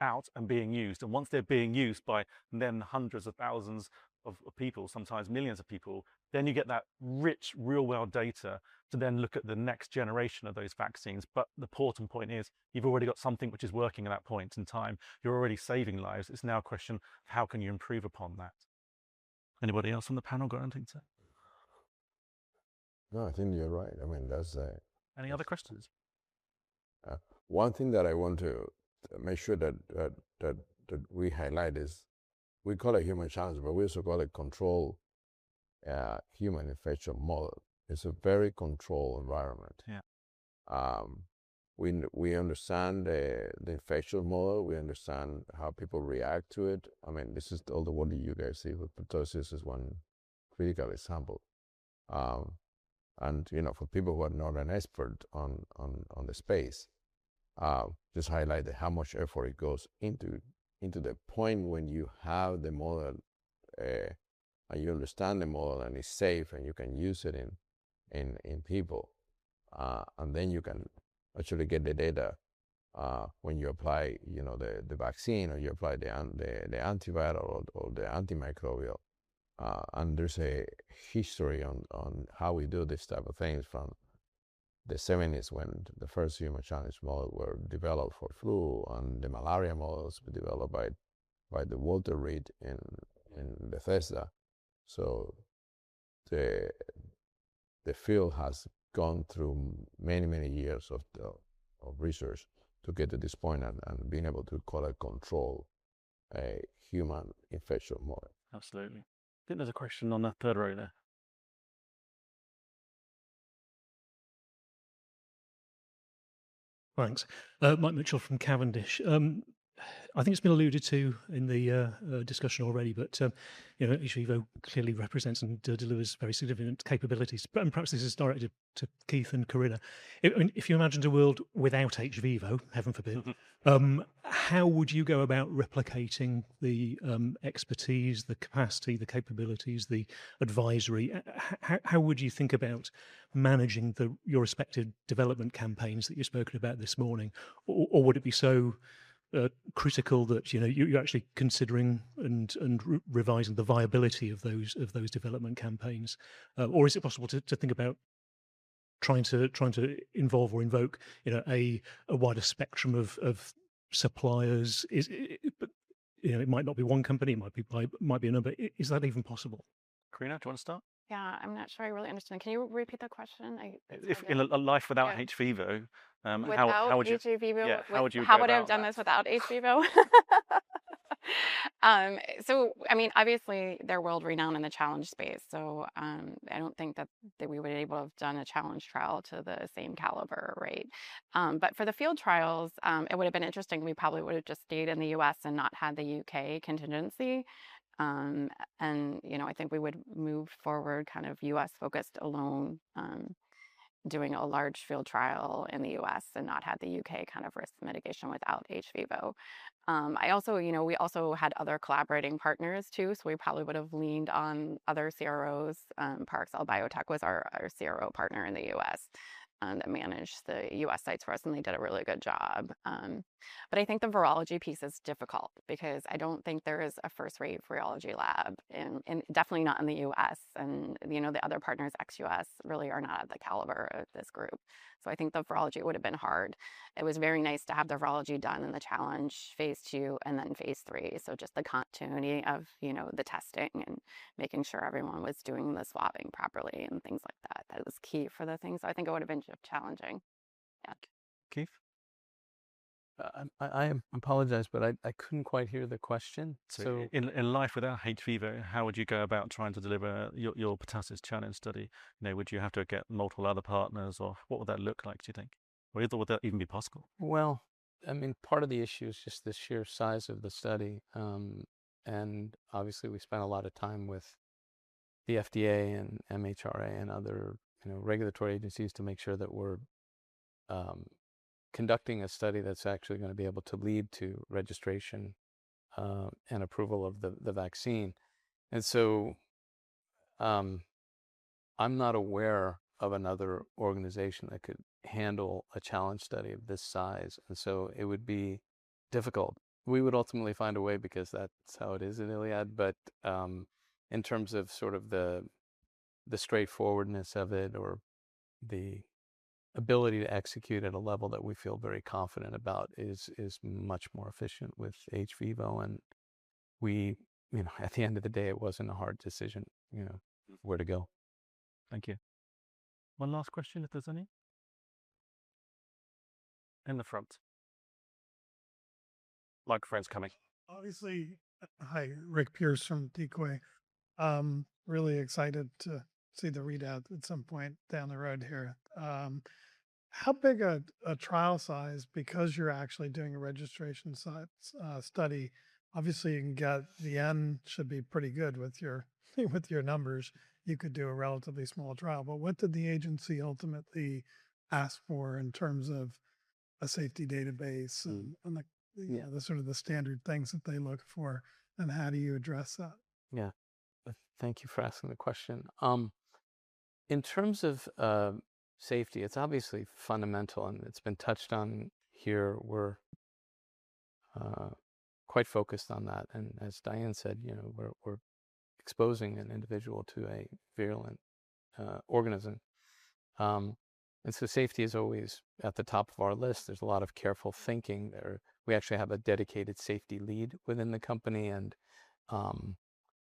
Speaker 5: that product out and being used. Once they're being used by then hundreds of thousands of people, sometimes millions of people, then you get that rich real-world data to then look at the next generation of those vaccines. The important point is you've already got something which is working at that point in time. You're already saving lives. It's now a question of how can you improve upon that? Anybody else on the panel got anything to say?
Speaker 6: No, I think you're right.
Speaker 5: Any other questions?
Speaker 6: One thing that I want to make sure that we highlight is we call it human challenge, but we also call it controlled human infection model. It's a very controlled environment.
Speaker 5: Yeah.
Speaker 6: We understand the infection model. We understand how people react to it. This is all the work that you guys see with pertussis is one critical example. For people who are not an expert on the space, just highlight how much effort it goes into the point when you have the model, and you understand the model, and it's safe, and you can use it in people. Then you can actually get the data when you apply the vaccine or you apply the antiviral or the antimicrobial. There's a history on how we do these type of things from the '70s when the first human challenge model were developed for flu, and the malaria models were developed by Walter Reed in Bethesda. The field has gone through many, many years of research to get to this point and being able to call a control a human infection model.
Speaker 5: Absolutely. I think there's a question on that third row there.
Speaker 11: Thanks. Mike Mitchell from Cavendish. I think it's been alluded to in the discussion already, hVIVO clearly represents and delivers very significant capabilities, perhaps this is directed to Keith and Corrina. If you imagined a world without hVIVO, heaven forbid, how would you go about replicating the expertise, the capacity, the capabilities, the advisory? How would you think about managing your respective development campaigns that you've spoken about this morning? Would it be so critical that you're actually considering and revising the viability of those development campaigns? Is it possible to think about trying to involve or invoke a wider spectrum of suppliers? It might not be one company, it might be another. Is that even possible?
Speaker 5: Corrina, do you want to start?
Speaker 8: Yeah. I'm not sure I really understand. Can you repeat the question?
Speaker 5: In a life without hVIVO, how would you?
Speaker 8: Without hVIVO?
Speaker 5: Yeah. How would you go about that?
Speaker 8: How would I have done this without hVIVO? Obviously, they're world-renowned in the challenge space, I don't think that we would've been able to have done a challenge trial to the same caliber, right? For the field trials, it would've been interesting. We probably would've just stayed in the U.S. and not had the U.K. contingency. I think we would move forward kind of U.S.-focused alone, doing a large field trial in the U.S. and not had the U.K. kind of risk mitigation without hVIVO. We also had other collaborating partners too, so we probably would've leaned on other CROs. Parexel was our CRO partner in the U.S. that managed the U.S. sites for us, and they did a really good job. I think the virology piece is difficult because I don't think there is a first-rate virology lab, and definitely not in the U.S. The other partners ex-U.S. really are not of the caliber of this group. I think the virology would've been hard. It was very nice to have the virology done in the challenge phase II and then phase III, just the continuity of the testing and making sure everyone was doing the swabbing properly and things like that. That was key for the thing. I think it would've been challenging. Yeah.
Speaker 5: Keith?
Speaker 7: I apologize, I couldn't quite hear the question.
Speaker 5: In a life without hVIVO, how would you go about trying to deliver your pertussis challenge study? Would you have to get multiple other partners, or what would that look like, do you think? Or would that even be possible?
Speaker 7: Part of the issue is just the sheer size of the study. Obviously we spent a lot of time with the FDA and MHRA and other regulatory agencies to make sure that we're conducting a study that's actually going to be able to lead to registration and approval of the vaccine. So I'm not aware of another organization that could handle a challenge study of this size, and so it would be difficult. We would ultimately find a way because that's how it is at ILiAD. In terms of sort of the straightforwardness of it or the ability to execute at a level that we feel very confident about is much more efficient with hVIVO, and at the end of the day, it wasn't a hard decision where to go.
Speaker 5: Thank you. One last question if there's any. In the front. Mic for friend's coming.
Speaker 6: Obviously.
Speaker 12: Hi. Rick Pierce from Decoy. Really excited to see the readout at some point down the road here. How big a trial size, because you're actually doing a registration study, obviously you can get the N should be pretty good with your numbers. You could do a relatively small trial. What did the agency ultimately ask for in terms of a safety database and the sort of the standard things that they look for, and how do you address that?
Speaker 7: Yeah. Thank you for asking the question. In terms of safety, it's obviously fundamental, and it's been touched on here. We're quite focused on that, and as Diane said, we're exposing an individual to a virulent organism. Safety is always at the top of our list. There's a lot of careful thinking there. We actually have a dedicated safety lead within the company, and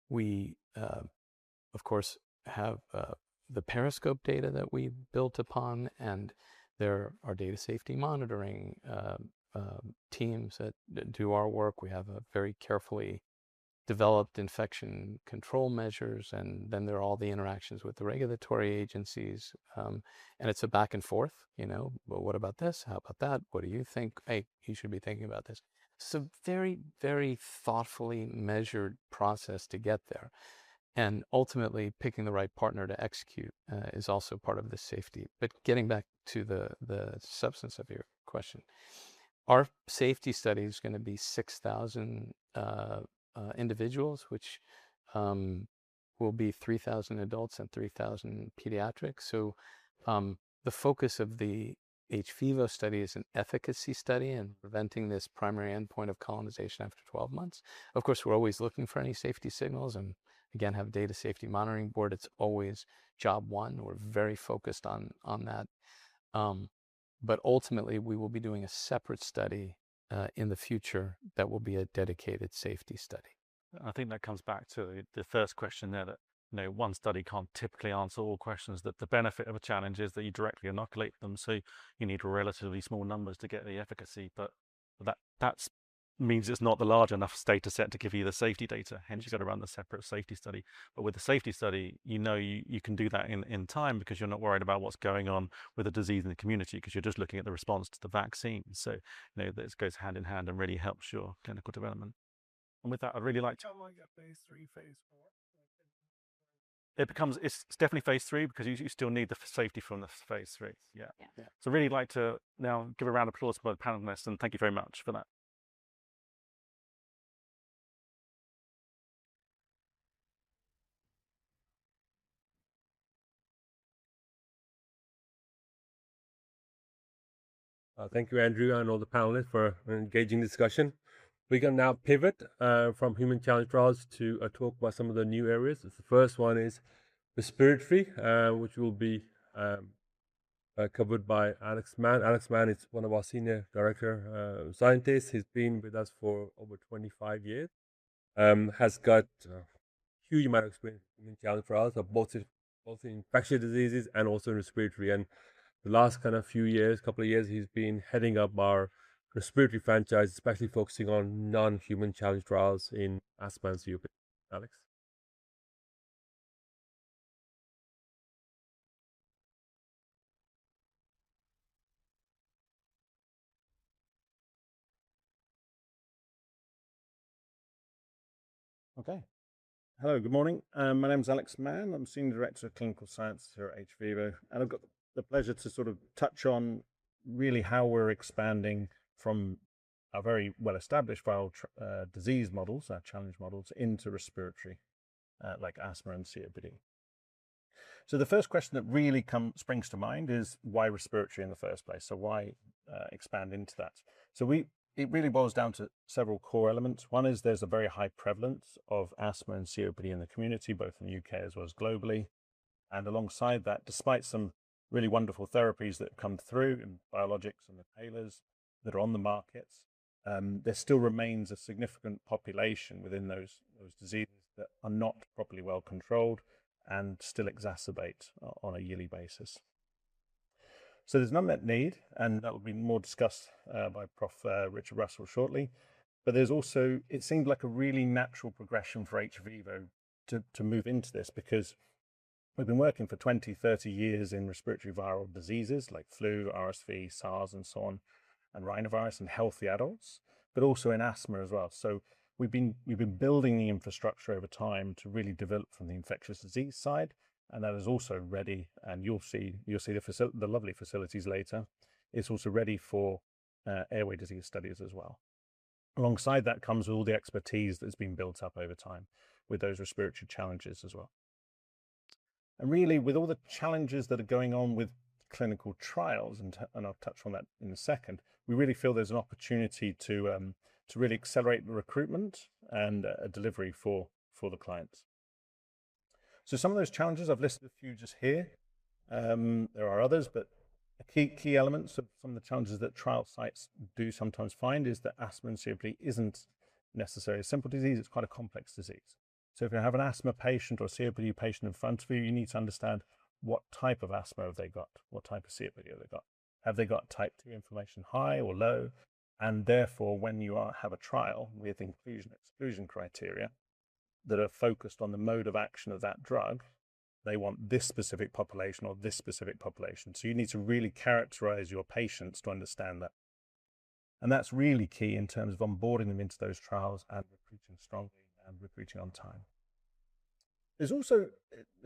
Speaker 7: we of course have the PERISCOPE data that we built upon, and there are data safety monitoring teams that do our work. We have a very carefully developed infection control measures, and then there are all the interactions with the regulatory agencies. It's a back and forth. "Well, what about this? How about that? What do you think? Hey, you should be thinking about this." It's a very thoughtfully measured process to get there, and ultimately picking the right partner to execute is also part of the safety. Getting back to the substance of your question, our safety study is going to be 6,000 individuals, which will be 3,000 adults and 3,000 pediatrics. The focus of the hVIVO study is an efficacy study in preventing this primary endpoint of colonization after 12 months. Of course, we're always looking for any safety signals, and again, have data safety monitoring board. It's always job one. We're very focused on that. Ultimately, we will be doing a separate study in the future that will be a dedicated safety study.
Speaker 5: I think that comes back to the first question there that one study can't typically answer all questions, that the benefit of a challenge is that you directly inoculate them, so you need relatively small numbers to get the efficacy. That means it's not the large enough data set to give you the safety data, hence you got to run the separate safety study. With the safety study, you know you can do that in time because you're not worried about what's going on with the disease in the community, because you're just looking at the response to the vaccine. This goes hand in hand and really helps your clinical development. With that, I'd really like-
Speaker 12: At what point do you have phase III, phase IV? Like when
Speaker 5: It's definitely phase III because you still need the safety from the phase III. Yeah.
Speaker 7: Yeah.
Speaker 12: Yeah.
Speaker 5: Really like to now give a round of applause for the panelists, and thank you very much for that.
Speaker 1: Thank you, Andrew, and all the panelists for an engaging discussion. We can now pivot from human challenge trials to talk about some of the new areas. The first one is respiratory which will be covered by Alex Mann. Alex Mann is one of our Senior Director scientists. He's been with us for over 25 years. Has got a huge amount of experience in human challenge trials, both in infectious diseases and also in respiratory. The last couple of years, he's been heading up our respiratory franchise, especially focusing on non-human challenge trials in asthma and COPD. Alex.
Speaker 13: Okay. Hello, good morning. My name's Alex Mann. I'm Senior Director of Clinical Science here at hVIVO, and I've got the pleasure to touch on really how we're expanding from a very well-established viral disease models, our challenge models, into respiratory like asthma and COPD. The first question that really springs to mind is why respiratory in the first place? Why expand into that? It really boils down to several core elements. One is there's a very high prevalence of asthma and COPD in the community, both in the U.K. as well as globally. Alongside that, despite some really wonderful therapies that have come through in biologics and inhalers that are on the markets, there still remains a significant population within those diseases that are not properly well controlled and still exacerbate on a yearly basis. There's an unmet need, and that will be more discussed by Prof. Richard Russell shortly. It seemed like a really natural progression for hVIVO to move into this because we've been working for 20, 30 years in respiratory viral diseases like flu, RSV, SARS, and so on, and rhinovirus in healthy adults, but also in asthma as well. We've been building the infrastructure over time to really develop from the infectious disease side, and that is also ready, and you'll see the lovely facilities later. It's also ready for airway disease studies as well. Alongside that comes all the expertise that's been built up over time with those respiratory challenges as well. Really, with all the challenges that are going on with clinical trials, and I'll touch on that in a second, we really feel there's an opportunity to really accelerate the recruitment and delivery for the clients. Some of those challenges, I've listed a few just here. There are others, but a key element of some of the challenges that trial sites do sometimes find is that asthma and COPD isn't necessarily a simple disease. It's quite a complex disease. If you have an asthma patient or a COPD patient in front of you need to understand what type of asthma have they got, what type of COPD have they got. Have they got type 2 inflammation, high or low? Therefore, when you have a trial with inclusion/exclusion criteria that are focused on the mode of action of that drug, they want this specific population or this specific population. You need to really characterize your patients to understand that. That's really key in terms of onboarding them into those trials and recruiting strongly and recruiting on time. There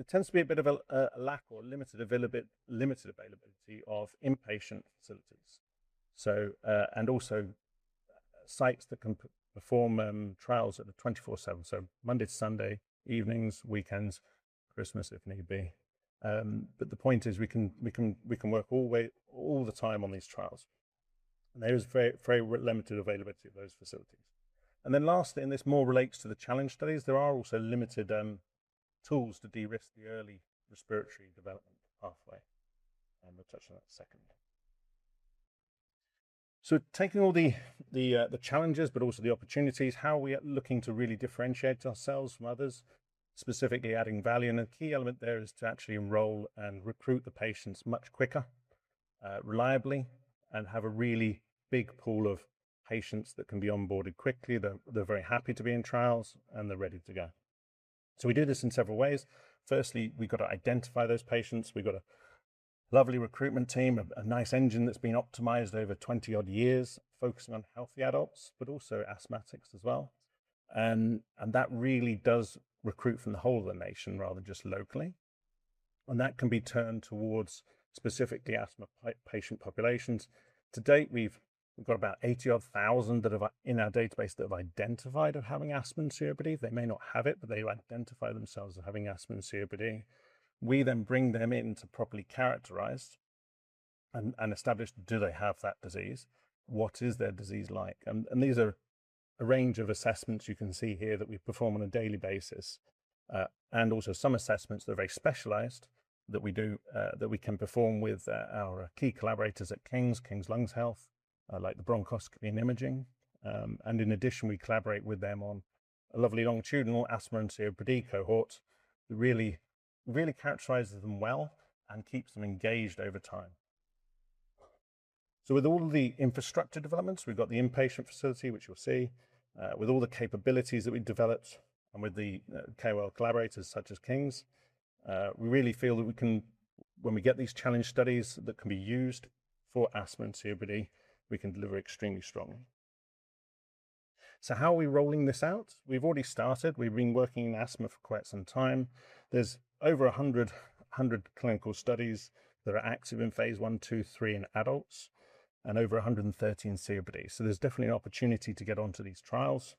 Speaker 13: tends to be a bit of a lack or limited availability of inpatient facilities. Also sites that can perform trials 24/7. Monday to Sunday, evenings, weekends, Christmas if need be. The point is, we can work all the time on these trials. There is very limited availability of those facilities. Then lastly, and this more relates to the challenge studies, there are also limited tools to de-risk the early respiratory development pathway, and we'll touch on that secondly. Taking all the challenges but also the opportunities, how are we looking to really differentiate ourselves from others, specifically adding value? A key element there is to actually enroll and recruit the patients much quicker, reliably, and have a really big pool of patients that can be onboarded quickly. They're very happy to be in trials, and they're ready to go. We do this in several ways. Firstly, we've got to identify those patients. We've got a lovely recruitment team, a nice engine that's been optimized over 20 odd years, focusing on healthy adults, but also asthmatics as well. That really does recruit from the whole of the nation rather than just locally. That can be turned towards specific asthma patient populations. To date, we've got about 80 odd thousand in our database that have identified of having asthma and COPD. They may not have it, but they identify themselves as having asthma and COPD. We then bring them in to properly characterize and establish, do they have that disease? What is their disease like? These are a range of assessments you can see here that we perform on a daily basis. Also some assessments that are very specialized that we can perform with our key collaborators at King's Centre for Lung Health, like the bronchoscopy and imaging. In addition, we collaborate with them on a lovely longitudinal asthma and COPD cohort that really characterizes them well and keeps them engaged over time. With all of the infrastructure developments, we've got the inpatient facility, which you'll see, with all the capabilities that we developed and with the KOL collaborators such as King's. We really feel that when we get these challenge studies that can be used for asthma and COPD, we can deliver extremely strongly. How are we rolling this out? We've already started. We've been working in asthma for quite some time. There's over 100 clinical studies that are active in phase I, II, III in adults and over 130 in COPD, so there's definitely an opportunity to get onto these trials.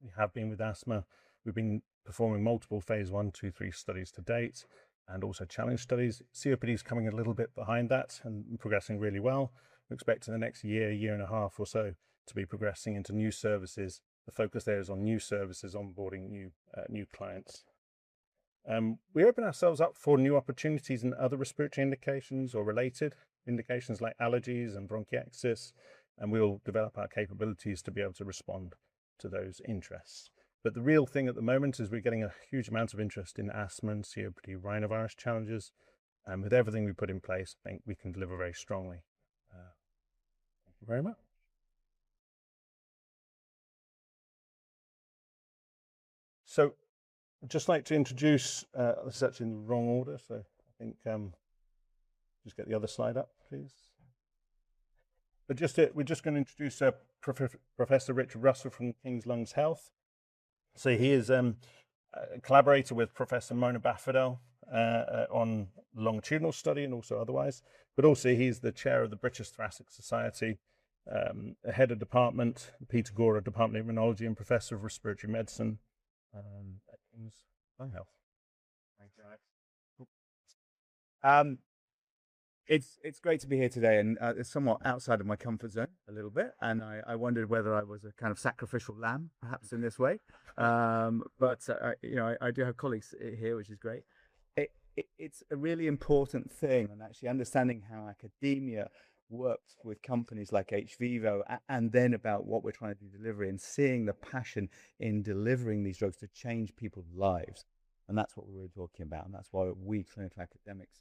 Speaker 13: We have been with asthma. We've been performing multiple phase I, II, III studies to date and also challenge studies. COPD is coming a little bit behind that and progressing really well. We expect in the next year and a half or so to be progressing into new services. The focus there is on new services, onboarding new clients. We open ourselves up for new opportunities in other respiratory indications or related indications like allergies and bronchiectasis, and we will develop our capabilities to be able to respond to those interests. The real thing at the moment is we're getting a huge amount of interest in asthma and COPD rhinovirus challenges. With everything we put in place, I think we can deliver very strongly. Thank you very much. I'd just like to introduce. That's actually in the wrong order. I think just get the other slide up, please. We're just going to introduce Professor Richard Russell from King's Centre for Lung Health. He is a collaborator with Professor Mona Bafadhel on longitudinal study and also otherwise, but also he's the chair of the British Thoracic Society, head of department, Peter Gorer Department of Immunobiology and Professor of Respiratory Medicine at King's Centre for Lung Health. Thanks, Alex.
Speaker 14: It's great to be here today, and it's somewhat outside of my comfort zone a little bit, and I wondered whether I was a kind of sacrificial lamb, perhaps, in this way. I do have colleagues here, which is great. It's a really important thing, and actually understanding how academia works with companies like hVIVO and then about what we're trying to do delivering. Seeing the passion in delivering these drugs to change people's lives, and that's what we're really talking about, and that's why we clinical academics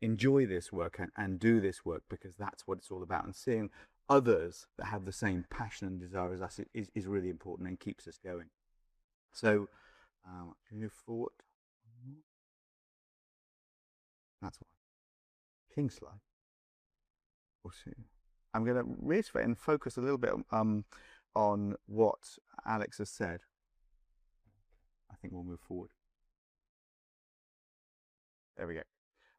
Speaker 14: enjoy this work and do this work because that's what it's all about. Seeing others that have the same passion and desire as us is really important and keeps us going. Can we move forward? That's my King's slide. We'll see. I'm going to reiterate and focus a little bit on what Alex has said. I think we'll move forward. There we go.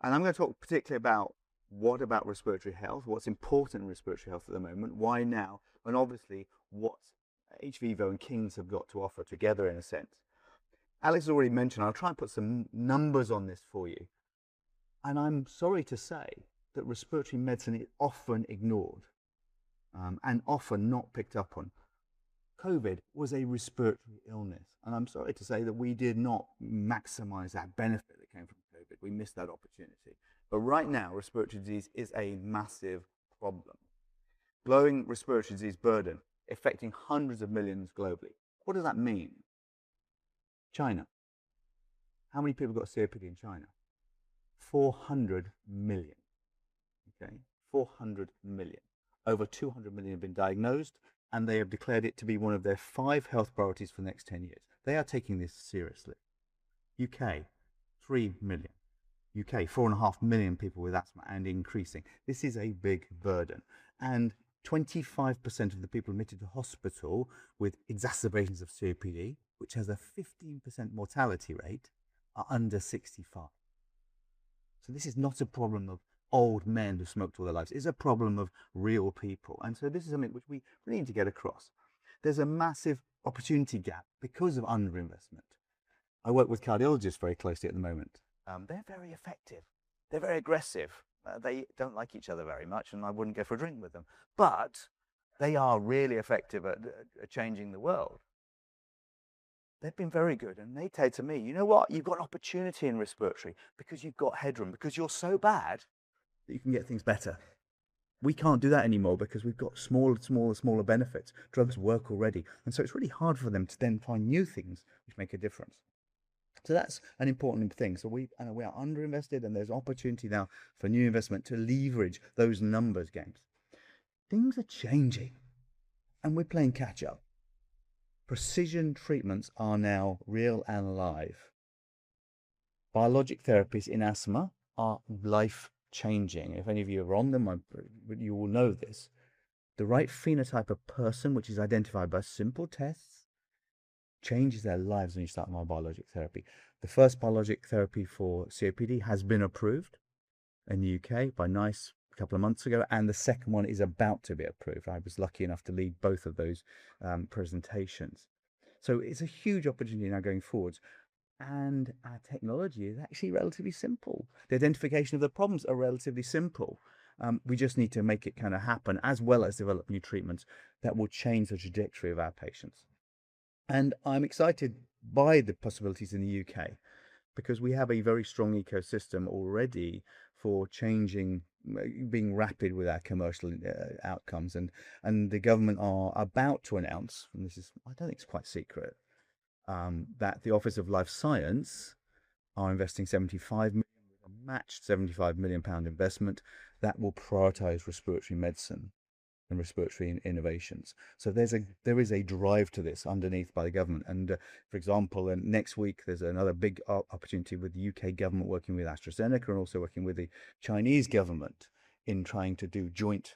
Speaker 14: I am going to talk particularly about what about respiratory health, what is important in respiratory health at the moment, why now, and obviously what hVIVO and King's have got to offer together in a sense. Alex has already mentioned, I will try and put some numbers on this for you, I am sorry to say that respiratory medicine is often ignored, often not picked up on. COVID was a respiratory illness, I am sorry to say that we did not maximize that benefit that came from COVID. We missed that opportunity. Right now, respiratory disease is a massive problem. Growing respiratory disease burden affecting hundreds of millions globally. What does that mean? China. How many people got COPD in China? 400 million. Okay? 400 million. Over 200 million have been diagnosed, they have declared it to be one of their five health priorities for the next 10 years. They are taking this seriously. U.K., 3 million. U.K., four and a half million people with asthma and increasing. This is a big burden, 25% of the people admitted to hospital with exacerbations of COPD, which has a 15% mortality rate, are under 65. This is not a problem of old men who smoked all their lives. It is a problem of real people. This is something which we really need to get across. There is a massive opportunity gap because of under-investment. I work with cardiologists very closely at the moment. They are very effective. They are very aggressive. They do not like each other very much, I would not go for a drink with them. They are really effective at changing the world. They have been very good, they say to me, "You know what? You have got an opportunity in respiratory because you have got headroom, because you are so bad that you can get things better." We cannot do that anymore because we have got smaller and smaller benefits. Drugs work already. It is really hard for them to then find new things which make a difference. That is an important thing. We are under-invested, there is opportunity now for new investment to leverage those numbers games. Things are changing, we are playing catch-up. Precision treatments are now real and live. Biologic therapies in asthma are life-changing. If any of you are on them, you will know this. The right phenotype of person, which is identified by simple tests, changes their lives when you start them on biologic therapy. The first biologic therapy for COPD has been approved in the U.K. by NICE a couple of months ago, the second one is about to be approved. I was lucky enough to lead both of those presentations. It is a huge opportunity now going forwards, our technology is actually relatively simple. The identification of the problems are relatively simple. We just need to make it happen as well as develop new treatments that will change the trajectory of our patients. I am excited by the possibilities in the U.K. because we have a very strong ecosystem already for being rapid with our commercial outcomes. The government are about to announce, I do not think it is quite secret, that the Office for Life Sciences are investing a matched 75 million pound investment that will prioritize respiratory medicine and respiratory innovations. There is a drive to this underneath by the government. For example, next week there is another big opportunity with the U.K. government working with AstraZeneca and also working with the Chinese government in trying to do joint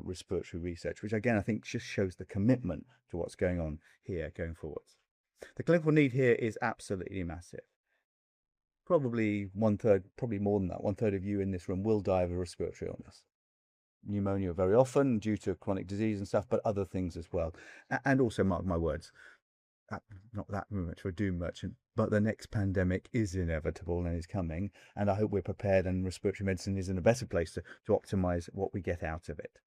Speaker 14: respiratory research, which again, I think just shows the commitment to what is going on here going forwards. The clinical need here is absolutely massive. Probably more than one third of you in this room will die of a respiratory illness. Pneumonia very often due to chronic disease and stuff, but other things as well. Mark my words, not that I am much of a doom merchant, but the next pandemic is inevitable and is coming, and I hope we are prepared and respiratory medicine is in a better place to optimize what we get out of it.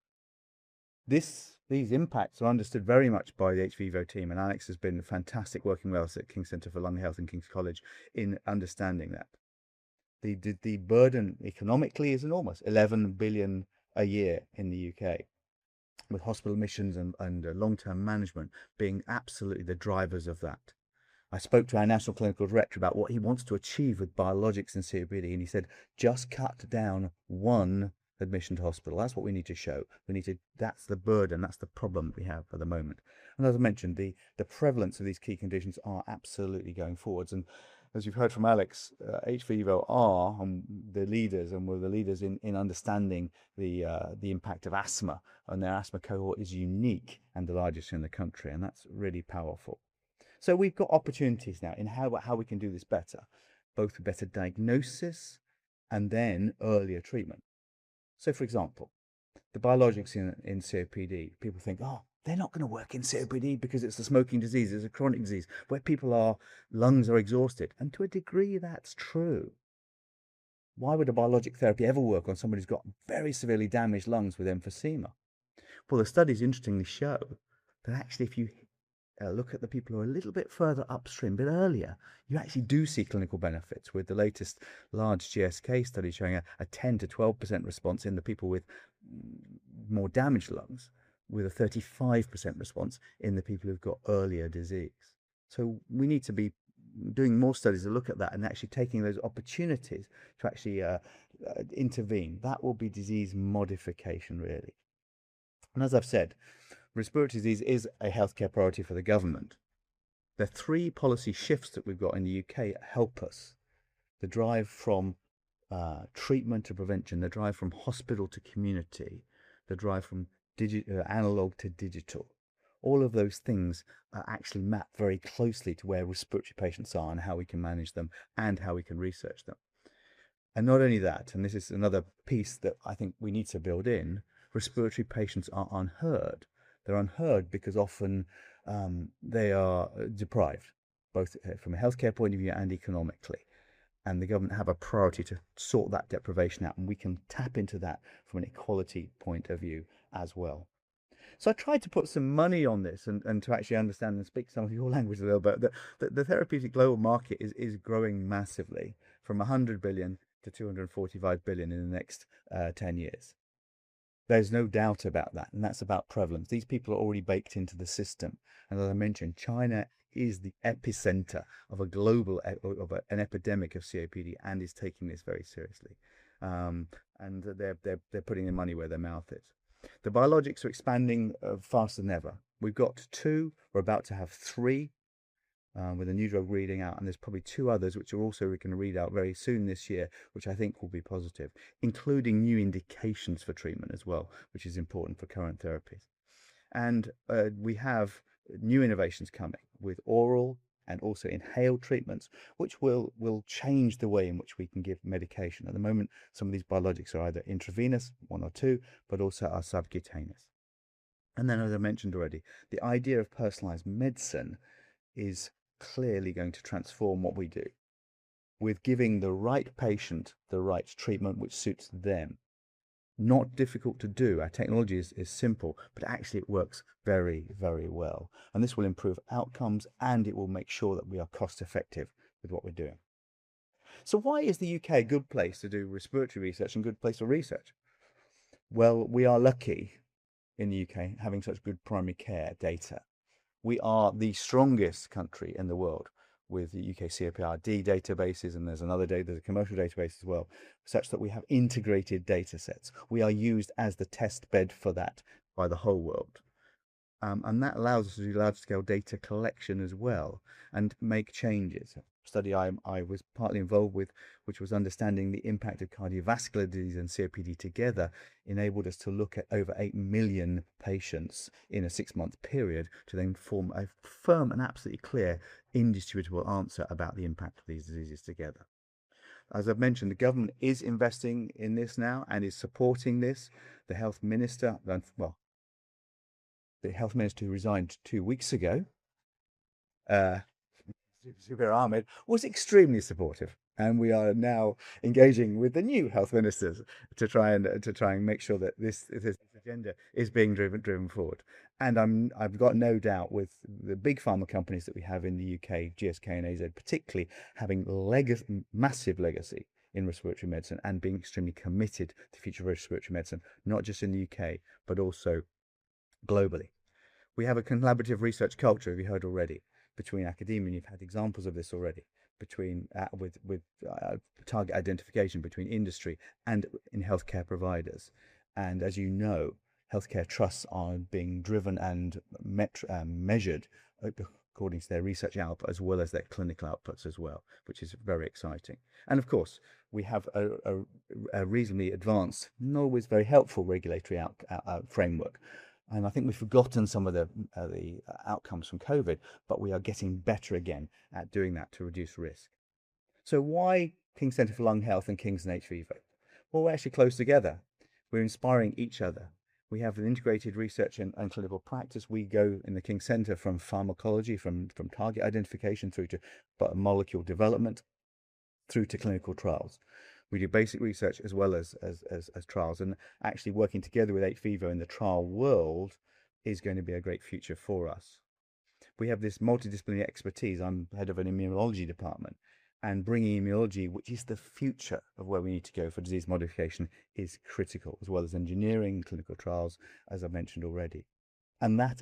Speaker 14: These impacts are understood very much by the hVIVO team. Alex has been fantastic working with us at King's Centre for Lung Health and King's College in understanding that. The burden economically is enormous, 11 billion a year in the U.K., with hospital admissions and long-term management being absolutely the drivers of that. I spoke to our national clinical director about what he wants to achieve with biologics and COPD. He said, "Just cut down one admission to hospital." That is what we need to show. That is the burden, that is the problem we have at the moment. As I mentioned, the prevalence of these key conditions are absolutely going forwards. As you have heard from Alex, hVIVO are the leaders. We are the leaders in understanding the impact of asthma. Their asthma cohort is unique and the largest in the country, and that is really powerful. We have got opportunities now in how we can do this better, both with better diagnosis and then earlier treatment. For example, the biologics in COPD, people think, "Oh, they are not going to work in COPD because it is a smoking disease." It is a chronic disease where people's lungs are exhausted. To a degree, that is true. Why would a biologic therapy ever work on somebody who has got very severely damaged lungs with emphysema? The studies interestingly show that actually, if you look at the people who are a little bit further upstream, a bit earlier, you actually do see clinical benefits with the latest large GSK study showing a 10%-12% response in the people with more damaged lungs, with a 35% response in the people who have got earlier disease. We need to be doing more studies to look at that and actually taking those opportunities to actually intervene. That will be disease modification, really. As I have said, respiratory disease is a healthcare priority for the government. The three policy shifts that we have got in the U.K. help us. The drive from treatment to prevention, the drive from hospital to community, the drive from analog to digital. All of those things are actually mapped very closely to where respiratory patients are and how we can manage them and how we can research them. This is another piece that I think we need to build in, respiratory patients are unheard. They are unheard because often they are deprived, both from a healthcare point of view and economically. The government have a priority to sort that deprivation out, and we can tap into that from an equality point of view as well. I tried to put some money on this and to actually understand and speak some of your language a little bit. The therapeutic global market is growing massively from 100 billion to 245 billion in the next 10 years. There's no doubt about that, and that's about prevalence. These people are already baked into the system. As I mentioned, China is the epicenter of an epidemic of COPD and is taking this very seriously. They're putting their money where their mouth is. The biologics are expanding faster than ever. We've got two. We're about to have three with a new drug reading out, there's probably two others which are also going to read out very soon this year, which I think will be positive, including new indications for treatment as well, which is important for current therapies. We have new innovations coming with oral and also inhaled treatments, which will change the way in which we can give medication. At the moment, some of these biologics are either intravenous, one or two, but also are subcutaneous. As I mentioned already, the idea of personalized medicine is clearly going to transform what we do with giving the right patient the right treatment which suits them. Not difficult to do. Our technology is simple, but actually it works very well. This will improve outcomes, and it will make sure that we are cost-effective with what we're doing. Why is the U.K. a good place to do respiratory research and a good place for research? Well, we are lucky in the U.K. having such good primary care data. We are the strongest country in the world with U.K. COPD databases, there's another data, commercial database as well, such that we have integrated data sets. We are used as the test bed for that by the whole world. That allows us to do large-scale data collection as well and make changes. A study I was partly involved with, which was understanding the impact of cardiovascular disease and COPD together, enabled us to look at over 8 million patients in a six-month period to then form a firm and absolutely clear, indisputable answer about the impact of these diseases together. As I've mentioned, the government is investing in this now and is supporting this. The Health Minister who resigned two weeks ago, Sajid Javid, was extremely supportive. We are now engaging with the new health ministers to try and make sure that this agenda is being driven forward. I've got no doubt with the big pharma companies that we have in the U.K., GSK and AZ particularly, having massive legacy in respiratory medicine and being extremely committed to the future of respiratory medicine, not just in the U.K. but also globally. We have a collaborative research culture, you heard already, between academia, you've had examples of this already, with target identification between industry and in healthcare providers. As you know, healthcare trusts are being driven and measured according to their research output as well as their clinical outputs as well, which is very exciting. Of course, we have a reasonably advanced, not always very helpful, regulatory framework. I think we've forgotten some of the outcomes from COVID, but we are getting better again at doing that to reduce risk. Why King's Centre for Lung Health and King's and hVIVO? Well, we're actually close together. We're inspiring each other. We have an integrated research and clinical practice. We go in the King's Centre from pharmacology, from target identification, through to molecule development, through to clinical trials. We do basic research as well as trials, and actually working together with hVIVO in the trial world is going to be a great future for us. We have this multidisciplinary expertise. I am head of an immunology department, and bringing immunology, which is the future of where we need to go for disease modification, is critical, as well as engineering clinical trials, as I mentioned already. That,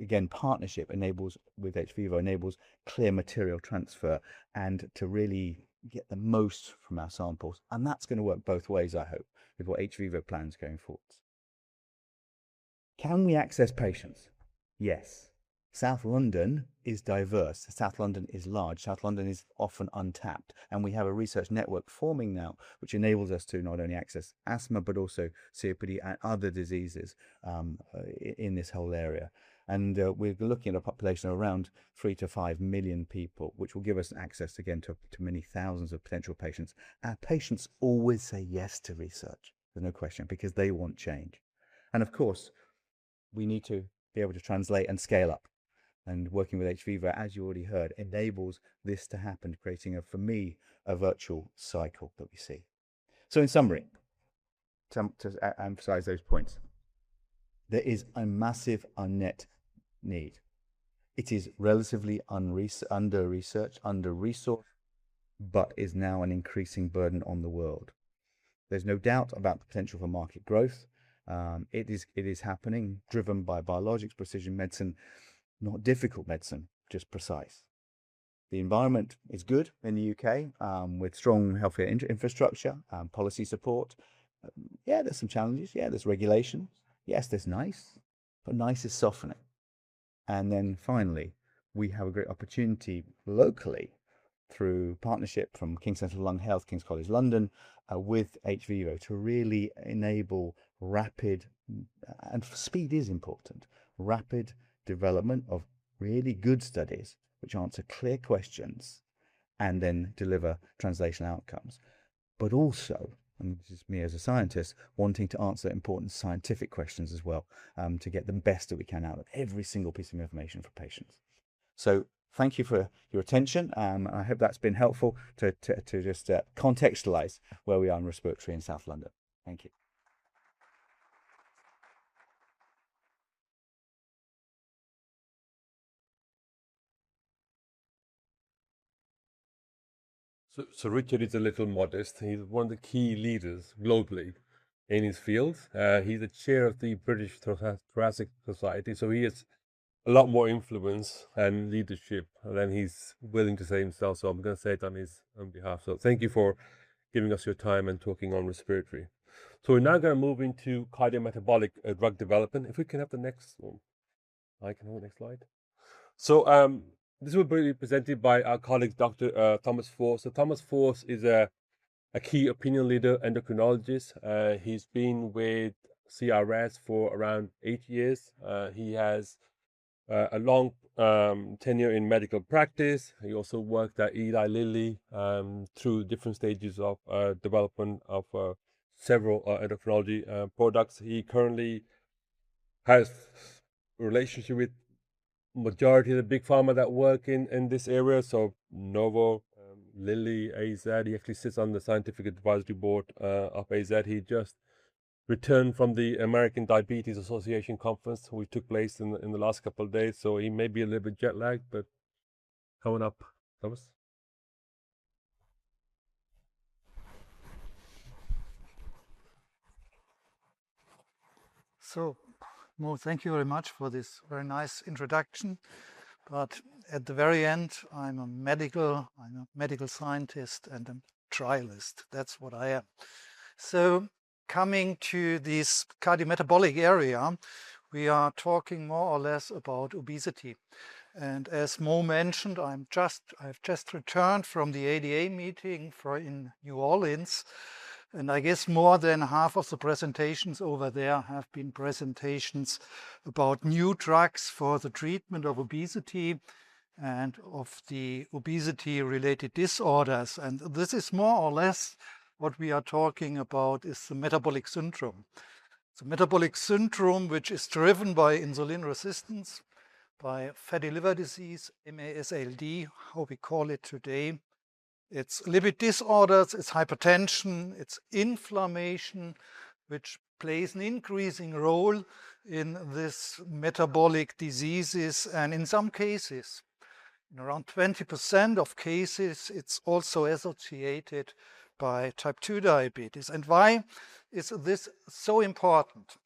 Speaker 14: again, partnership with hVIVO enables clear material transfer and to really get the most from our samples, and that's going to work both ways, I hope, with what hVIVO plans going forwards. Can we access patients? Yes. South London is diverse. South London is large. South London is often untapped. We have a research network forming now, which enables us to not only access asthma, but also COPD and other diseases in this whole area. We are looking at a population of around 3 to 5 million people, which will give us access, again, to many thousands of potential patients. Our patients always say yes to research, there's no question, because they want change. Of course, we need to be able to translate and scale up. Working with hVIVO, as you already heard, enables this to happen, creating, for me, a virtual cycle that we see. In summary, to emphasize those points, there is a massive unmet need. It is relatively under-researched, under-resourced, but is now an increasing burden on the world. There's no doubt about the potential for market growth. It is happening, driven by biologics, precision medicine. Not difficult medicine, just precise. The environment is good in the U.K., with strong healthcare infrastructure, policy support. Yeah, there's some challenges. Yeah, there's regulation. Yes, there's NICE, but NICE is softening. Finally, we have a great opportunity locally through partnership from King's Centre for Lung Health, King's College London, with hVIVO to really enable rapid, and speed is important, rapid development of really good studies which answer clear questions and then deliver translational outcomes. This is me as a scientist, wanting to answer important scientific questions as well, to get the best that we can out of every single piece of information for patients. Thank you for your attention, and I hope that's been helpful to just contextualize where we are in respiratory in South London. Thank you.
Speaker 1: Richard is a little modest. He's one of the key leaders globally in his field. He's the chair of the British Thoracic Society, he has a lot more influence and leadership than he's willing to say himself, I'm going to say it on his own behalf. Thank you for giving us your time and talking on respiratory. We're now going to move into cardiometabolic drug development. If we can have the next one. I can have the next slide. This will be presented by our colleague, Dr. Thomas Forst. Thomas Forst is a key opinion leader endocrinologist. He's been with CRS for around eight years. He has a long tenure in medical practice. He also worked at Eli Lilly through different stages of development of several endocrinology products. He currently has relationship with majority of the big pharma that work in this area. Novo, Lilly, AZ. He actually sits on the scientific advisory board of AZ. He just returned from the American Diabetes Association Conference, which took place in the last couple of days. He may be a little bit jet lagged, but coming up, Thomas Forst.
Speaker 15: Mo, thank you very much for this very nice introduction, but at the very end, I'm a medical scientist and a trialist. That's what I am. Coming to this cardiometabolic area, we are talking more or less about obesity. As Mo mentioned, I've just returned from the ADA meeting in New Orleans, I guess more than half of the presentations over there have been presentations about new drugs for the treatment of obesity and of the obesity-related disorders. This is more or less what we are talking about is the metabolic syndrome. The metabolic syndrome, which is driven by insulin resistance, by fatty liver disease, MASLD, how we call it today. It's lipid disorders, it's hypertension, it's inflammation, which plays an increasing role in this metabolic diseases and in some cases, in around 20% of cases, it's also associated by type 2 diabetes. Why is this so important?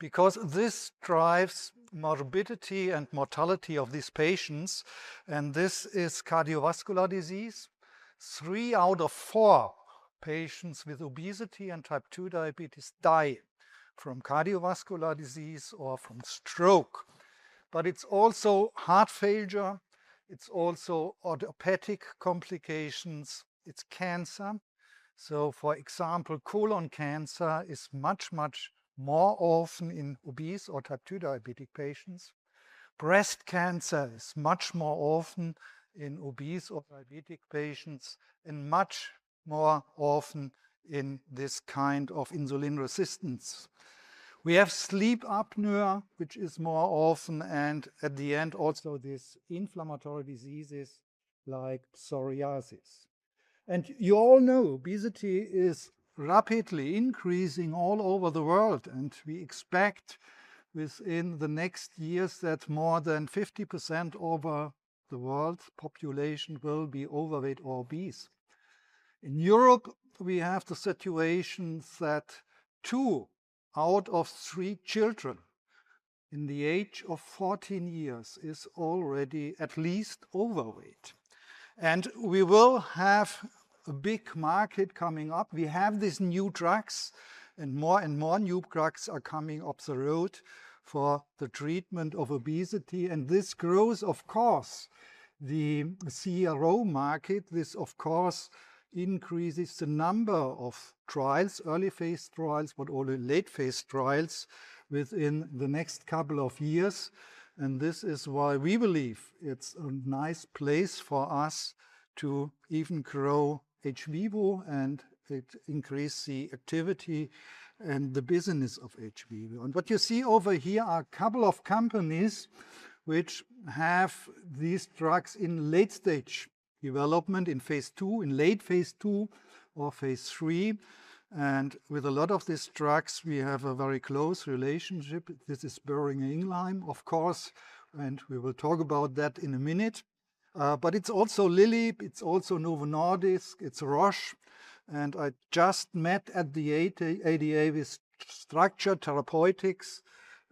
Speaker 15: Because this drives morbidity and mortality of these patients, this is cardiovascular disease. Three out of four patients with obesity and type 2 diabetes die from cardiovascular disease or from stroke. It's also heart failure. It's also orthopedic complications. It's cancer. For example, colon cancer is much, much more often in obese or type 2 diabetic patients. Breast cancer is much more often in obese or diabetic patients and much more often in this kind of insulin resistance. We have sleep apnea, which is more often, and at the end, also these inflammatory diseases like psoriasis. You all know obesity is rapidly increasing all over the world, we expect within the next years that more than 50% of the world's population will be overweight or obese. In Europe, we have the situation that two out of three children in the age of 14 years is already at least overweight. We will have a big market coming up. We have these new drugs and more and more new drugs are coming up the road for the treatment of obesity. This grows, of course, the CRO market. This, of course, increases the number of trials, early phase trials, but also late phase trials within the next couple of years. This is why we believe it's a nice place for us to even grow hVIVO and increase the activity and the business of hVIVO. What you see over here are a couple of companies which have these drugs in late stage development in phase II, in late phase II or phase III. With a lot of these drugs, we have a very close relationship. This is Boehringer Ingelheim, of course. We will talk about that in a minute. It's also Lilly, it's also Novo Nordisk, it's Roche. I just met at the ADA with Structure Therapeutics.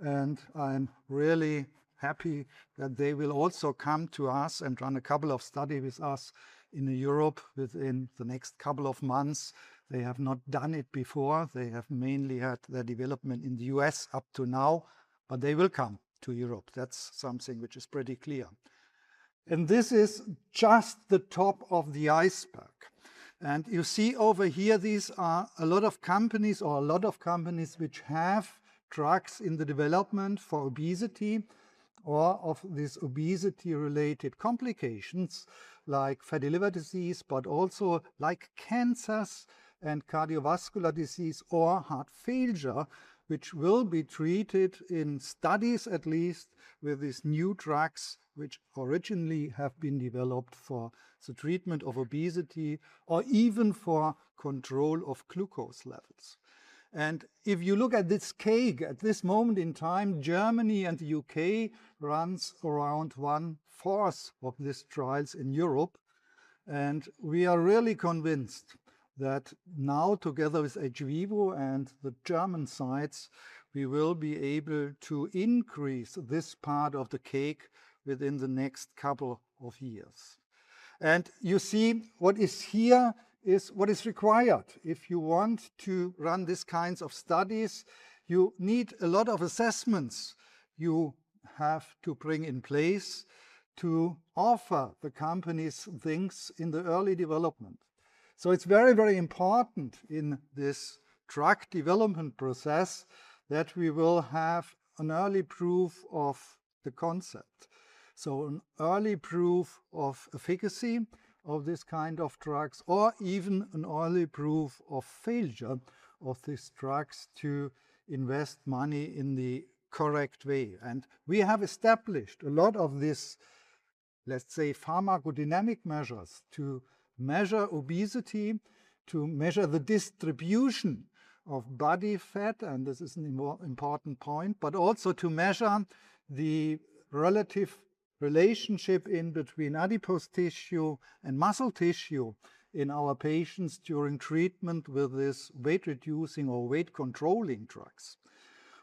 Speaker 15: I'm really happy that they will also come to us and run a couple of study with us in Europe within the next couple of months. They have not done it before. They have mainly had their development in the U.S. up to now, but they will come to Europe. That's something which is pretty clear. This is just the top of the iceberg. You see over here, these are a lot of companies or a lot of companies which have drugs in the development for obesity or of these obesity-related complications like fatty liver disease, but also like cancers and cardiovascular disease or heart failure, which will be treated in studies, at least, with these new drugs, which originally have been developed for the treatment of obesity or even for control of glucose levels. If you look at this cake, at this moment in time, Germany and the U.K. runs around one fourth of these trials in Europe. We are really convinced that now together with hVIVO and the German sites, we will be able to increase this part of the cake within the next couple of years. You see what is here is what is required. If you want to run these kinds of studies, you need a lot of assessments you have to bring in place to offer the companies things in the early development. It's very, very important in this drug development process that we will have an early proof of the concept. An early proof of efficacy of this kind of drugs or even an early proof of failure of these drugs to invest money in the correct way. We have established a lot of this, let's say, pharmacodynamic measures to measure obesity, to measure the distribution of body fat, and this is an important point, but also to measure the relative relationship in between adipose tissue and muscle tissue in our patients during treatment with these weight reducing or weight controlling drugs.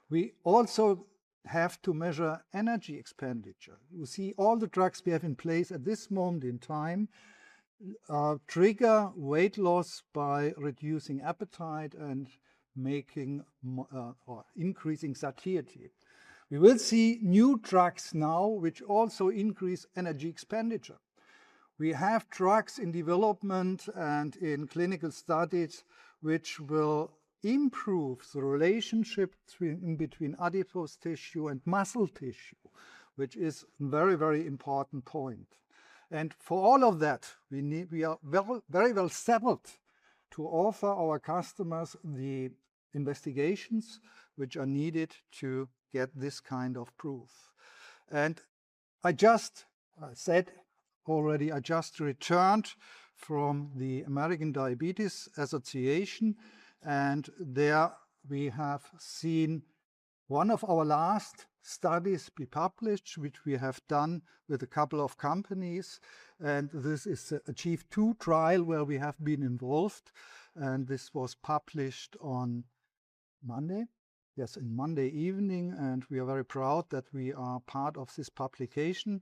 Speaker 15: We also have to measure energy expenditure. You see all the drugs we have in place at this moment in time trigger weight loss by reducing appetite and increasing satiety. We will see new drugs now which also increase energy expenditure. We have drugs in development and in clinical studies which will improve the relationship in between adipose tissue and muscle tissue, which is a very important point. For all of that, we are very well settled to offer our customers the investigations which are needed to get this kind of proof. I just said already, I just returned from the American Diabetes Association, and there we have seen one of our last studies be published, which we have done with a couple of companies. This is ACHIEVE-2 trial where we have been involved, and this was published on Monday? Yes, on Monday evening, we are very proud that we are part of this publication.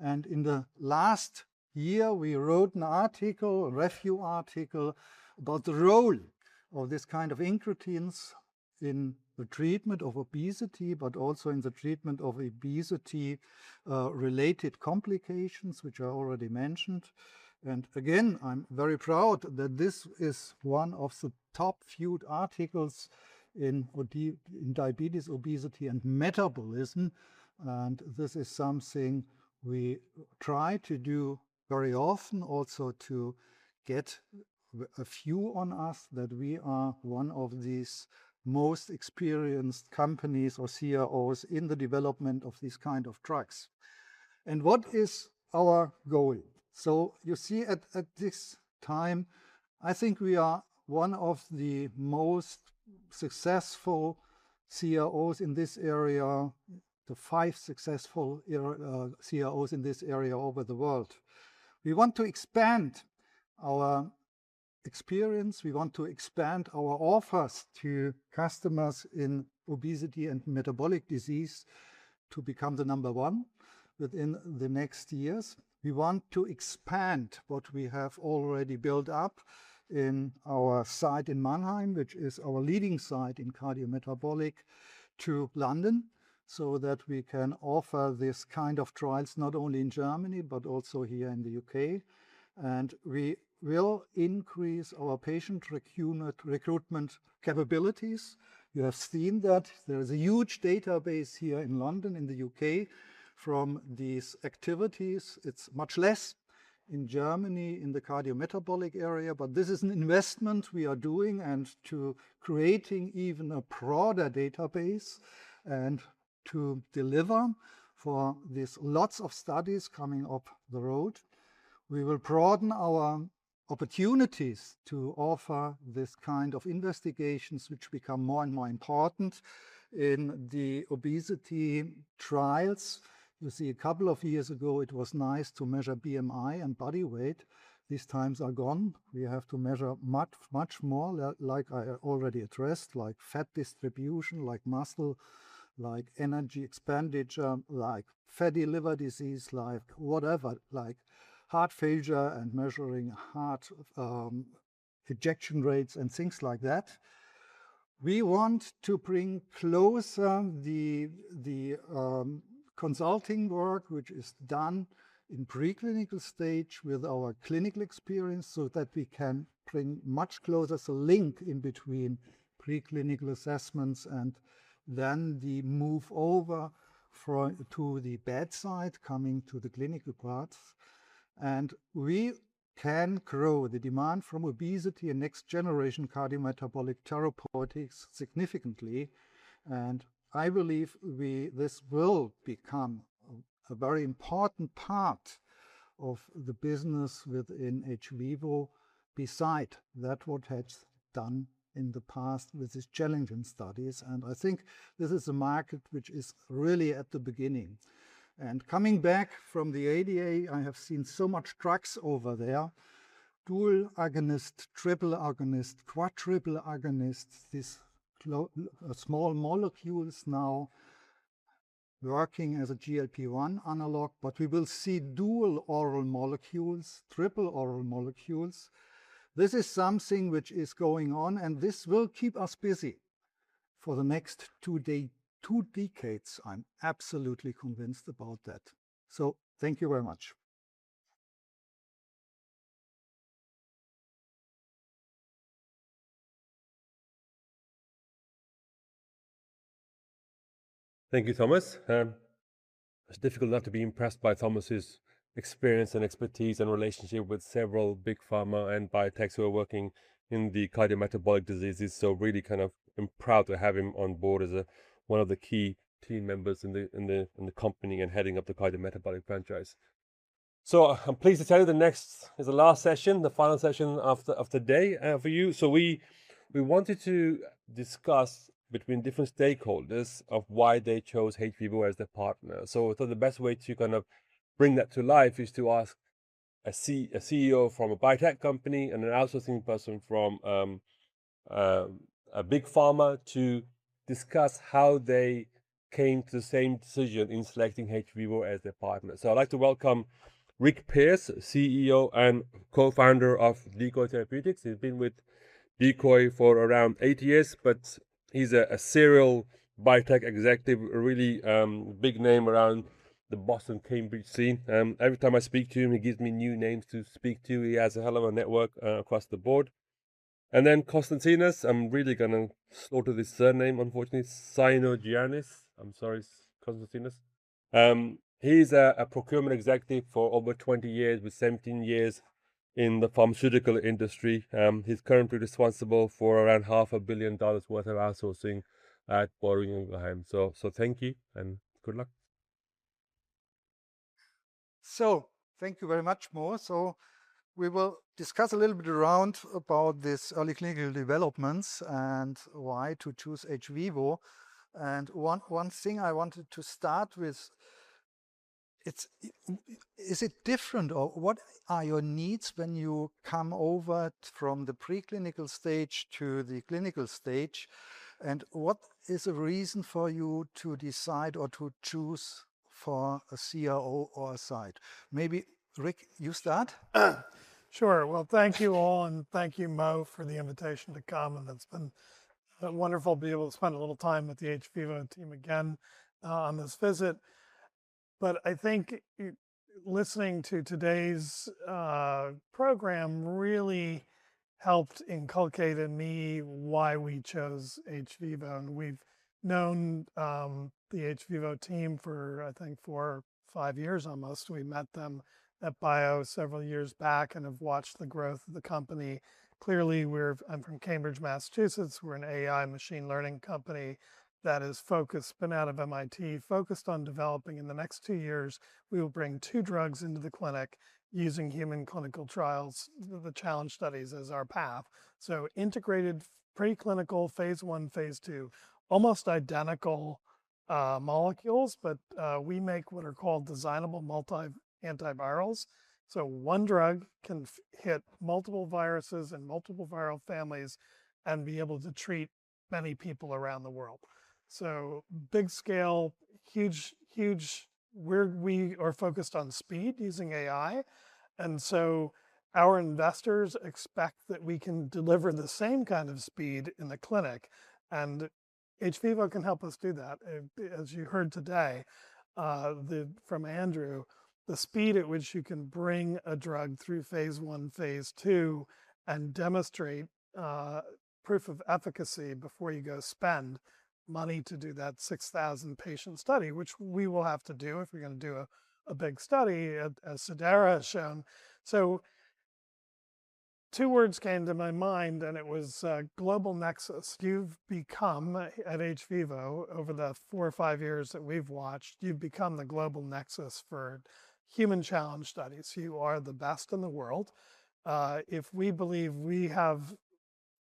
Speaker 15: In the last year, we wrote an article, a review article, about the role of this kind of incretins in the treatment of obesity, but also in the treatment of obesity related complications, which I already mentioned. Again, I'm very proud that this is one of the top viewed articles in Diabetes, Obesity and Metabolism. This is something we try to do very often also to get a view on us that we are one of these most experienced companies or CROs in the development of these kind of drugs. What is our goal? You see at this time, I think we are one of the most successful CROs in this area, the 5 successful CROs in this area over the world. We want to expand our experience. We want to expand our offers to customers in obesity and metabolic disease to become the number one within the next years. We want to expand what we have already built up in our site in Mannheim, which is our leading site in cardiometabolic, to London, so that we can offer this kind of trials not only in Germany, but also here in the U.K. We will increase our patient recruitment capabilities. You have seen that there is a huge database here in London, in the U.K., from these activities. It's much less in Germany in the cardiometabolic area. This is an investment we are doing and to creating even a broader database and to deliver for these lots of studies coming up the road. We will broaden our opportunities to offer this kind of investigations, which become more and more important in the obesity trials. You see, a couple of years ago, it was nice to measure BMI and body weight. These times are gone. We have to measure much more, like I already addressed, like fat distribution, like muscle, like energy expenditure, like fatty liver disease, like whatever, like heart failure and measuring heart ejection rates and things like that. We want to bring closer the consulting work, which is done in preclinical stage with our clinical experience, so that we can bring much closer the link in between preclinical assessments and then the move over to the bedside, coming to the clinical parts. We can grow the demand from obesity and next generation cardiometabolic therapeutics significantly. I believe this will become a very important part of the business within hVIVO beside that what has done in the past with these challenging studies. I think this is a market which is really at the beginning. Coming back from the ADA, I have seen so much drugs over there. Dual agonist, triple agonist, quadruple agonist, these small molecules now working as a GLP-1 analog, but we will see dual oral molecules, triple oral molecules. This is something which is going on, and this will keep us busy for the next 2 decades. I'm absolutely convinced about that. Thank you very much.
Speaker 1: Thank you, Thomas. It's difficult not to be impressed by Thomas' experience and expertise and relationship with several big pharma and biotechs who are working in the cardiometabolic diseases. Really, I'm proud to have him on board as one of the key team members in the company and heading up the cardiometabolic franchise. I'm pleased to tell you the next is the last session, the final session of today for you. We wanted to discuss between different stakeholders of why they chose hVIVO as their partner. We thought the best way to bring that to life is to ask a CEO from a biotech company and an outsourcing person from a big pharma to discuss how they came to the same decision in selecting hVIVO as their partner. I'd like to welcome Rick Pierce, CEO and co-founder of Decoy Therapeutics. He's been with Decoy for around eight years, but he's a serial biotech executive, a really big name around the Boston, Cambridge scene. Every time I speak to him, he gives me new names to speak to. He has a hell of a network across the board. Konstantinos, I'm really going to slaughter this surname, unfortunately. Synodinos. I'm sorry, Konstantinos. He's a procurement executive for over 20 years, with 17 years in the pharmaceutical industry. He's currently responsible for around half a billion dollars worth of outsourcing at Boehringer Ingelheim. Thank you, and good luck.
Speaker 15: Thank you very much, Mo. We will discuss a little bit around about this early clinical developments and why to choose hVIVO. One thing I wanted to start with, is it different, or what are your needs when you come over from the preclinical stage to the clinical stage, and what is a reason for you to decide or to choose for a CRO or a site? Maybe Rick, you start.
Speaker 12: Thank you all, thank you, Mo, for the invitation to come, and it's been wonderful to be able to spend a little time with the hVIVO team again on this visit. I think listening to today's program really helped inculcate in me why we chose hVIVO, and we've known the hVIVO team for, I think, four or five years almost. We met them at BIO several years back and have watched the growth of the company. Clearly, I'm from Cambridge, Massachusetts. We're an AI machine learning company that is spun out of MIT, focused on developing in the next two years, we will bring two drugs into the clinic using human clinical trials, the challenge studies, as our path. Integrated preclinical phase I, phase II, almost identical molecules, but we make what are called designable multi-antivirals. One drug can hit multiple viruses and multiple viral families and be able to treat many people around the world. Big scale, huge. We are focused on speed using AI, our investors expect that we can deliver the same kind of speed in the clinic, and hVIVO can help us do that. As you heard today from Andrew, the speed at which you can bring a drug through phase I, phase II, and demonstrate proof of efficacy before you go spend money to do that 6,000-patient study, which we will have to do if we're going to do a big study, as Cidara has shown. Two words came to my mind, and it was global nexus. You've become, at hVIVO, over the four or five years that we've watched, you've become the global nexus for human challenge studies. You are the best in the world. If we believe we have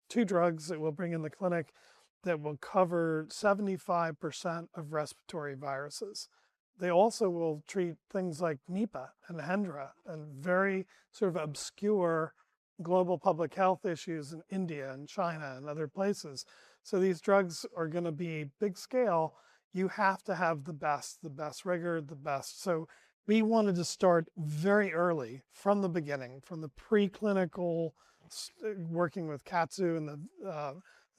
Speaker 12: two drugs that we'll bring in the clinic that will cover 75% of respiratory viruses. They also will treat things like Nipah and Hendra and very obscure global public health issues in India and China and other places. These drugs are going to be big scale. You have to have the best rigor. We wanted to start very early from the beginning, from the preclinical, working with Katsu and the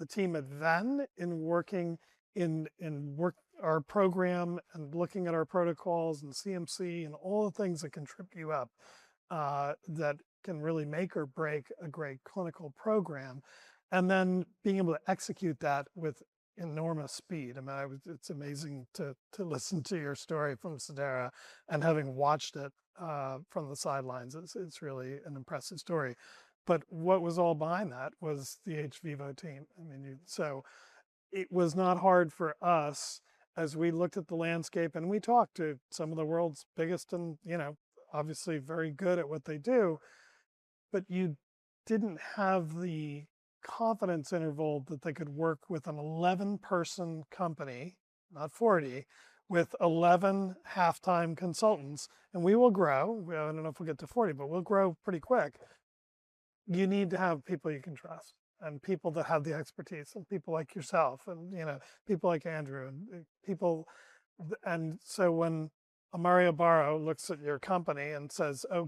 Speaker 12: team at Venn in working our program and looking at our protocols and CMC and all the things that can trip you up that can really make or break a great clinical program. Being able to execute that with enormous speed. It's amazing to listen to your story from Cidara and having watched it from the sidelines. It's really an impressive story. What was all behind that was the hVIVO team. It was not hard for us as we looked at the landscape, and we talked to some of the world's biggest and obviously very good at what they do, but you didn't have the confidence interval that they could work with an 11-person company, not 40, with 11 half-time consultants. We will grow. I don't know if we'll get to 40, but we'll grow pretty quick. You need to have people you can trust and people that have the expertise and people like yourself and people like Andrew. When Mario Barro looks at your company and says, "They're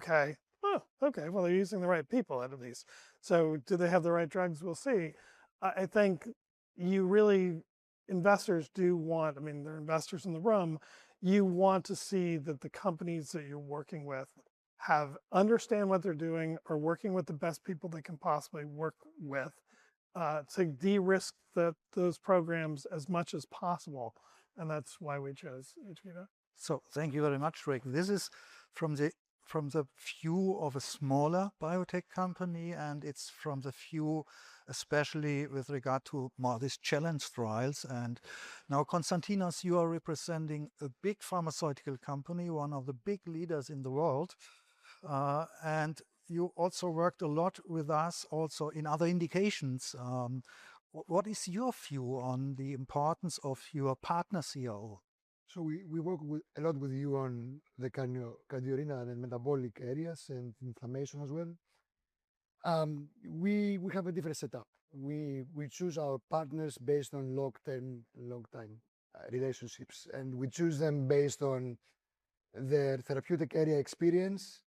Speaker 12: using the right people out of these. Do they have the right drugs? We'll see." I think investors do want, they're investors in the room, you want to see that the companies that you're working with understand what they're doing, are working with the best people they can possibly work with, to de-risk those programs as much as possible. That's why we chose hVIVO.
Speaker 15: Thank you very much, Rick. This is from the view of a smaller biotech company, and it's from the view, especially with regard to more of these challenge trials. Now, Konstantinos, you are representing a big pharmaceutical company, one of the big leaders in the world. You also worked a lot with us also in other indications. What is your view on the importance of your partner CRO?
Speaker 16: We work a lot with you on the cardio, renal, and metabolic areas, and inflammation as well. We have a different setup. We choose our partners based on long-term relationships, and we choose them based on their therapeutic area experience,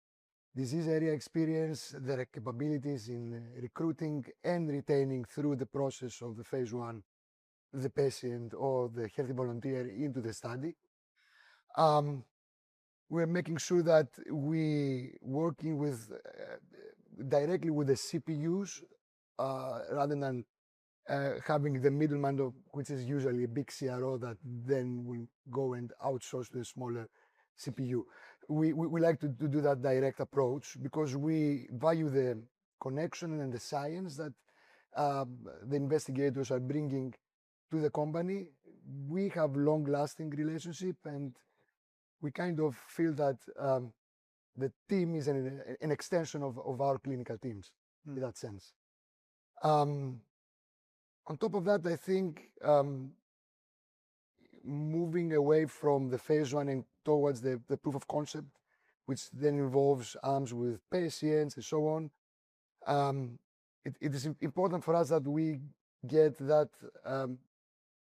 Speaker 16: disease area experience, their capabilities in recruiting and retaining through the process of the phase I, the patient or the healthy volunteer into the study. We're making sure that we working directly with the CRUs, rather than having the middleman, which is usually a big CRO that then will go and outsource to a smaller CRU. We like to do that direct approach because we value the connection and the science that the investigators are bringing to the company. We have long-lasting relationship, and we feel that the team is an extension of our clinical teams in that sense. On top of that, I think, moving away from the phase I and towards the proof of concept, which then involves arms with patients and so on. It is important for us that we get that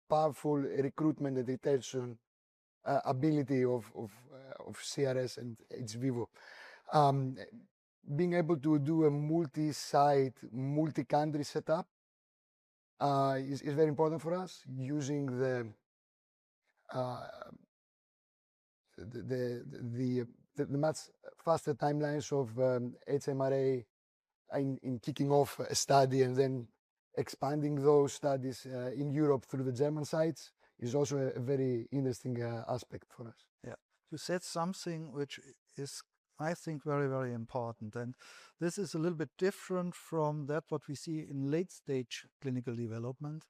Speaker 16: powerful recruitment and retention ability of CRS and hVIVO. Being able to do a multi-site, multi-country setup, is very important for us. Using the much faster timelines of MHRA in kicking off a study and then expanding those studies in Europe through the German sites is also a very interesting aspect for us.
Speaker 15: You said something which is, I think, very important, and this is a little bit different from that what we see in late-stage clinical development.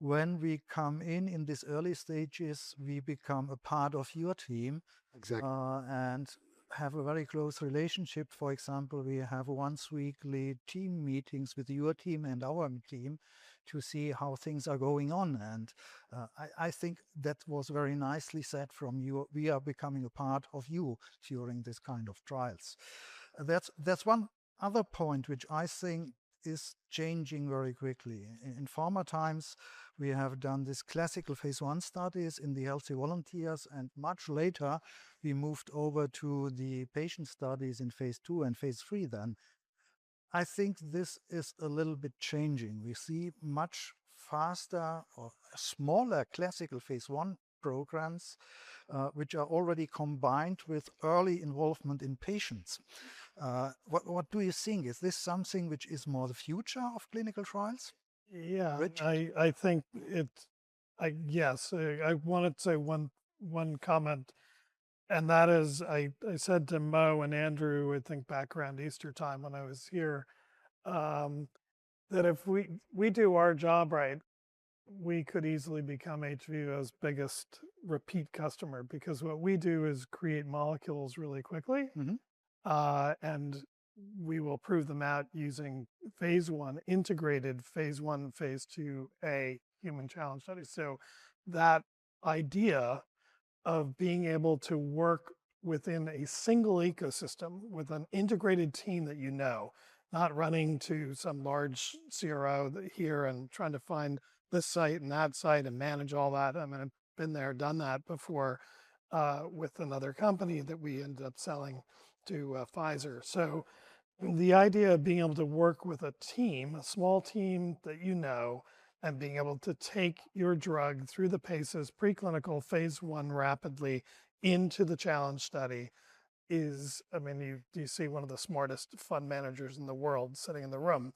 Speaker 15: When we come in in these early stages, we become a part of your team.
Speaker 16: Exactly.
Speaker 15: Have a very close relationship. For example, we have once weekly team meetings with your team and our team to see how things are going on. I think that was very nicely said from you. We are becoming a part of you during these kind of trials. There's one other point which I think is changing very quickly. In former times, we have done these classical phase I studies in the healthy volunteers, much later, we moved over to the patient studies in phase II and phase III then. I think this is a little bit changing. We see much faster or smaller classical phase I programs, which are already combined with early involvement in patients. What do you think? Is this something which is more the future of clinical trials?
Speaker 12: Yeah.
Speaker 15: Rick?
Speaker 12: I want to say one comment, and that is, I said to Mo and Andrew, I think back around Easter time when I was here, that if we do our job right, we could easily become hVIVO's biggest repeat customer because what we do is create molecules really quickly. We will prove them out using integrated phase I, phase II-A human challenge studies. That idea of being able to work within a single ecosystem with an integrated team that you know, not running to some large CRO here and trying to find this site and that site and manage all that. I've been there, done that before, with another company that we ended up selling to Pfizer. The idea of being able to work with a team, a small team that you know, and being able to take your drug through the paces, preclinical phase I rapidly into the challenge study. You see one of the smartest fund managers in the world sitting in the room,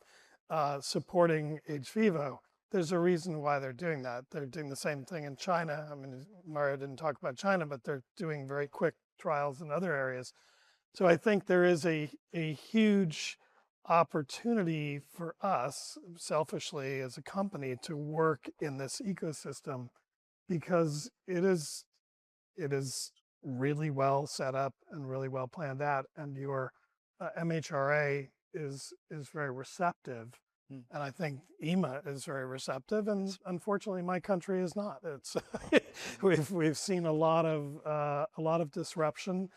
Speaker 12: supporting hVIVO. There's a reason why they're doing that. They're doing the same thing in China. Mario didn't talk about China, but they're doing very quick trials in other areas. I think there is a huge opportunity for us, selfishly, as a company, to work in this ecosystem because it is really well set up and really well planned out. Your MHRA is very receptive. I think EMA is very receptive, and unfortunately, my country is not. We've seen a lot of disruption.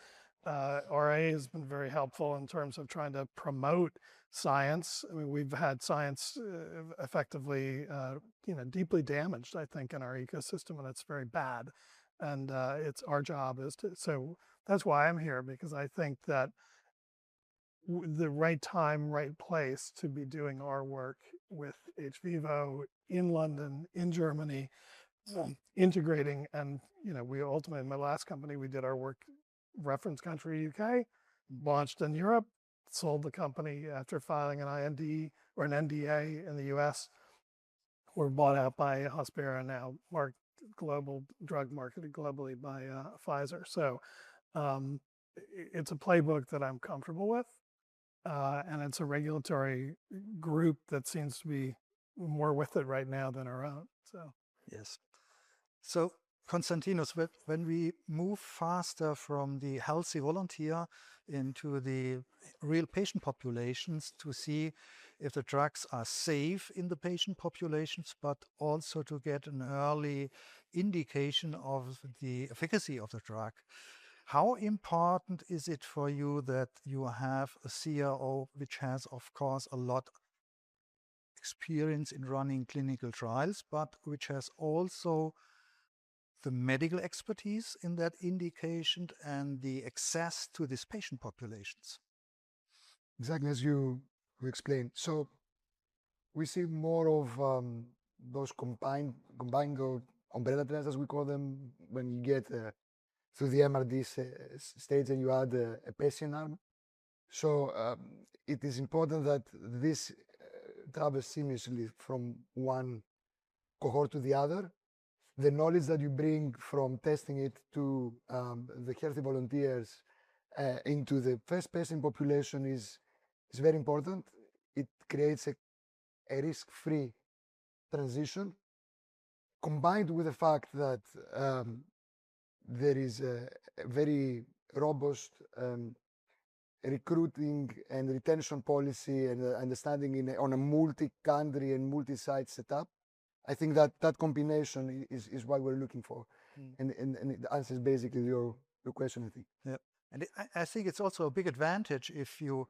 Speaker 12: RA has been very helpful in terms of trying to promote science. We've had science effectively deeply damaged, I think, in our ecosystem, and it's very bad. It's our job. That's why I'm here, because I think that the right time, right place to be doing our work with hVIVO in London, in Germany, integrating. Ultimately, my last company, we did our work reference country U.K., launched in Europe, sold the company after filing an IND or an NDA in the U.S. We were bought out by Hospira, now global drug marketed globally by Pfizer. It's a playbook that I'm comfortable with, and it's a regulatory group that seems to be more with it right now than around.
Speaker 15: Yes. Konstantinos, when we move faster from the healthy volunteer into the real patient populations to see if the drugs are safe in the patient populations, but also to get an early indication of the efficacy of the drug, how important is it for you that you have a CRO, which has, of course, a lot experience in running clinical trials, but which has also the medical expertise in that indication and the access to these patient populations?
Speaker 16: Exactly as you explained. We see more of those combined umbrella plans, as we call them, when you get through the MAD stage and you add a patient arm. It is important that this travels seamlessly from one cohort to the other. The knowledge that you bring from testing it to the healthy volunteers into the first patient population is very important. It creates a risk-free transition. Combined with the fact that there is a very robust recruiting and retention policy and understanding on a multi-country and multi-site setup, I think that combination is what we're looking for. It answers, basically, your question, I think.
Speaker 15: Yeah. I think it's also a big advantage if you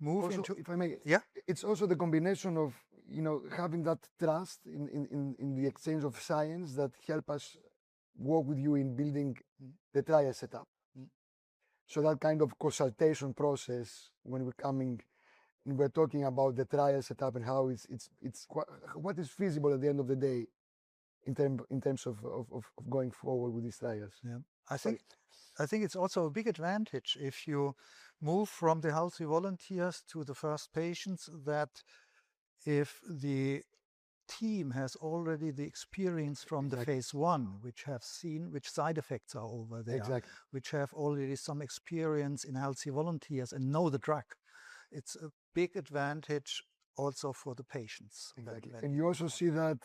Speaker 15: move.
Speaker 16: If I may.
Speaker 15: Yeah.
Speaker 16: It's also the combination of having that trust in the exchange of science that help us work with you in building the trial setup. That kind of consultation process when we're coming and we're talking about the trial setup and what is feasible at the end of the day in terms of going forward with these trials.
Speaker 15: Yeah. I think it's also a big advantage if you move from the healthy volunteers to the first patients, that if the team has already the experience from the phase I, which have seen which side effects are over there.
Speaker 16: Exactly.
Speaker 15: Have already some experience in healthy volunteers and know the drug. It's a big advantage also for the patients.
Speaker 16: Exactly. You also see that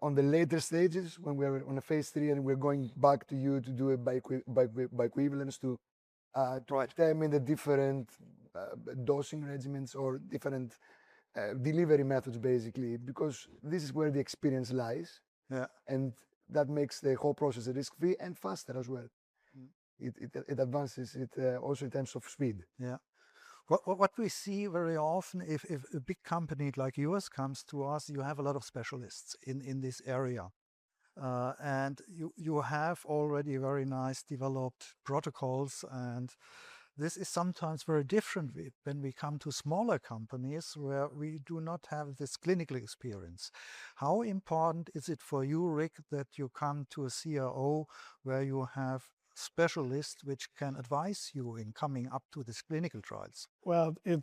Speaker 16: on the later stages when we're on a phase III and we're going back to you to do a bioequivalence.
Speaker 15: Right
Speaker 16: Determine the different dosing regimens or different delivery methods, basically, because this is where the experience lies.
Speaker 15: Yeah.
Speaker 16: That makes the whole process risk-free and faster as well. It advances it also in terms of speed.
Speaker 15: Yeah. What we see very often, if a big company like yours comes to us, you have a lot of specialists in this area. You have already very nice developed protocols, this is sometimes very different when we come to smaller companies where we do not have this clinical experience. How important is it for you, Rick, that you come to a CRO where you have specialists which can advise you in coming up to these clinical trials?
Speaker 12: Well, I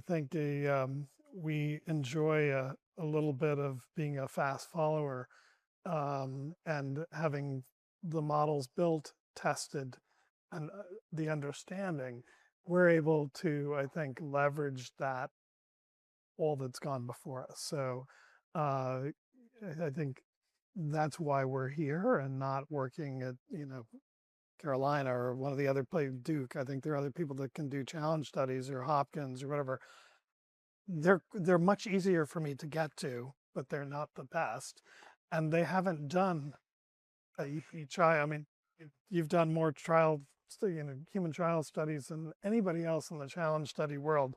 Speaker 12: think we enjoy a little bit of being a fast follower, and having the models built, tested, and the understanding. We're able to, I think, leverage that all that's gone before us. I think that's why we're here and not working at Carolina or one of the other places, Duke. I think there are other people that can do challenge studies, or Johns Hopkins University, or whatever. They're much easier for me to get to, but they're not the best, and they haven't done You've done more human trial studies than anybody else in the challenge study world,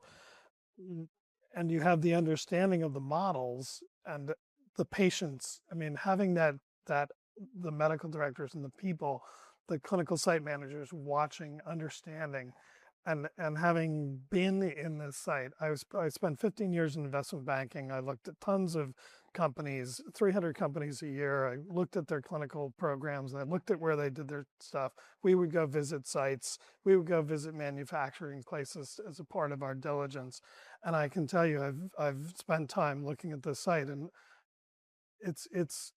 Speaker 12: and you have the understanding of the models and the patients. Having the medical directors and the people, the clinical site managers watching, understanding, and having been in the site. I spent 15 years in investment banking. I looked at tons of companies, 300 companies a year. I looked at their clinical programs, I looked at where they did their stuff. We would go visit sites. We would go visit manufacturing places as a part of our diligence. I can tell you, I've spent time looking at this site, and it's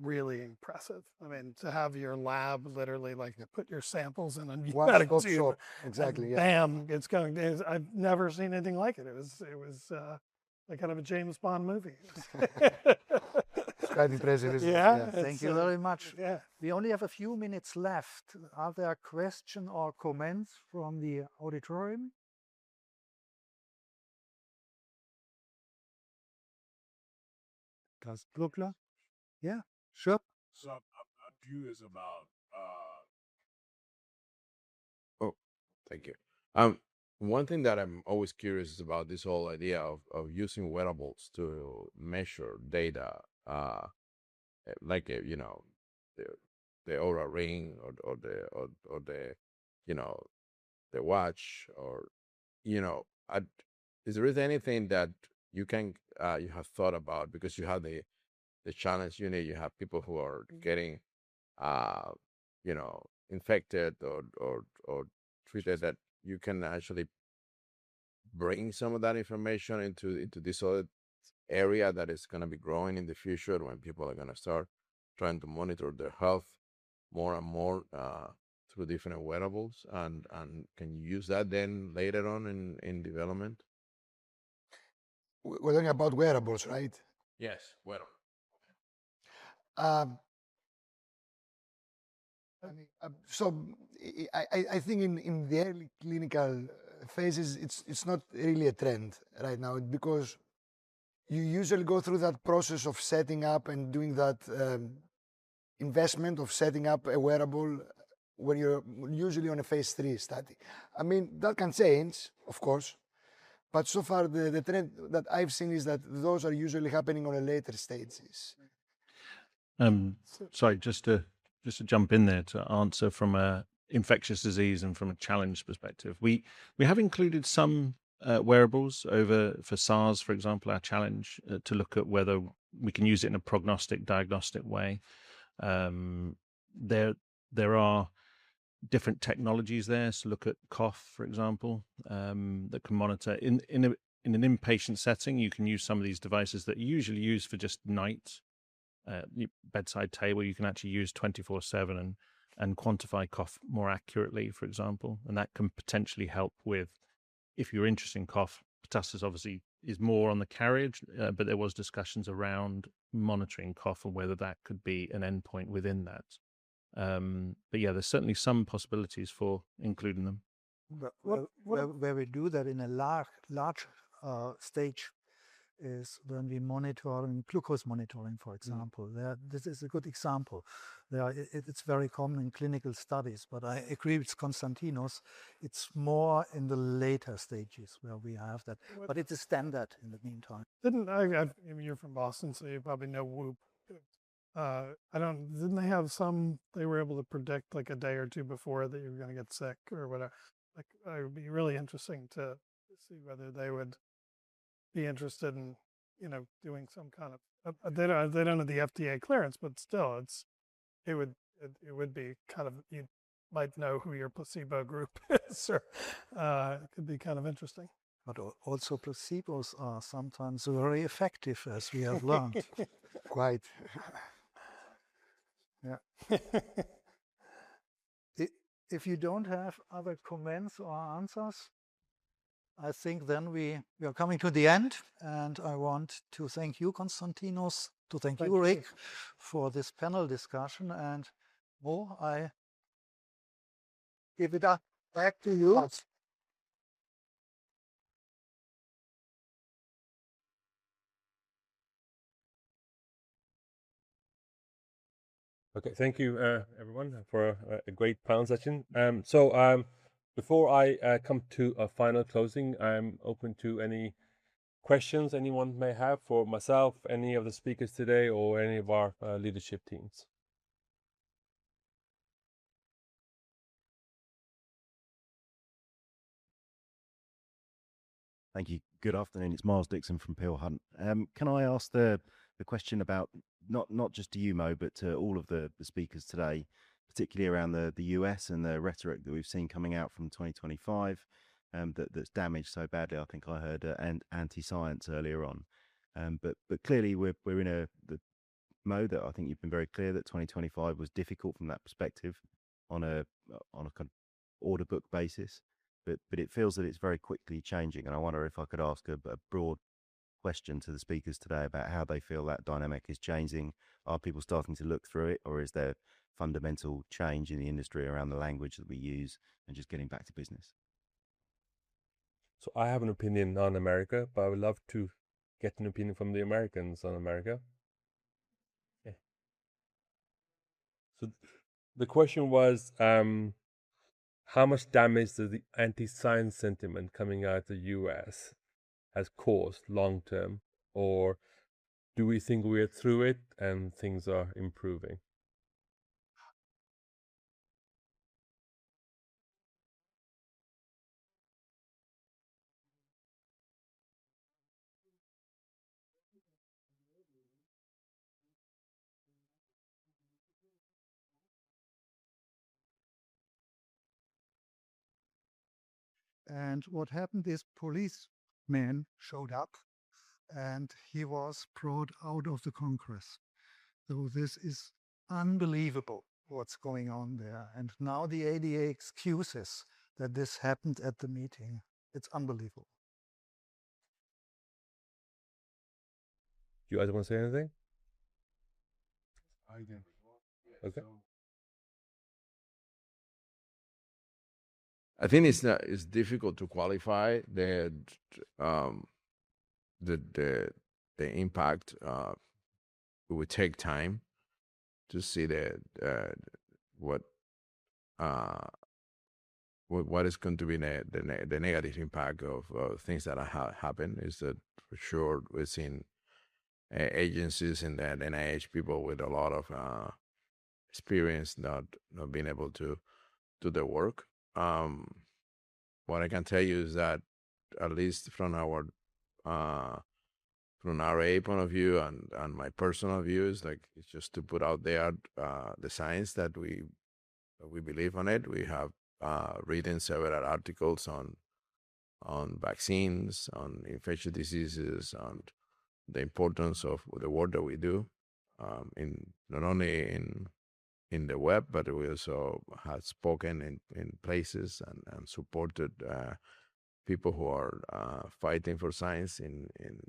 Speaker 12: really impressive. To have your lab literally like you put your samples in and you see-
Speaker 16: Wow, it goes through. Exactly, yeah
Speaker 12: Bam, it's going. I've never seen anything like it. It was like kind of a James Bond movie.
Speaker 16: It's quite impressive, isn't it?
Speaker 12: Yeah.
Speaker 15: Thank you very much.
Speaker 12: Yeah.
Speaker 15: We only have a few minutes left. Are there question or comments from the auditorium? Kas Blokla. Yeah, sure.
Speaker 6: I'm curious about Oh, thank you. One thing that I'm always curious about this whole idea of using wearables to measure data, like the Oura Ring or the watch. Is there anything that you have thought about? Because you have the challenge unit, you have people who are getting infected or treated, that you can actually bring some of that information into this other area that is going to be growing in the future, when people are going to start trying to monitor their health more and more through different wearables, and can you use that then later on in development?
Speaker 16: We're talking about wearables, right?
Speaker 6: Yes, wearable.
Speaker 16: I think in the early clinical phases, it's not really a trend right now, because you usually go through that process of setting up and doing that investment of setting up a wearable when you're usually on a phase III study. That can change, of course, but so far, the trend that I've seen is that those are usually happening on the later stages.
Speaker 13: Sorry, just to jump in there, to answer from an infectious disease and from a challenge perspective. We have included some wearables for SARS, for example, our challenge to look at whether we can use it in a prognostic, diagnostic way. There are different technologies there, look at cough, for example, that can monitor. In an inpatient setting, you can use some of these devices that you usually use for just night bedside table, you can actually use 24/7 and quantify cough more accurately, for example. That can potentially help with, if you're interested in cough, pertussis obviously is more on the carriage. There was discussions around monitoring cough and whether that could be an endpoint within that. Yeah, there's certainly some possibilities for including them.
Speaker 15: Where we do that in a large stage is when we monitor glucose monitoring, for example. This is a good example. It's very common in clinical studies, but I agree with Konstantinos, it's more in the later stages where we have that. It's a standard in the meantime.
Speaker 12: You're from Boston, you probably know WHOOP. They were able to predict a day or two before that you were going to get sick or whatever. It would be really interesting to see whether they would be interested in doing some kind of. They don't have the FDA clearance, but still, you might know who your placebo group is, or it could be kind of interesting.
Speaker 15: Placebos are sometimes very effective, as we have learned.
Speaker 16: Quite.
Speaker 15: Yeah. If you don't have other comments or answers, I think then we are coming to the end, and I want to thank you, Konstantinos, to thank you, Rick, for this panel discussion, and Mo, I give it back to you.
Speaker 1: Okay. Thank you everyone for a great panel session. Before I come to a final closing, I'm open to any questions anyone may have for myself, any of the speakers today, or any of our leadership teams.
Speaker 17: Thank you. Good afternoon. It's Miles Dixon from Peel Hunt. Can I ask the question about, not just to you, Mo, but to all of the speakers today, particularly around the U.S. and the rhetoric that we've seen coming out from 2025, that's damaged so badly. I think I heard anti-science earlier on. Clearly, we're in a mode that I think you've been very clear that 2025 was difficult from that perspective on a kind of order book basis. It feels that it's very quickly changing, and I wonder if I could ask a broad question to the speakers today about how they feel that dynamic is changing. Are people starting to look through it, or is there fundamental change in the industry around the language that we use and just getting back to business?
Speaker 1: I have an opinion on America, but I would love to get an opinion from the Americans on America. Yeah. The question was, how much damage does the anti-science sentiment coming out of the U.S. has caused long term, or do we think we're through it and things are improving?
Speaker 15: What happened is policemen showed up, and he was brought out of the Congress. This is unbelievable what's going on there. Now the ADA excuses that this happened at the meeting. It's unbelievable.
Speaker 1: Do you guys want to say anything?
Speaker 6: I didn't.
Speaker 1: Okay.
Speaker 6: I think it's difficult to qualify the impact. It would take time to see what is going to be the negative impact of things that happen is that, for sure, we've seen agencies in the NIH, people with a lot of experience not being able to do their work. What I can tell you is that at least from our RA point of view and my personal views, it's just to put out there the science that we believe in it. We have written several articles on vaccines, on infectious diseases, on the importance of the work that we do not only in the web, but we also have spoken in places and supported people who are fighting for science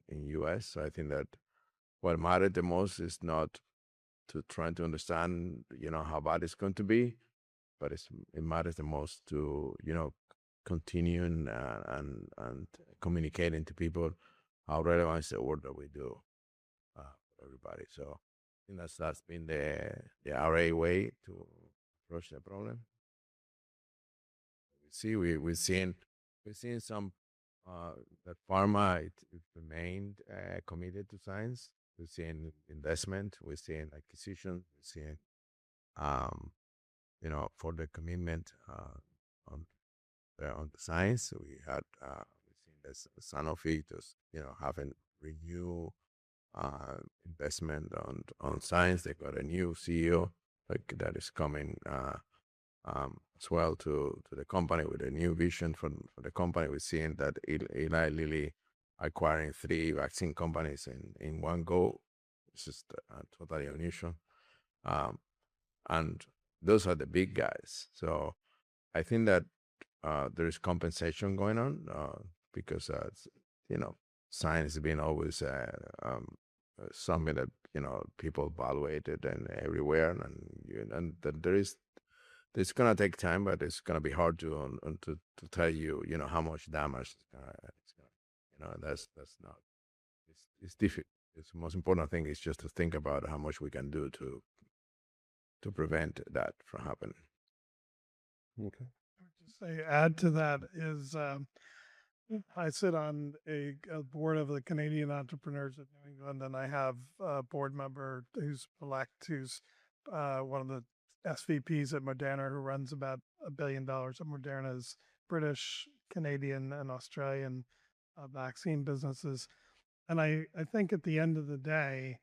Speaker 6: in U.S. I think that what matters the most is not to try to understand how bad it's going to be, but it matters the most to continuing and communicating to people how relevant is the work that we do for everybody. I think that's been the RA way to approach the problem. We've seen that pharma, it remained committed to science. We're seeing investment, we're seeing acquisition, we're seeing further commitment on the science. We've seen Sanofi just having review investment on science. They got a new CEO that is coming as well to the company with a new vision for the company. We're seeing that Eli Lilly acquiring three vaccine companies in one go. This is totally unusual. Those are the big guys. I think that there is compensation going on because science has been always something that people evaluated and everywhere. It's going to take time, but it's going to be hard to tell you how much damage. The most important thing is just to think about how much we can do to prevent that from happening.
Speaker 7: Okay.
Speaker 12: I would just add to that is I sit on a board of the Canadian Entrepreneurs in New England, and I have a board member who's Polack, who's one of the SVPs at Moderna, who runs about $1 billion of Moderna's British, Canadian, and Australian vaccine businesses. I think at the end of the day,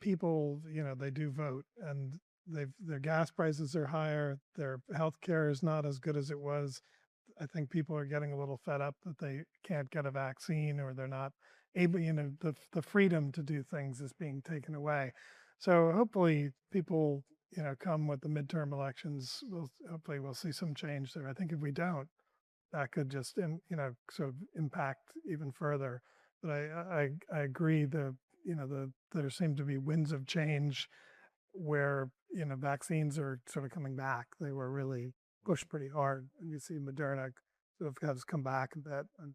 Speaker 12: people, they do vote, and their gas prices are higher. Their healthcare is not as good as it was. I think people are getting a little fed up that they can't get a vaccine, or the freedom to do things is being taken away. Hopefully people come with the midterm elections. Hopefully, we'll see some change there. I think if we don't, that could just sort of impact even further. I agree there seem to be winds of change where vaccines are sort of coming back. They were really pushed pretty hard. You see Moderna sort of has come back a bit, and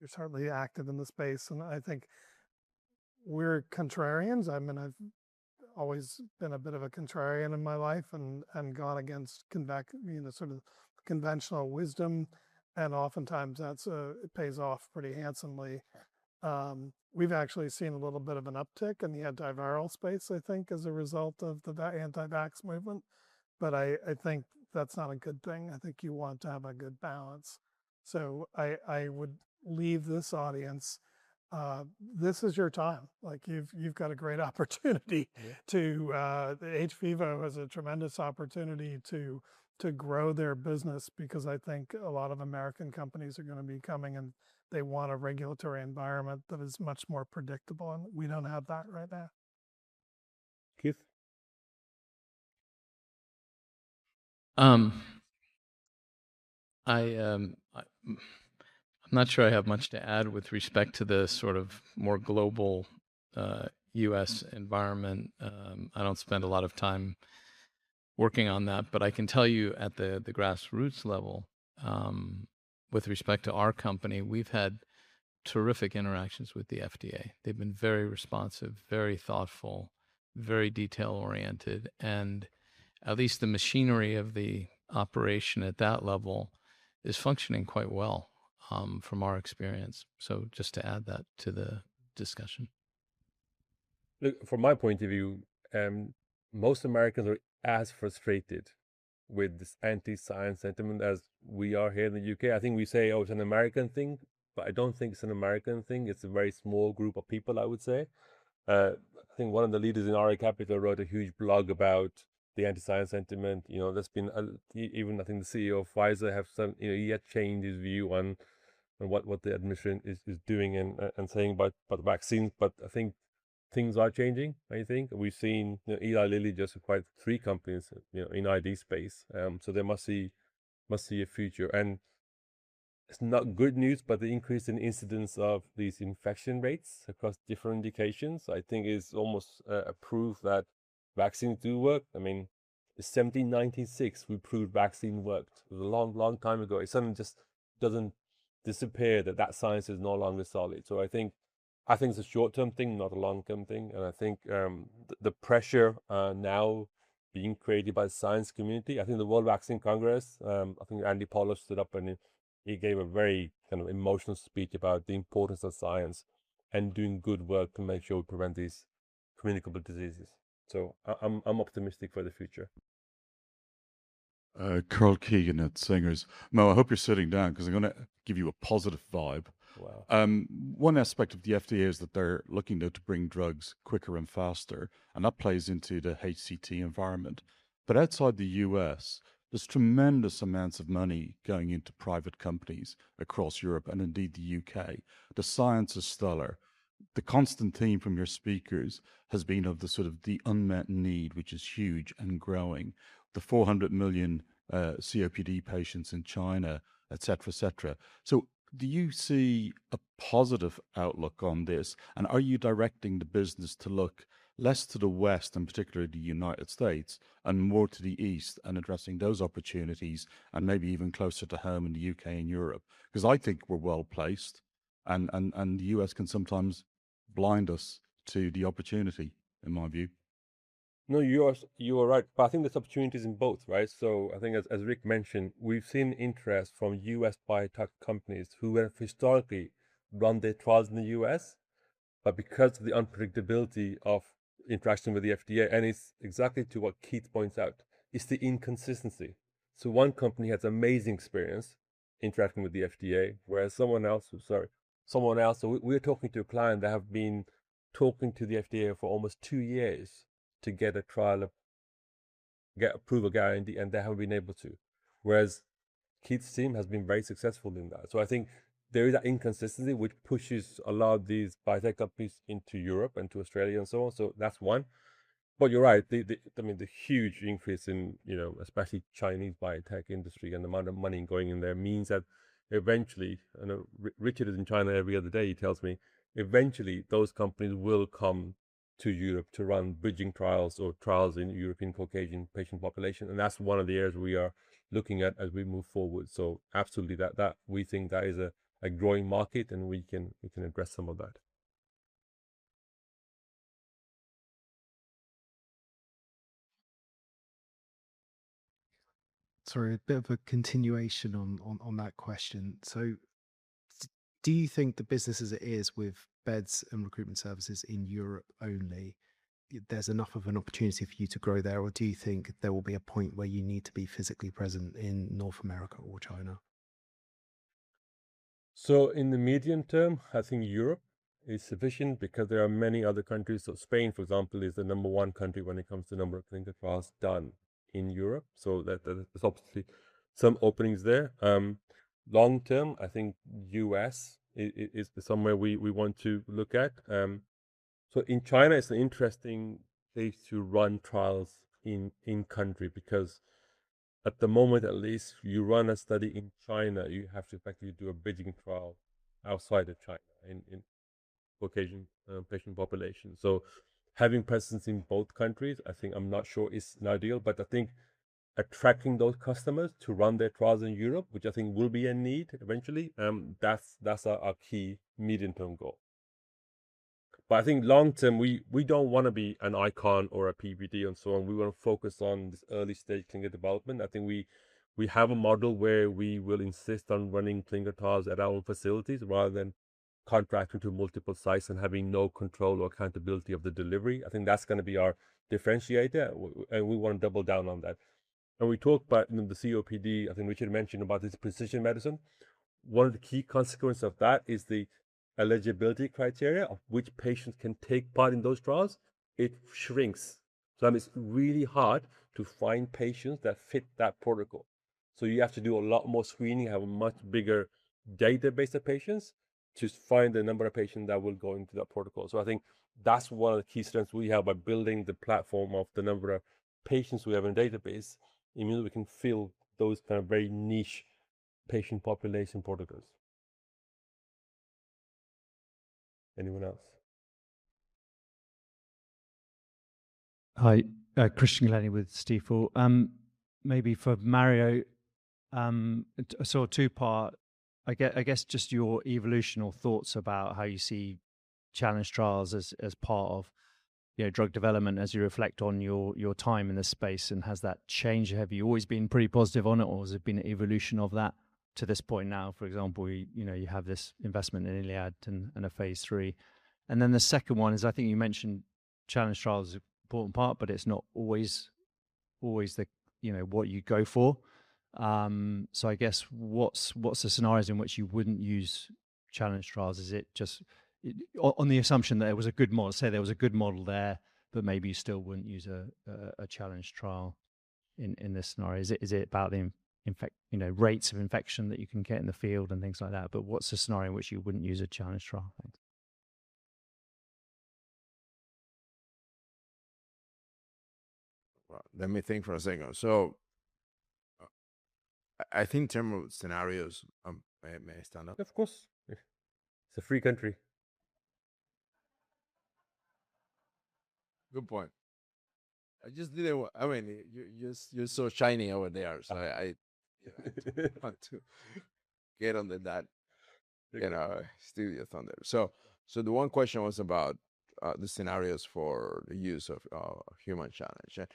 Speaker 12: they're certainly active in the space. I think we're contrarians. I've always been a bit of a contrarian in my life and gone against the sort of conventional wisdom, and oftentimes, it pays off pretty handsomely. We've actually seen a little bit of an uptick in the antiviral space, I think, as a result of the anti-vax movement, but I think that's not a good thing. I think you want to have a good balance. I would leave this audience, this is your time. You've got a great opportunity. hVIVO has a tremendous opportunity to grow their business because I think a lot of American companies are going to be coming, and they want a regulatory environment that is much more predictable, and we don't have that right now.
Speaker 6: Keith?
Speaker 7: I'm not sure I have much to add with respect to the sort of more global U.S. environment. I don't spend a lot of time working on that. I can tell you at the grassroots level with respect to our company, we've had terrific interactions with the FDA. They've been very responsive, very thoughtful, very detail-oriented, and at least the machinery of the operation at that level is functioning quite well from our experience. Just to add that to the discussion.
Speaker 1: Look, from my point of view, most Americans are as frustrated with this anti-science sentiment as we are here in the U.K. I think we say, "Oh, it's an American thing," but I don't think it's an American thing. It's a very small group of people, I would say. I think one of the leaders in RA Capital wrote a huge blog about the anti-science sentiment. Even I think the CEO of Pfizer, he had changed his view on what the administration is doing and saying about vaccines. I think things are changing, I think. We've seen Eli Lilly just acquired three companies in ID space. They must see a future. It's not good news, but the increase in incidence of these infection rates across different indications, I think is almost a proof that vaccines do work. In 1796, we proved vaccine worked a long, long time ago. It suddenly just doesn't disappear, that that science is no longer solid. I think it's a short-term thing, not a long-term thing, and I think the pressure now being created by the science community, I think the World Vaccine Congress, I think Andrew Pollard stood up, and he gave a very emotional speech about the importance of science and doing good work to make sure we prevent these communicable diseases. I'm optimistic for the future.
Speaker 18: Neil Keegan at Sanger's. Mo, I hope you're sitting down because I'm going to give you a positive vibe.
Speaker 1: Wow.
Speaker 18: One aspect of the FDA is that they're looking to bring drugs quicker and faster, and that plays into the HCT environment. Outside the U.S., there's tremendous amounts of money going into private companies across Europe and indeed the U.K. The science is stellar. The constant theme from your speakers has been of the unmet need, which is huge and growing. The 400 million COPD patients in China, et cetera. Do you see a positive outlook on this, and are you directing the business to look less to the West, and particularly the United States, and more to the East and addressing those opportunities, and maybe even closer to home in the U.K. and Europe? I think we're well-placed, and the U.S. can sometimes blind us to the opportunity, in my view.
Speaker 1: You are right. I think there's opportunities in both, right? I think as Rick mentioned, we've seen interest from U.S. biotech companies who have historically run their trials in the U.S., because of the unpredictability of interaction with the FDA, and it's exactly to what Keith points out, it's the inconsistency. One company has amazing experience interacting with the FDA, whereas someone else, we're talking to a client that have been talking to the FDA for almost two years to get approval guarantee, and they haven't been able to. Whereas Keith's team has been very successful in that. I think there is that inconsistency, which pushes a lot of these biotech companies into Europe and to Australia and so on. That's one. You're right. The huge increase in especially Chinese biotech industry and the amount of money going in there means that eventually, I know Richard is in China every other day, he tells me, eventually, those companies will come to Europe to run bridging trials or trials in European Caucasian patient population, and that's one of the areas we are looking at as we move forward. Absolutely, we think that is a growing market, and we can address some of that.
Speaker 10: Sorry, a bit of a continuation on that question. Do you think the business as it is with beds and recruitment services in Europe only, there's enough of an opportunity for you to grow there, or do you think there will be a point where you need to be physically present in North America or China?
Speaker 1: In the medium term, I think Europe is sufficient because there are many other countries. Spain, for example, is the number 1 country when it comes to number of clinical trials done in Europe. There's obviously some openings there. Long term, I think U.S. is somewhere we want to look at. In China, it's an interesting place to run trials in country because at the moment at least, you run a study in China, you have to effectively do a bridging trial outside of China in Caucasian patient population. Having presence in both countries, I think I'm not sure is ideal, but I think attracting those customers to run their trials in Europe, which I think will be a need eventually, that's our key medium-term goal. I think long term, we don't want to be an ICON or a PPD and so on. We want to focus on this early-stage clinical development. I think we have a model where we will insist on running clinical trials at our own facilities rather than contracting to multiple sites and having no control or accountability of the delivery. I think that's going to be our differentiator, and we want to double down on that. We talked about the COPD, I think Richard mentioned about this precision medicine. One of the key consequences of that is the eligibility criteria of which patients can take part in those trials. It shrinks. That means it's really hard to find patients that fit that protocol. You have to do a lot more screening, have a much bigger database of patients to find the number of patients that will go into that protocol. I think that's one of the key strengths we have by building the platform of the number of patients we have in the database, it means we can fill those very niche patient population protocols. Anyone else?
Speaker 19: Hi. Christian Glennie with Stifel. Maybe for Mario, sort of two-part, I guess just your evolution or thoughts about how you see challenge trials as part of drug development as you reflect on your time in this space, and has that changed? Have you always been pretty positive on it, or has it been an evolution of that to this point now? For example, you have this investment in ILiAD and a phase III. The second one is, I think you mentioned challenge trials is an important part, but it is not always what you go for. I guess, what are the scenarios in which you would not use challenge trials? On the assumption that it was a good model. Say there was a good model there, but maybe you still would not use a challenge trial in this scenario. Is it about the rates of infection that you can get in the field and things like that? What is the scenario in which you would not use a challenge trial? Thanks.
Speaker 6: Let me think for a second. I think in terms of scenarios. May I stand up?
Speaker 1: Of course. It is a free country.
Speaker 6: Good point. I just didn't. You're so shiny over there, so I want to get under that studio thunder. The one question was about the scenarios for the use of human challenge.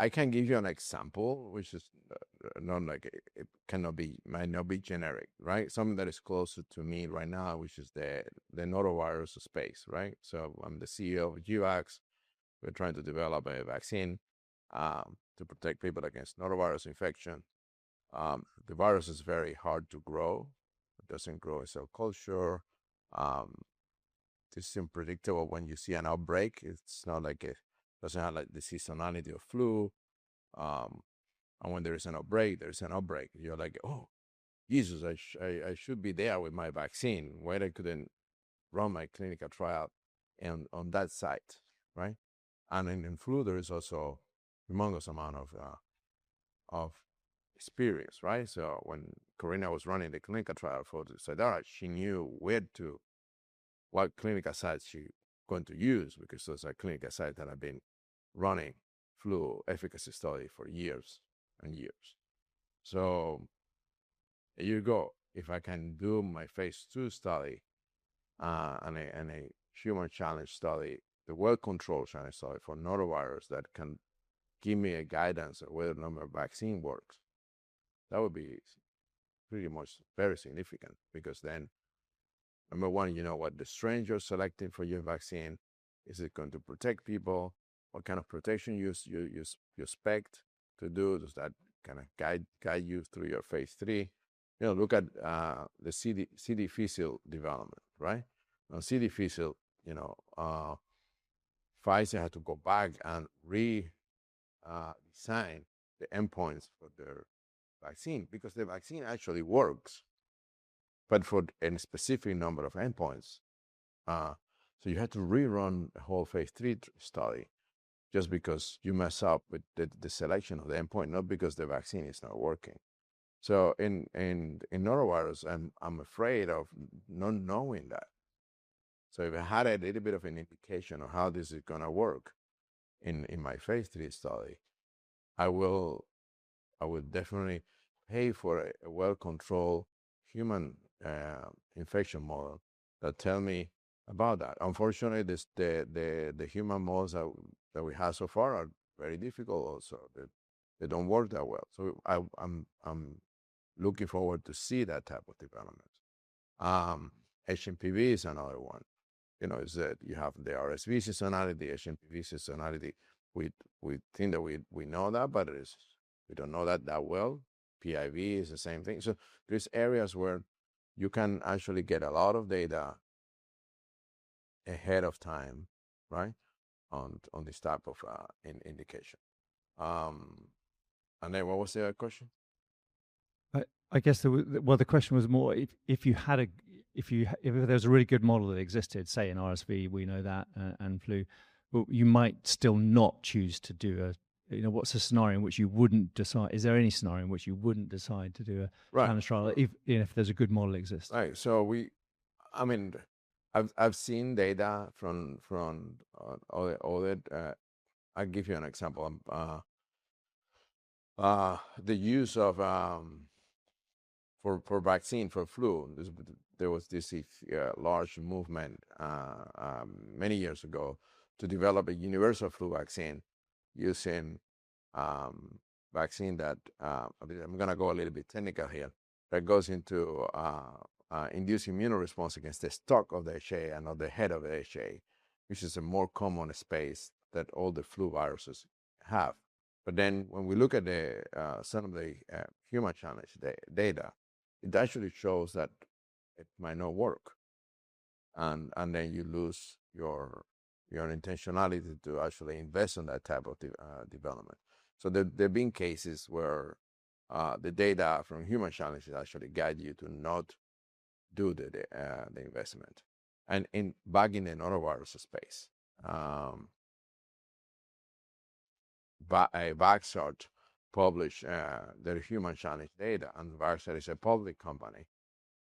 Speaker 6: I can give you an example, which might not be generic, right? Something that is closer to me right now, which is the norovirus space, right? I'm the CEO of GVAX. We're trying to develop a vaccine to protect people against norovirus infection. The virus is very hard to grow. It doesn't grow in cell culture. It's unpredictable when you see an outbreak. It doesn't have the seasonality of flu. When there is an outbreak, there's an outbreak. You're like, "Oh, Jesus, I should be there with my vaccine." Where they couldn't run my clinical trial and on that site, right? In flu, there is also a humongous amount of experience, right? When Corrina was running the clinical trial for the Cidara, she knew what clinical sites she was going to use because those are clinical sites that have been running flu efficacy study for years and years. There you go. If I can do my phase II study and a human challenge study, the well-controlled challenge study for norovirus that can give me a guidance of whether or not my vaccine works, that would be pretty much very significant because then, number one, you know what the strain you're selecting for your vaccine, is it going to protect people? What kind of protection you expect to do? Does that kind of guide you through your phase III? Look at the Clostridioides difficile development, right? Clostridioides difficile, Pfizer had to go back and re-design the endpoints for their vaccine because the vaccine actually works, but for any specific number of endpoints. You had to rerun a whole phase III study just because you mess up with the selection of the endpoint, not because the vaccine is not working. In norovirus, I'm afraid of not knowing that. If I had a little bit of an indication of how this is going to work in my phase III study, I would definitely pay for a well-controlled human infection model that tell me about that. Unfortunately, the human models that we have so far are very difficult also. They don't work that well. I'm looking forward to see that type of development. hMPV is another one. Is that you have the RSV seasonality, the hMPV seasonality. We think that we know that, but we don't know that that well. PIV is the same thing. There's areas where you can actually get a lot of data ahead of time, right, on this type of indication. What was the other question?
Speaker 19: Well, the question was more if there was a really good model that existed, say in RSV, we know that, and flu, you might still not choose to do a. What's the scenario in which you wouldn't decide? Is there any scenario in which you wouldn't decide to do a.
Speaker 6: Right
Speaker 19: challenge trial if there's a good model existing?
Speaker 6: Right. I've seen data. I'll give you an example. The use for vaccine for flu, there was this large movement many years ago to develop a universal flu vaccine using vaccine that, I'm going to go a little bit technical here, that goes into inducing immune response against the stalk of the HA and not the head of the HA, which is a more common space that all the flu viruses have. When we look at some of the human challenge data, it actually shows that it might not work, and then you lose your intentionality to actually invest in that type of development. There have been cases where the data from human challenges actually guide you to not do the investment. Back in the norovirus space, Vaxart published their human challenge data. Vaxart is a public company.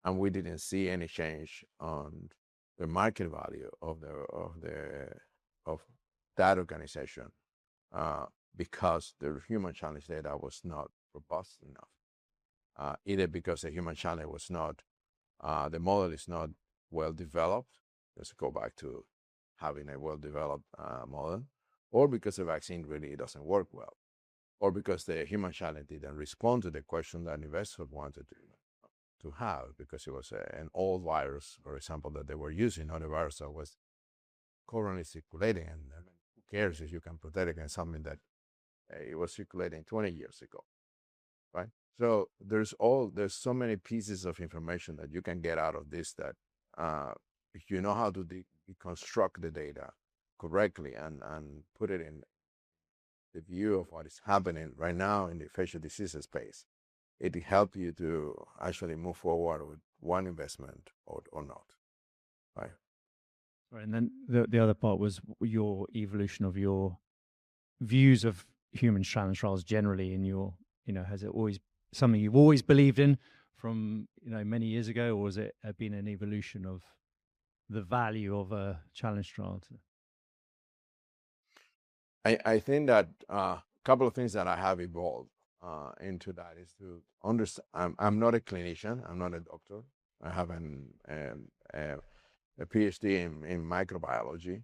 Speaker 6: We didn't see any change on the market value of that organization because their human challenge data was not robust enough. Either because the human challenge, the model is not well-developed, let's go back to having a well-developed model, or because the vaccine really doesn't work well, or because the human challenge didn't respond to the question that investors wanted to have because it was an old virus, for example, that they were using, not a virus that was currently circulating. Who cares if you can protect against something that was circulating 20 years ago, right? There's so many pieces of information that you can get out of this that if you know how to deconstruct the data correctly and put it in the view of what is happening right now in the infectious disease space, it help you to actually move forward with one investment or not, right?
Speaker 19: Right. The other part was your evolution of your views of human challenge trials generally, has it always something you've always believed in from many years ago, or has it been an evolution of the value of a challenge trial?
Speaker 6: I think that couple of things that I have evolved into that is to understand I'm not a clinician, I'm not a doctor. I have a PhD in microbiology.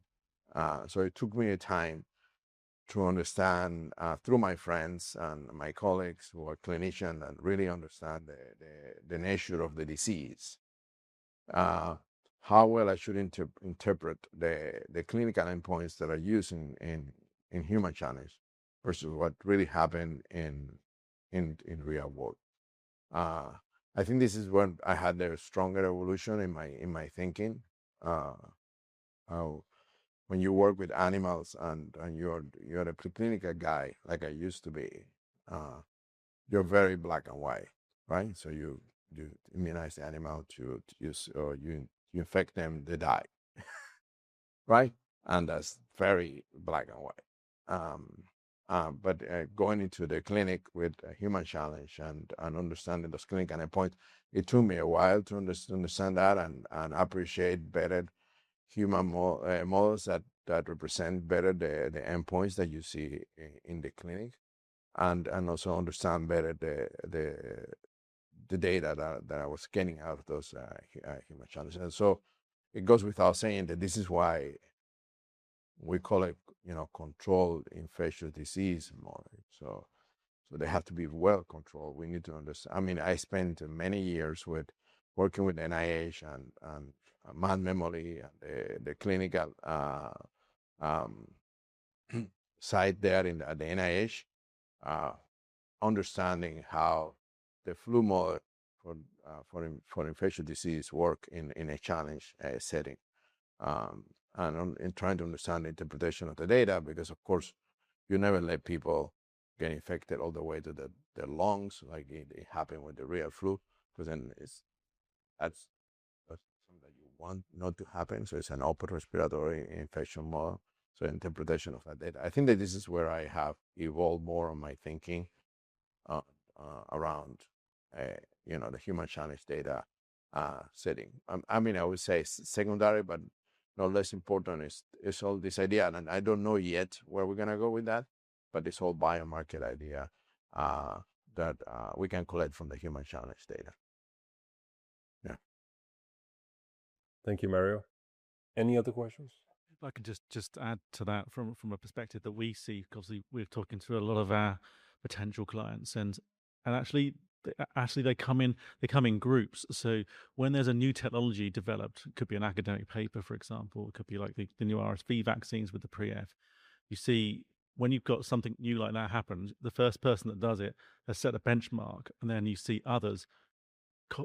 Speaker 6: It took me a time to understand, through my friends and my colleagues who are clinicians, and really understand the nature of the disease, how well I should interpret the clinical endpoints that are used in human challenge versus what really happened in real world. I think this is when I had the stronger evolution in my thinking. How when you work with animals and you're a pre-clinical guy, like I used to be, you're very black and white, right? You immunize the animal to use, or you infect them, they die, right? That's very black and white. Going into the clinic with a human challenge and understanding those clinical endpoints, it took me a while to understand that and appreciate better human models that represent better the endpoints that you see in the clinic, and also understand better the data that I was getting out of those human challenges. It goes without saying that this is why we call it controlled infectious disease model. They have to be well controlled. We need to understand. I spent many years with working with NIH and Mount Sinai and the clinical side there at the NIH, understanding how the flu model for infectious disease work in a challenged setting, and trying to understand the interpretation of the data, because, of course, you never let people get infected all the way to their lungs like it happened with the real flu, because then that's something that you want not to happen. It's an upper respiratory infection model, interpretation of that data. I think that this is where I have evolved more on my thinking around the human challenge data setting. I would say secondary, no less important is all this idea, and I don't know yet where we're going to go with that, this whole biomarker idea that we can collect from the human challenge data. Yeah.
Speaker 1: Thank you, Mario. Any other questions?
Speaker 5: If I could just add to that from a perspective that we see, because we're talking to a lot of our potential clients, and actually they come in groups. When there's a new technology developed, could be an academic paper, for example, could be like the new RSV vaccines with the pre-F. You see, when you've got something new like that happen, the first person that does it has set a benchmark, you see others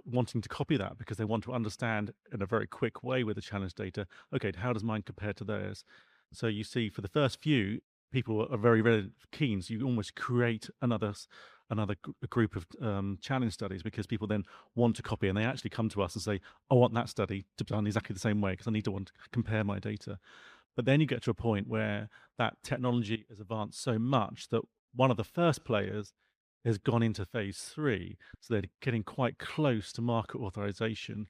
Speaker 5: wanting to copy that because they want to understand in a very quick way with the challenge data, okay, how does mine compare to theirs? You see for the first few, people are very keen, you almost create another group of challenge studies because people then want to copy, they actually come to us and say, "I want that study to be done exactly the same way because I need to want to compare my data." You get to a point where that technology has advanced so much that one of the first players has gone into phase III, they're getting quite close to market authorization,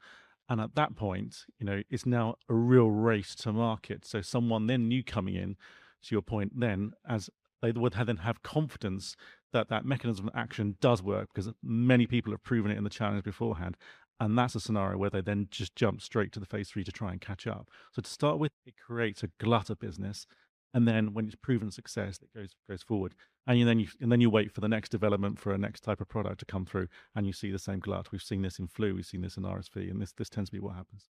Speaker 5: at that point, it's now a real race to market. Someone then new coming in, to your point then, as they would then have confidence that that mechanism of action does work because many people have proven it in the challenge beforehand, and that's a scenario where they then just jump straight to the phase III to try and catch up. To start with, it creates a glut of business. When it's proven success, it goes forward. You wait for the next development for a next type of product to come through. You see the same glut. We've seen this in flu, we've seen this in RSV. This tends to be what happens.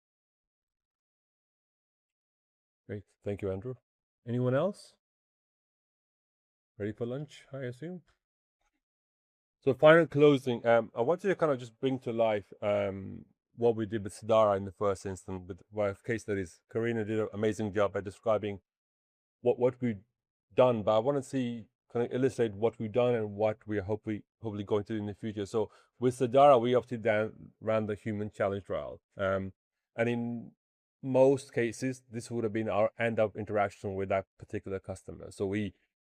Speaker 1: Great. Thank you, Andrew. Anyone else? Ready for lunch, I assume. Final closing. I wanted to kind of just bring to life what we did with Cidara in the first instance with case studies. Corrina did an amazing job at describing what we'd done. I want to see, kind of illustrate what we've done and what we're hopefully going to do in the future. With Cidara, we obviously then ran the human challenge trial. In most cases, this would've been our end of interaction with that particular customer.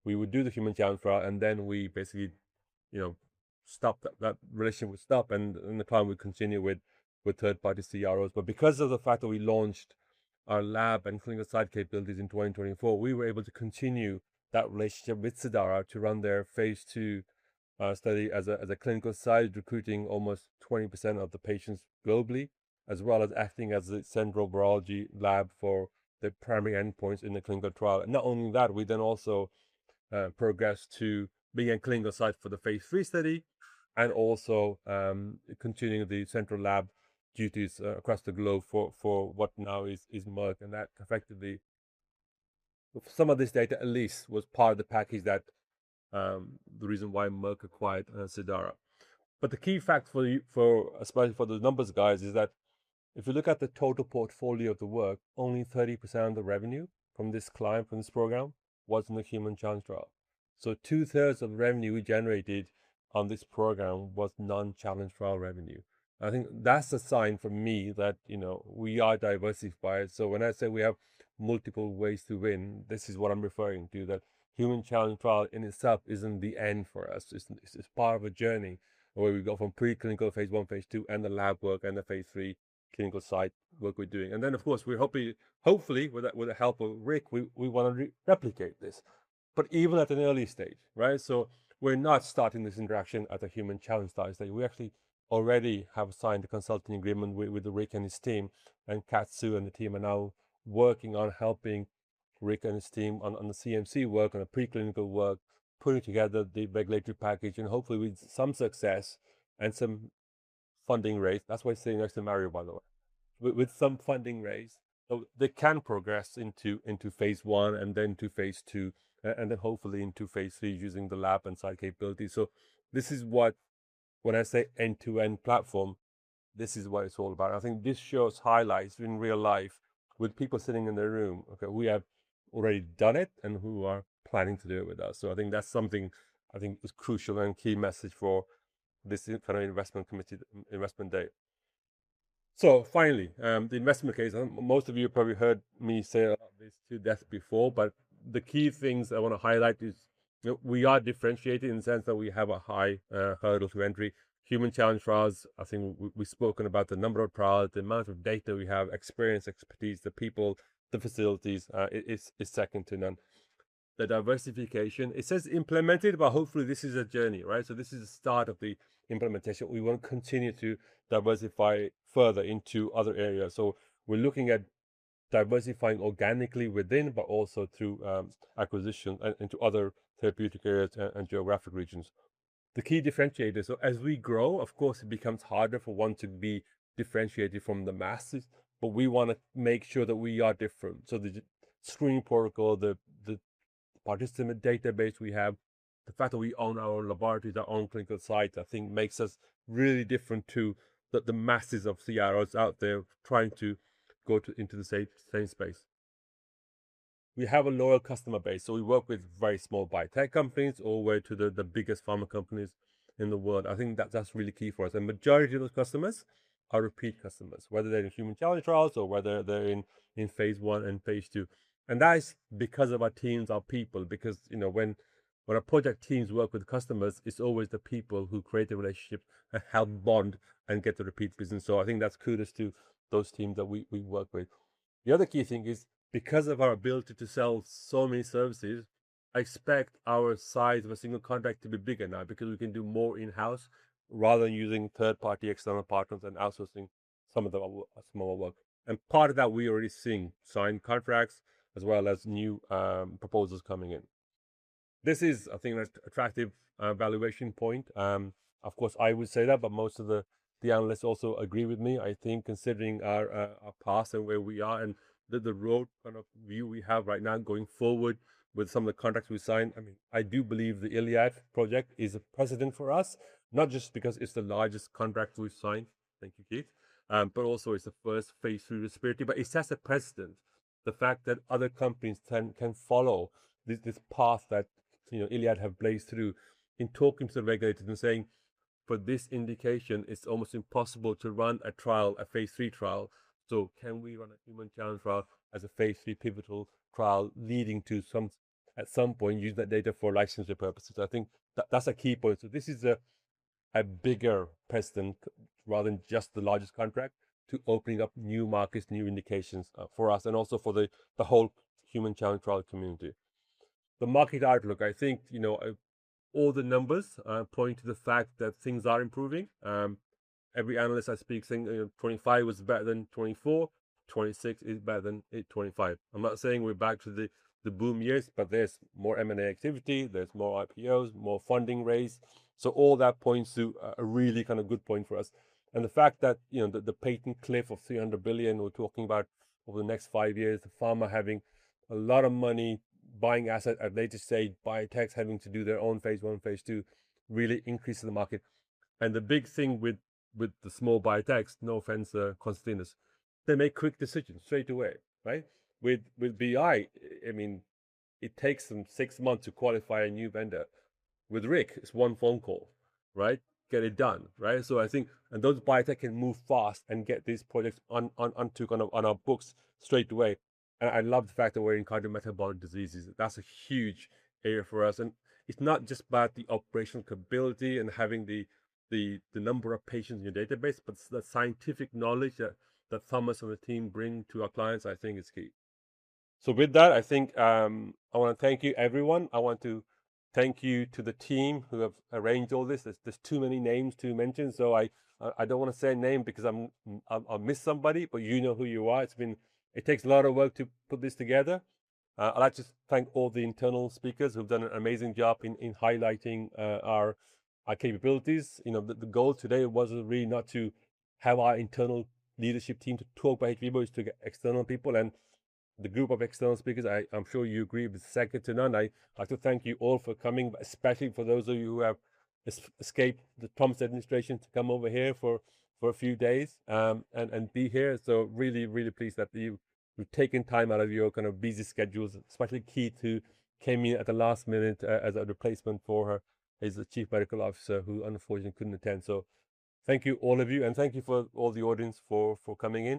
Speaker 1: We would do the human challenge trial. Then we basically stop that. That relationship would stop. The client would continue with third party CROs. Because of the fact that we launched our lab and clinical site capabilities in 2024, we were able to continue that relationship with Cidara to run their phase II study as a clinical site, recruiting almost 20% of the patients globally, as well as acting as the central virology lab for the primary endpoints in the clinical trial. Not only that, we then also progressed to being a clinical site for the phase III study and also continuing the central lab duties across the globe for what now is Merck. That effectively some of this data at least was part of the package that the reason why Merck acquired Cidara. The key fact for you, especially for the numbers guys, is that if you look at the total portfolio of the work, only 30% of the revenue from this client, from this program, was in the human challenge trial. Two-thirds of revenue we generated on this program was non-challenge trial revenue. I think that's a sign for me that we are diversified. When I say we have multiple ways to win, this is what I'm referring to, that human challenge trial in itself isn't the end for us. It's part of a journey where we go from preclinical phase I, phase II, and the lab work and the phase III clinical site work we're doing. Then, of course, we're hoping, hopefully with the help of Rick, we want to replicate this. Even at an early stage, right? We're not starting this interaction at a human challenge trial stage. We actually already have signed a consulting agreement with Rick and his team, and Katsu and the team are now working on helping Rick and his team on the CMC work, on the preclinical work, putting together the regulatory package, and hopefully with some success and some funding raised. That's why he's sitting next to Mario, by the way. With some funding raised, they can progress into phase I and then to phase II, and then hopefully into phase III using the lab and site capabilities. This is what— When I say end-to-end platform, this is what it's all about. I think this shows highlights in real life with people sitting in the room, okay, we have already done it and who are planning to do it with us. I think that's something I think is crucial and key message for this kind of investment committee investment day. Finally, the investment case. Most of you have probably heard me say this to death before, but the key things I want to highlight is we are differentiated in the sense that we have a high hurdle to entry. Human challenge trials, I think we've spoken about the number of trials, the amount of data we have, experience, expertise, the people, the facilities is second to none. The diversification, it says implemented, but hopefully this is a journey, right? This is the start of the implementation. We will continue to diversify further into other areas. We're looking at diversifying organically within, but also through acquisition into other therapeutic areas and geographic regions. The key differentiator. As we grow, of course, it becomes harder for one to be differentiated from the masses, but we want to make sure that we are different. The screening protocol, the participant database we have, the fact that we own our own laboratories, our own clinical sites, I think makes us really different to the masses of CROs out there trying to go into the same space. We have a loyal customer base, we work with very small biotech companies all the way to the biggest pharma companies in the world. I think that's really key for us. The majority of those customers are repeat customers, whether they're in human challenge trials or whether they're in phase I and phase II. That is because of our teams, our people, because when our project teams work with customers, it's always the people who create the relationships and help bond and get the repeat business. I think that's kudos to those teams that we work with. The other key thing is because of our ability to sell so many services, I expect our size of a single contract to be bigger now because we can do more in-house rather than using third-party external partners and outsourcing some of the smaller work. Part of that, we're already seeing signed contracts as well as new proposals coming in. This is, I think, an attractive valuation point. Of course, I would say that, but most of the analysts also agree with me. I think considering our path and where we are and the road view we have right now going forward with some of the contracts we've signed, I mean, I do believe the ILiAD project is a precedent for us, not just because it's the largest contract we've signed, thank you, Keith, but also it's the first phase III respiratory. It sets a precedent, the fact that other companies can follow this path that ILiAD have blazed through in talking to the regulators and saying, "For this indication, it's almost impossible to run a trial, a phase III trial. Can we run a human challenge trial as a phase III pivotal trial leading to at some point use that data for licensing purposes?" I think that's a key point. This is a bigger precedent rather than just the largest contract to opening up new markets, new indications for us and also for the whole human challenge trial community. The market outlook. I think all the numbers point to the fact that things are improving. Every analyst I speak saying 2025 was better than 2024, 2026 is better than 2025. I'm not saying we're back to the boom years, but there's more M&A activity, there's more IPOs, more funding raised. All that points to a really good point for us. The fact that the patent cliff of 300 billion we're talking about over the next five years, the pharma having a lot of money buying assets, as they just said, biotechs having to do their own phase I, phase II, really increasing the market. The big thing with the small biotechs, no offense, Konstantinos, they make quick decisions straight away, right? With BI, I mean, it takes them six months to qualify a new vendor. With Rick, it's one phone call, right? Get it done, right? I think those biotech can move fast and get these projects onto our books straight away. I love the fact that we're in cardiometabolic diseases. That's a huge area for us. It's not just about the operational capability and having the number of patients in your database, but the scientific knowledge that Thomas and the team bring to our clients, I think is key. With that, I think I want to thank you, everyone. I want to thank you to the team who have arranged all this. There's too many names to mention. I don't want to say a name because I'll miss somebody, but you know who you are. It takes a lot of work to put this together. I'd like to thank all the internal speakers who've done an amazing job in highlighting our capabilities. The goal today was really not to have our internal leadership team to talk about hVIVO. It's to get external people. The group of external speakers, I'm sure you agree, was second to none. I'd like to thank you all for coming, especially for those of you who have escaped the Trump administration to come over here for a few days, and be here. Really, really pleased that you've taken time out of your busy schedules, especially Keith, who came in at the last minute as a replacement for his chief medical officer, who unfortunately couldn't attend. Thank you, all of you, and thank you for all the audience for coming.